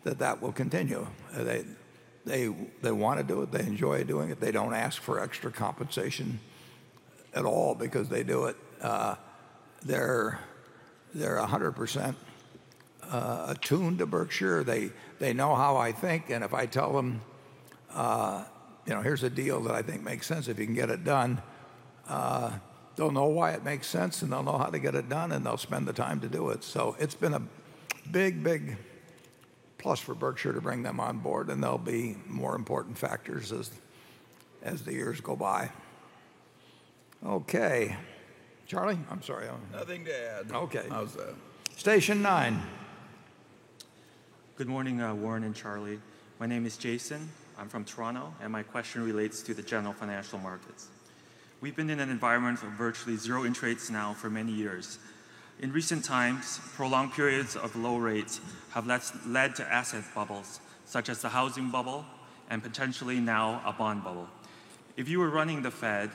that that will continue. They want to do it. They enjoy doing it. They don't ask for extra compensation at all because they do it. They're 100% attuned to Berkshire. They know how I think. If I tell them, "Here's a deal that I think makes sense if you can get it done," they'll know why it makes sense, they'll know how to get it done, and they'll spend the time to do it. It's been a big plus for Berkshire to bring them on board, and they'll be more important factors as the years go by. Okay. Charlie, I'm sorry. Nothing to add. Okay. How's that? Station nine. Good morning, Warren and Charlie. My name is Jason. I'm from Toronto, and my question relates to the general financial markets. We've been in an environment of virtually zero interest rates now for many years. In recent times, prolonged periods of low rates have led to asset bubbles, such as the housing bubble and potentially now a bond bubble. If you were running the Fed,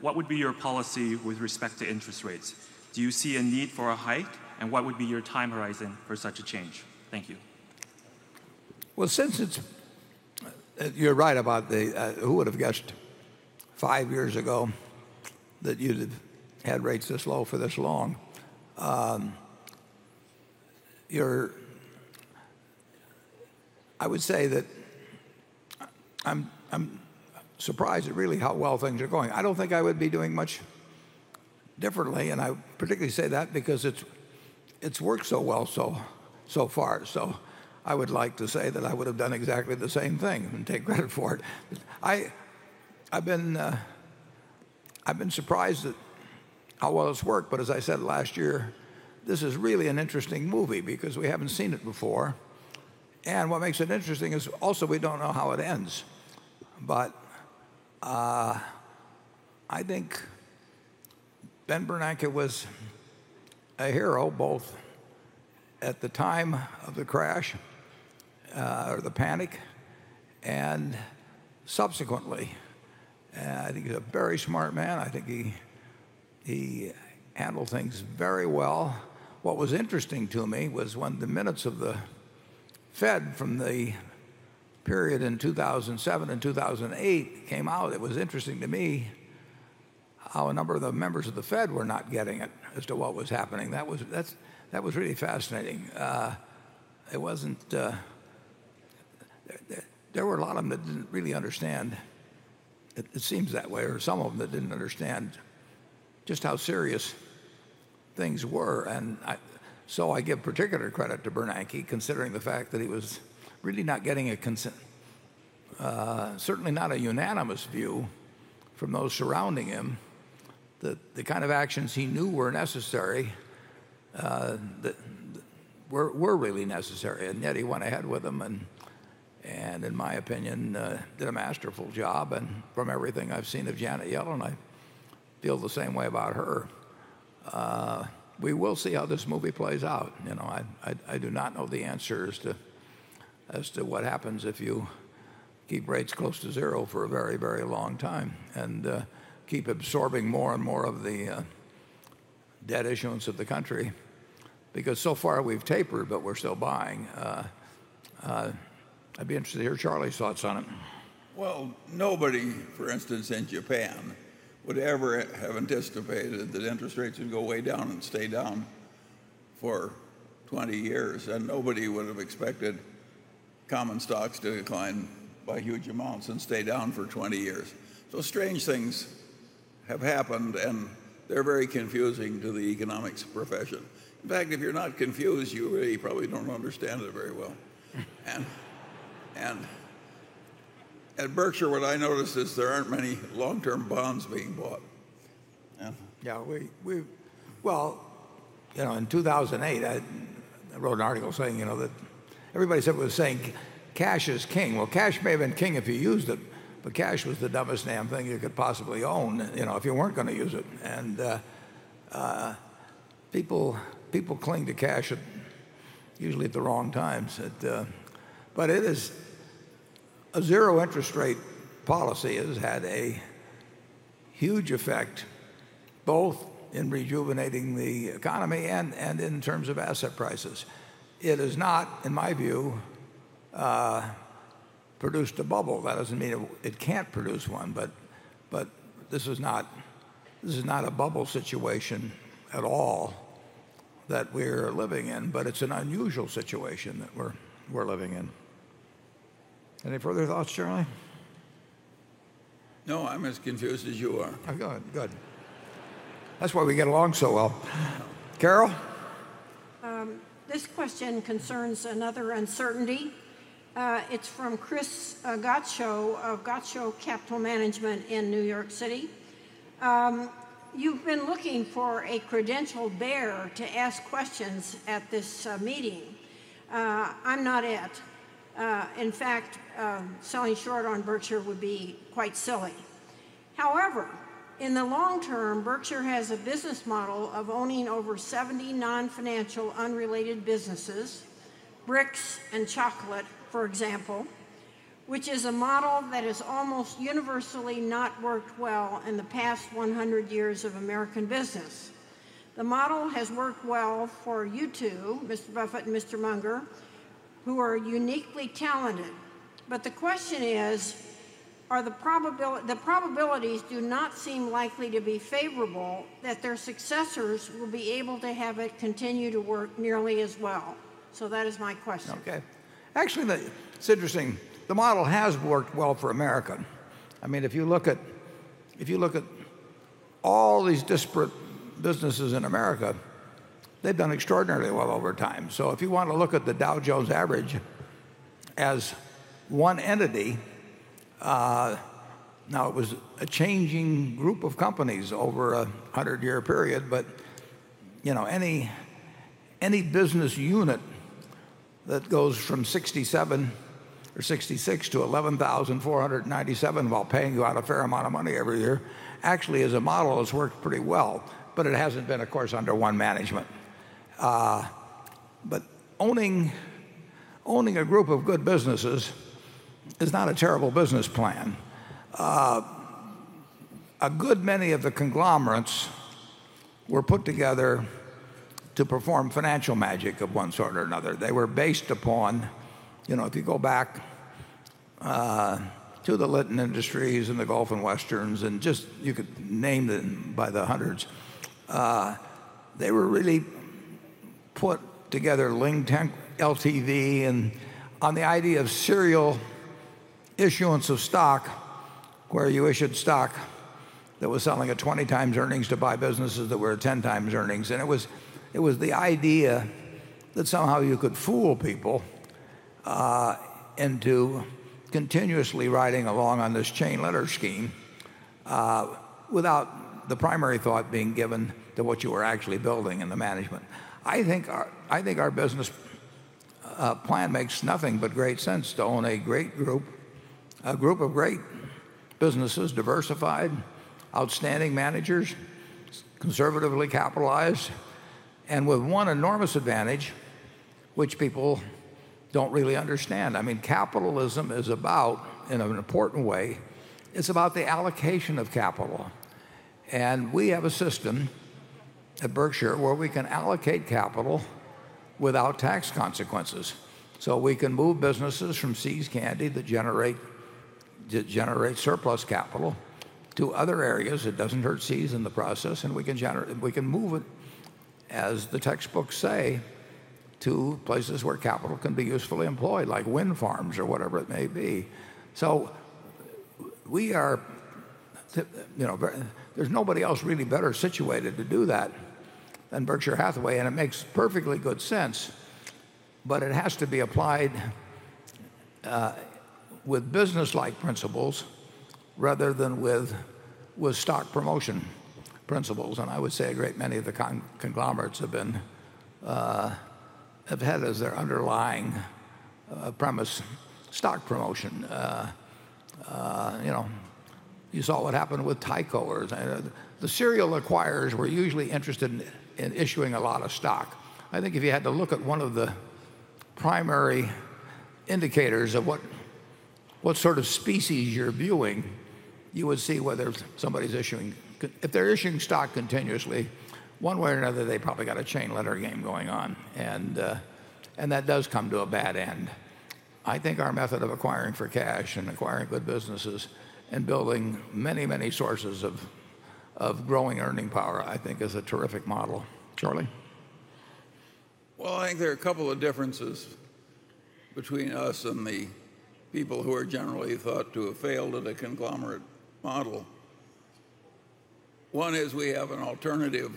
what would be your policy with respect to interest rates? Do you see a need for a hike, and what would be your time horizon for such a change? Thank you. Well, you're right. Who would have guessed five years ago that you'd have had rates this low for this long? I would say that I'm surprised at really how well things are going. I don't think I would be doing much differently, and I particularly say that because it's worked so well so far. I would like to say that I would have done exactly the same thing and take credit for it. I've been surprised at how well it's worked, but as I said last year, this is really an interesting movie because we haven't seen it before. What makes it interesting is also we don't know how it ends. I think Ben Bernanke was a hero, both at the time of the crash or the panic, and subsequently. I think he's a very smart man. I think he handled things very well. What was interesting to me was when the minutes of the Fed from the period in 2007 and 2008 came out, it was interesting to me how a number of the members of the Fed were not getting it as to what was happening. That was really fascinating. There were a lot of them that didn't really understand, it seems that way, or some of them that didn't understand just how serious things were. I give particular credit to Bernanke, considering the fact that he was really not getting a Certainly not a unanimous view from those surrounding him that the kind of actions he knew were really necessary, and yet he went ahead with them, and in my opinion, did a masterful job. From everything I've seen of Janet Yellen, I feel the same way about her. We will see how this movie plays out. I do not know the answer as to what happens if you keep rates close to zero for a very long time and keep absorbing more and more of the debt issuance of the country, because so far we've tapered, but we're still buying. I'd be interested to hear Charlie's thoughts on it. Well, nobody, for instance, in Japan would ever have anticipated that interest rates would go way down and stay down for 20 years, and nobody would have expected common stocks to decline by huge amounts and stay down for 20 years. Strange things have happened, and they're very confusing to the economics profession. In fact, if you're not confused, you really probably don't understand it very well. At Berkshire, what I noticed is there aren't many long-term bonds being bought. Yeah. Well, in 2008, I wrote an article saying that everybody was saying cash is king. Well, cash may have been king if you used it, but cash was the dumbest damn thing you could possibly own if you weren't going to use it. People cling to cash usually at the wrong times. A zero interest rate policy has had a huge effect both in rejuvenating the economy and in terms of asset prices. It has not, in my view, produced a bubble. That doesn't mean it can't produce one, but this is not a bubble situation at all that we're living in, but it's an unusual situation that we're living in. Any further thoughts, Charlie? No, I'm as confused as you are. Oh, good. That's why we get along so well. Carol? This question concerns another uncertainty. It's from Chris Gottscho of Gottscho Capital Management in New York City. You've been looking for a credentialed bear to ask questions at this meeting. I'm not it. In fact, selling short on Berkshire would be quite silly. However, in the long term, Berkshire has a business model of owning over 70 non-financial unrelated businesses, bricks and chocolate, for example, which is a model that has almost universally not worked well in the past 100 years of American business. The model has worked well for you two, Mr. Buffett and Mr. Munger, who are uniquely talented. The question is, the probabilities do not seem likely to be favorable that their successors will be able to have it continue to work nearly as well. That is my question. Okay. Actually, it's interesting. The model has worked well for America. If you look at all these disparate businesses in America, they've done extraordinarily well over time. If you want to look at the Dow Jones average as one entity, now it was a changing group of companies over a 100-year period, but any business unit that goes from 67 or 66 to 11,497 while paying you out a fair amount of money every year, actually as a model has worked pretty well, it hasn't been, of course, under one management. Owning a group of good businesses is not a terrible business plan. A good many of the conglomerates were put together to perform financial magic of one sort or another. They were based upon, if you go back to the Litton Industries and the Gulf and Westerns and just you could name them by the hundreds. They were really put together, LTV, on the idea of serial issuance of stock where you issued stock that was selling at 20 times earnings to buy businesses that were at 10 times earnings. It was the idea that somehow you could fool people into continuously riding along on this chain letter scheme without the primary thought being given to what you were actually building in the management. I think our business plan makes nothing but great sense to own a group of great businesses, diversified, outstanding managers, conservatively capitalized, and with one enormous advantage which people don't really understand. Capitalism is about, in an important way, it's about the allocation of capital. We have a system at Berkshire where we can allocate capital without tax consequences. We can move businesses from See's Candies that generate surplus capital to other areas. It doesn't hurt See's in the process, and we can move it, as the textbooks say, to places where capital can be usefully employed, like wind farms or whatever it may be. There's nobody else really better situated to do that than Berkshire Hathaway, and it makes perfectly good sense. It has to be applied with business-like principles rather than with stock promotion principles, and I would say a great many of the conglomerates have had as their underlying premise stock promotion. You saw what happened with Tyco. The serial acquirers were usually interested in issuing a lot of stock. I think if you had to look at one of the primary indicators of what sort of species you're viewing, you would see If they're issuing stock continuously, one way or another, they probably got a chain letter game going on, and that does come to a bad end. I think our method of acquiring for cash and acquiring good businesses and building many sources of growing earning power, I think is a terrific model. Charlie? I think there are a couple of differences between us and the people who are generally thought to have failed at a conglomerate model. One is we have an alternative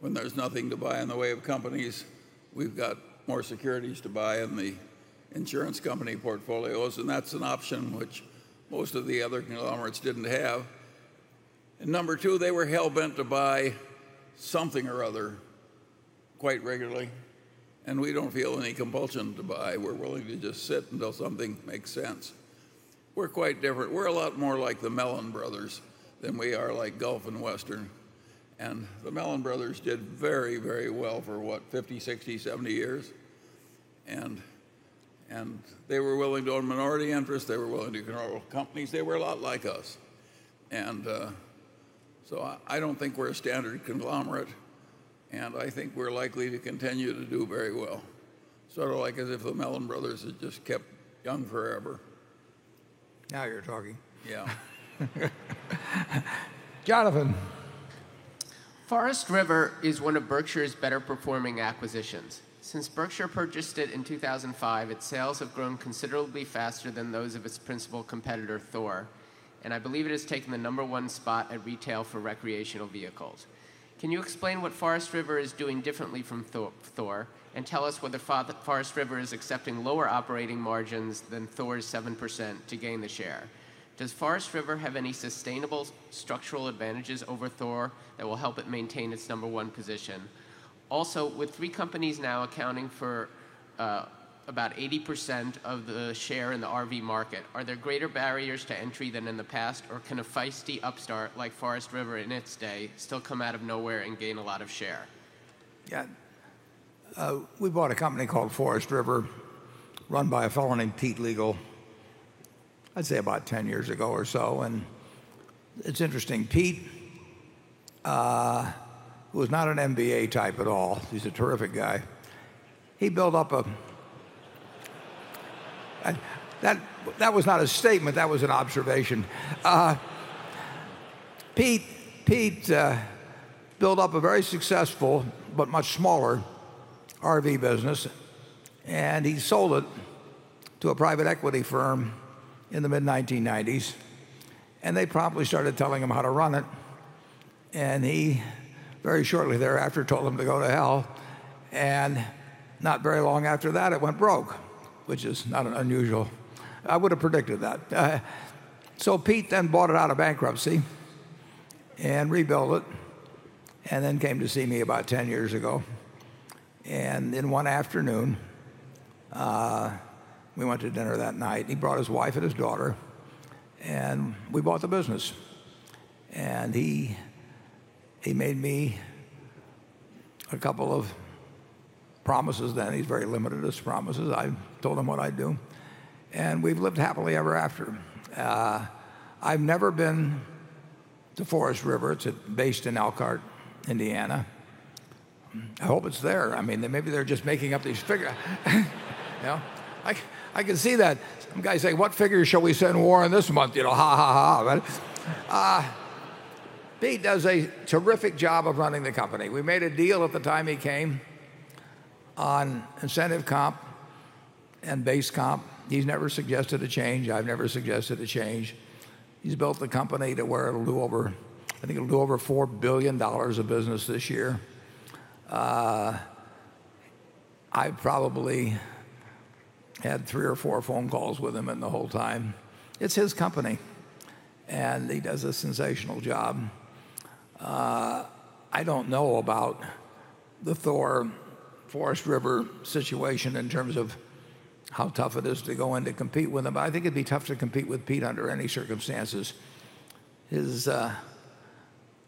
when there's nothing to buy in the way of companies. We've got more securities to buy in the insurance company portfolios, and that's an option which most of the other conglomerates didn't have. Number two, they were hell-bent to buy something or other quite regularly, and we don't feel any compulsion to buy. We're willing to just sit until something makes sense. We're quite different. We're a lot more like the Mellon brothers than we are like Gulf and Western. The Mellon brothers did very well for what, 50, 60, 70 years? They were willing to own minority interests. They were willing to own companies. They were a lot like us. I don't think we're a standard conglomerate, and I think we're likely to continue to do very well, sort of like as if the Mellon brothers had just kept young forever. Now you're talking. Yeah. Jonathan. Forest River is one of Berkshire's better-performing acquisitions. Since Berkshire purchased it in 2005, its sales have grown considerably faster than those of its principal competitor, Thor, and I believe it has taken the number one spot at retail for recreational vehicles. Can you explain what Forest River is doing differently from Thor, and tell us whether Forest River is accepting lower operating margins than Thor's 7% to gain the share? Does Forest River have any sustainable structural advantages over Thor that will help it maintain its number one position? Also, with three companies now accounting for about 80% of the share in the RV market, are there greater barriers to entry than in the past, or can a feisty upstart like Forest River in its day still come out of nowhere and gain a lot of share? Yeah. We bought a company called Forest River, run by a fellow named Pete Liegl, I'd say about 10 years ago or so. It's interesting. Pete, who is not an MBA type at all, he's a terrific guy. He built up a That was not a statement, that was an observation. Pete built up a very successful but much smaller RV business, and he sold it to a private equity firm in the mid-1990s, and they promptly started telling him how to run it. He very shortly thereafter told them to go to hell, and not very long after that, it went broke, which is not unusual. I would've predicted that. Pete then bought it out of bankruptcy and rebuilt it, and then came to see me about 10 years ago. In one afternoon, we went to dinner that night. He brought his wife and his daughter. We bought the business. He made me a couple of promises then. He's very limited as promises. I told him what I'd do. We've lived happily ever after. I've never been to Forest River. It's based in Elkhart, Indiana. I hope it's there. Maybe they're just making up these figures. I can see that. Some guy saying, "What figures shall we send Warren this month? Ha ha ha." Pete does a terrific job of running the company. We made a deal at the time he came on incentive comp and base comp. He's never suggested a change. I've never suggested a change. He's built the company to where it'll do over $4 billion of business this year. I probably had three or four phone calls with him in the whole time. It's his company. He does a sensational job. I don't know about the Thor Forest River situation in terms of how tough it is to go in to compete with them. I think it'd be tough to compete with Pete under any circumstances. His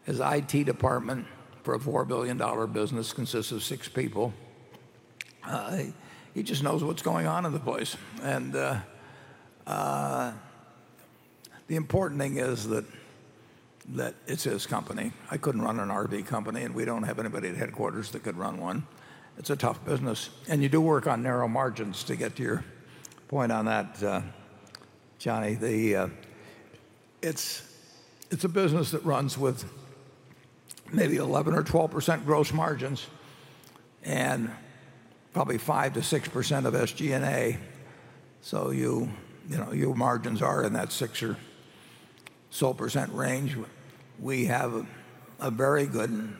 IT department for a $4 billion business consists of six people. He just knows what's going on in the place. The important thing is that it's his company. I couldn't run an RV company. We don't have anybody at headquarters that could run one. It's a tough business, and you do work on narrow margins to get to your point on that, Johnny. It's a business that runs with 11% or 12% gross margins, and probably 5%-6% of SG&A. Your margins are in that 6% or so range. We have a very good,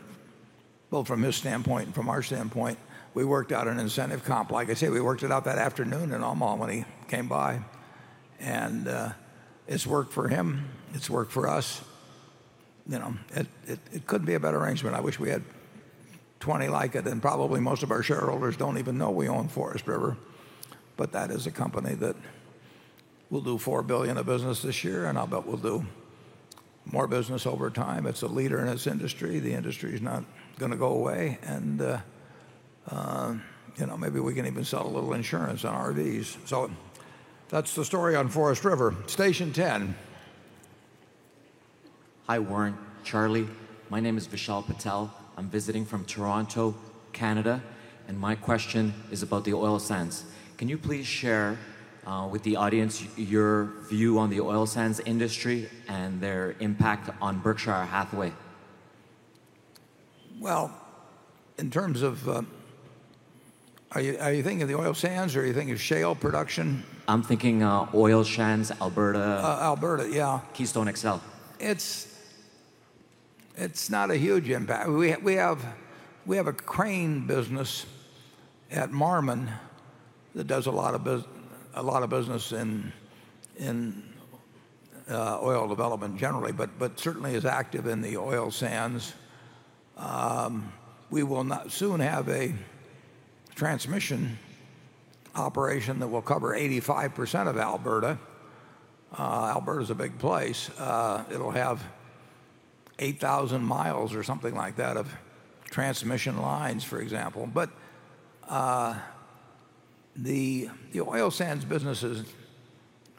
both from his standpoint and from our standpoint, we worked out an incentive comp. Like I said, we worked it out that afternoon in Omaha when he came by. It's worked for him. It's worked for us. It couldn't be a better arrangement. I wish we had 20 like it. Probably most of our shareholders don't even know we own Forest River. That is a company that will do $4 billion of business this year. I'll bet will do more business over time. It's a leader in its industry. The industry is not going to go away. Maybe we can even sell a little insurance on RVs. That's the story on Forest River. Station 10. Hi, Warren, Charlie. My name is Vishal Patel. I'm visiting from Toronto, Canada. My question is about the oil sands. Can you please share with the audience your view on the oil sands industry and their impact on Berkshire Hathaway? Well, are you thinking of the oil sands, or are you thinking of shale production? I'm thinking oil sands, Alberta. Alberta, yeah. Keystone XL. It's not a huge impact. We have a crane business at Marmon that does a lot of business in oil development generally but certainly is active in the oil sands. We will soon have a transmission operation that will cover 85% of Alberta. Alberta's a big place. It'll have 8,000 miles or something like that of transmission lines, for example. The oil sands businesses,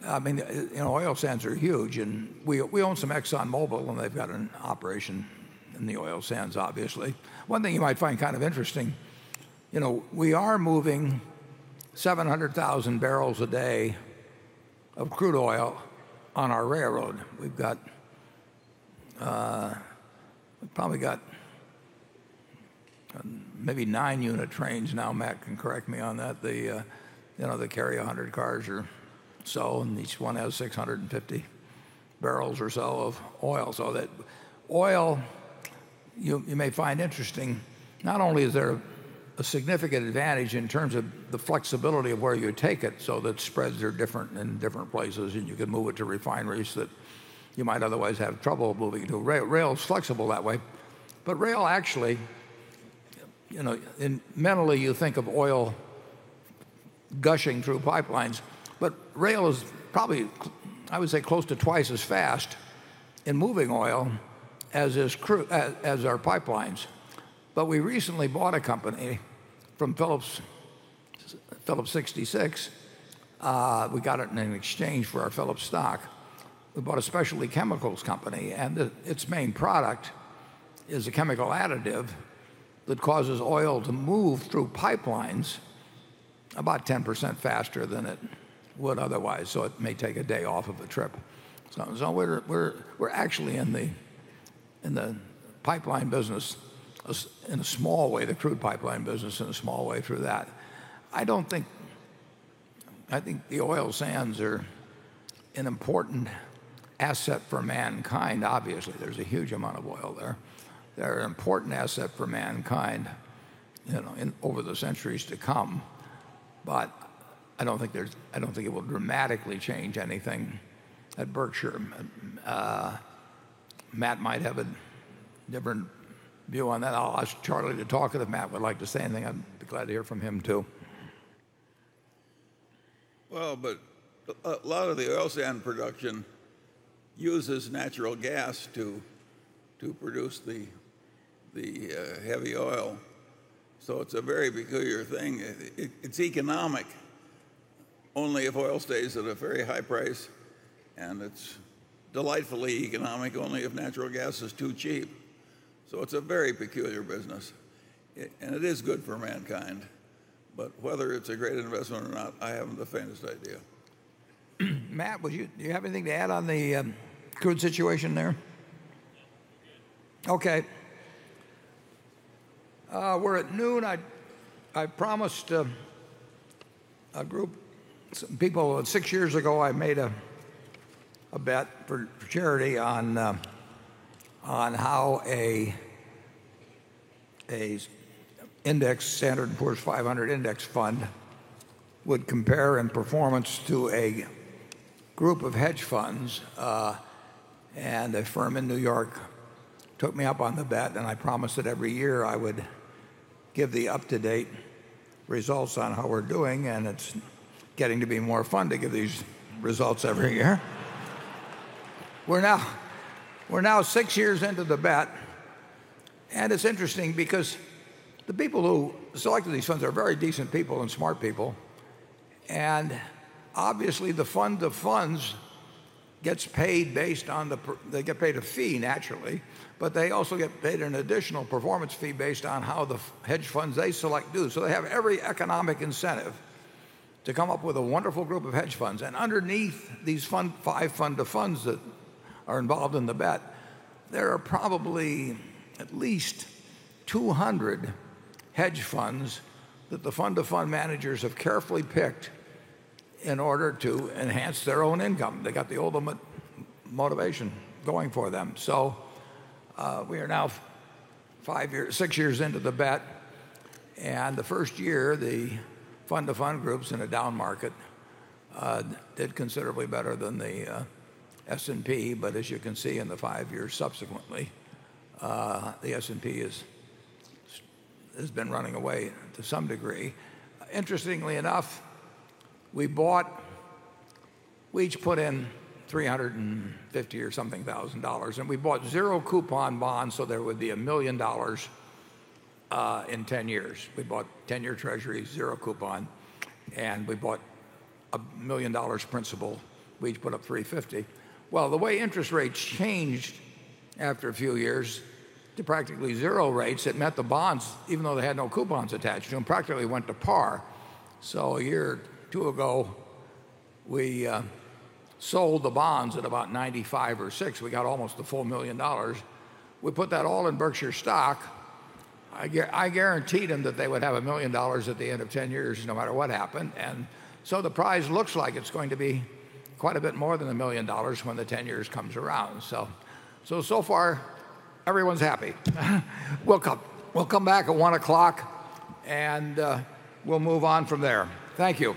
oil sands are huge, and we own some Exxon Mobil, and they've got an operation in the oil sands, obviously. One thing you might find kind of interesting, we are moving 700,000 barrels a day of crude oil on our railroad. We've probably got maybe nine unit trains now. Matt can correct me on that. They carry 100 cars or so, and each one has 650 barrels or so of oil. That oil, you may find interesting, not only is there a significant advantage in terms of the flexibility of where you take it so that spreads are different in different places, and you can move it to refineries that you might otherwise have trouble moving it to. Rail is flexible that way. Mentally, you think of oil gushing through pipelines, rail is probably, I would say, close to twice as fast in moving oil as our pipelines. We recently bought a company from Phillips 66. We got it in an exchange for our Phillips stock. We bought a specialty chemicals company, and its main product is a chemical additive that causes oil to move through pipelines about 10% faster than it would otherwise. It may take a day off of a trip. We're actually in the pipeline business in a small way, the crude pipeline business in a small way through that. I think the oil sands are an important asset for mankind. Obviously, there's a huge amount of oil there. They're an important asset for mankind over the centuries to come. I don't think it will dramatically change anything at Berkshire. Matt might have a different view on that. I'll ask Charlie to talk if Matt would like to say anything. I'd be glad to hear from him, too. A lot of the oil sand production uses natural gas to produce the heavy oil. It's a very peculiar thing. It's economic only if oil stays at a very high price, and it's delightfully economic only if natural gas is too cheap. It's a very peculiar business, and it is good for mankind. Whether it's a great investment or not, I haven't the faintest idea. Matt, do you have anything to add on the crude situation there? No, we're good. Okay. We're at noon, I promised a group of people. Six years ago, I made a bet for charity on how a Standard & Poor's 500 index fund would compare in performance to a group of hedge funds. A firm in New York took me up on the bet, I promised that every year I would give the up-to-date results on how we're doing, it's getting to be more fun to give these results every year. We're now six years into the bet, it's interesting because the people who selected these funds are very decent people and smart people. Obviously the fund of funds, they get paid a fee naturally, but they also get paid an additional performance fee based on how the hedge funds they select do. They have every economic incentive to come up with a wonderful group of hedge funds. Underneath these five fund of funds that are involved in the bet, there are probably at least 200 hedge funds that the fund of fund managers have carefully picked in order to enhance their own income. They got the ultimate motivation going for them. We are now six years into the bet, the first year, the fund of fund groups in a down market did considerably better than the S&P. But as you can see in the five years subsequently, the S&P has been running away to some degree. Interestingly enough, we each put in $350 or something thousand, we bought zero coupon bonds, there would be $1 million in 10 years. We bought 10-year Treasury, zero coupon, we bought $1 million principal. We each put up $350. Well, the way interest rates changed after a few years to practically zero rates, it meant the bonds, even though they had no coupons attached to them, practically went to par. A year or two ago, we sold the bonds at about 95 or six. We got almost the full $1 million. We put that all in Berkshire stock. I guaranteed them that they would have $1 million at the end of 10 years, no matter what happened. The prize looks like it's going to be quite a bit more than $1 million when the 10 years comes around. So far everyone's happy. We'll come back at 1:00 P.M., and we'll move on from there. Thank you.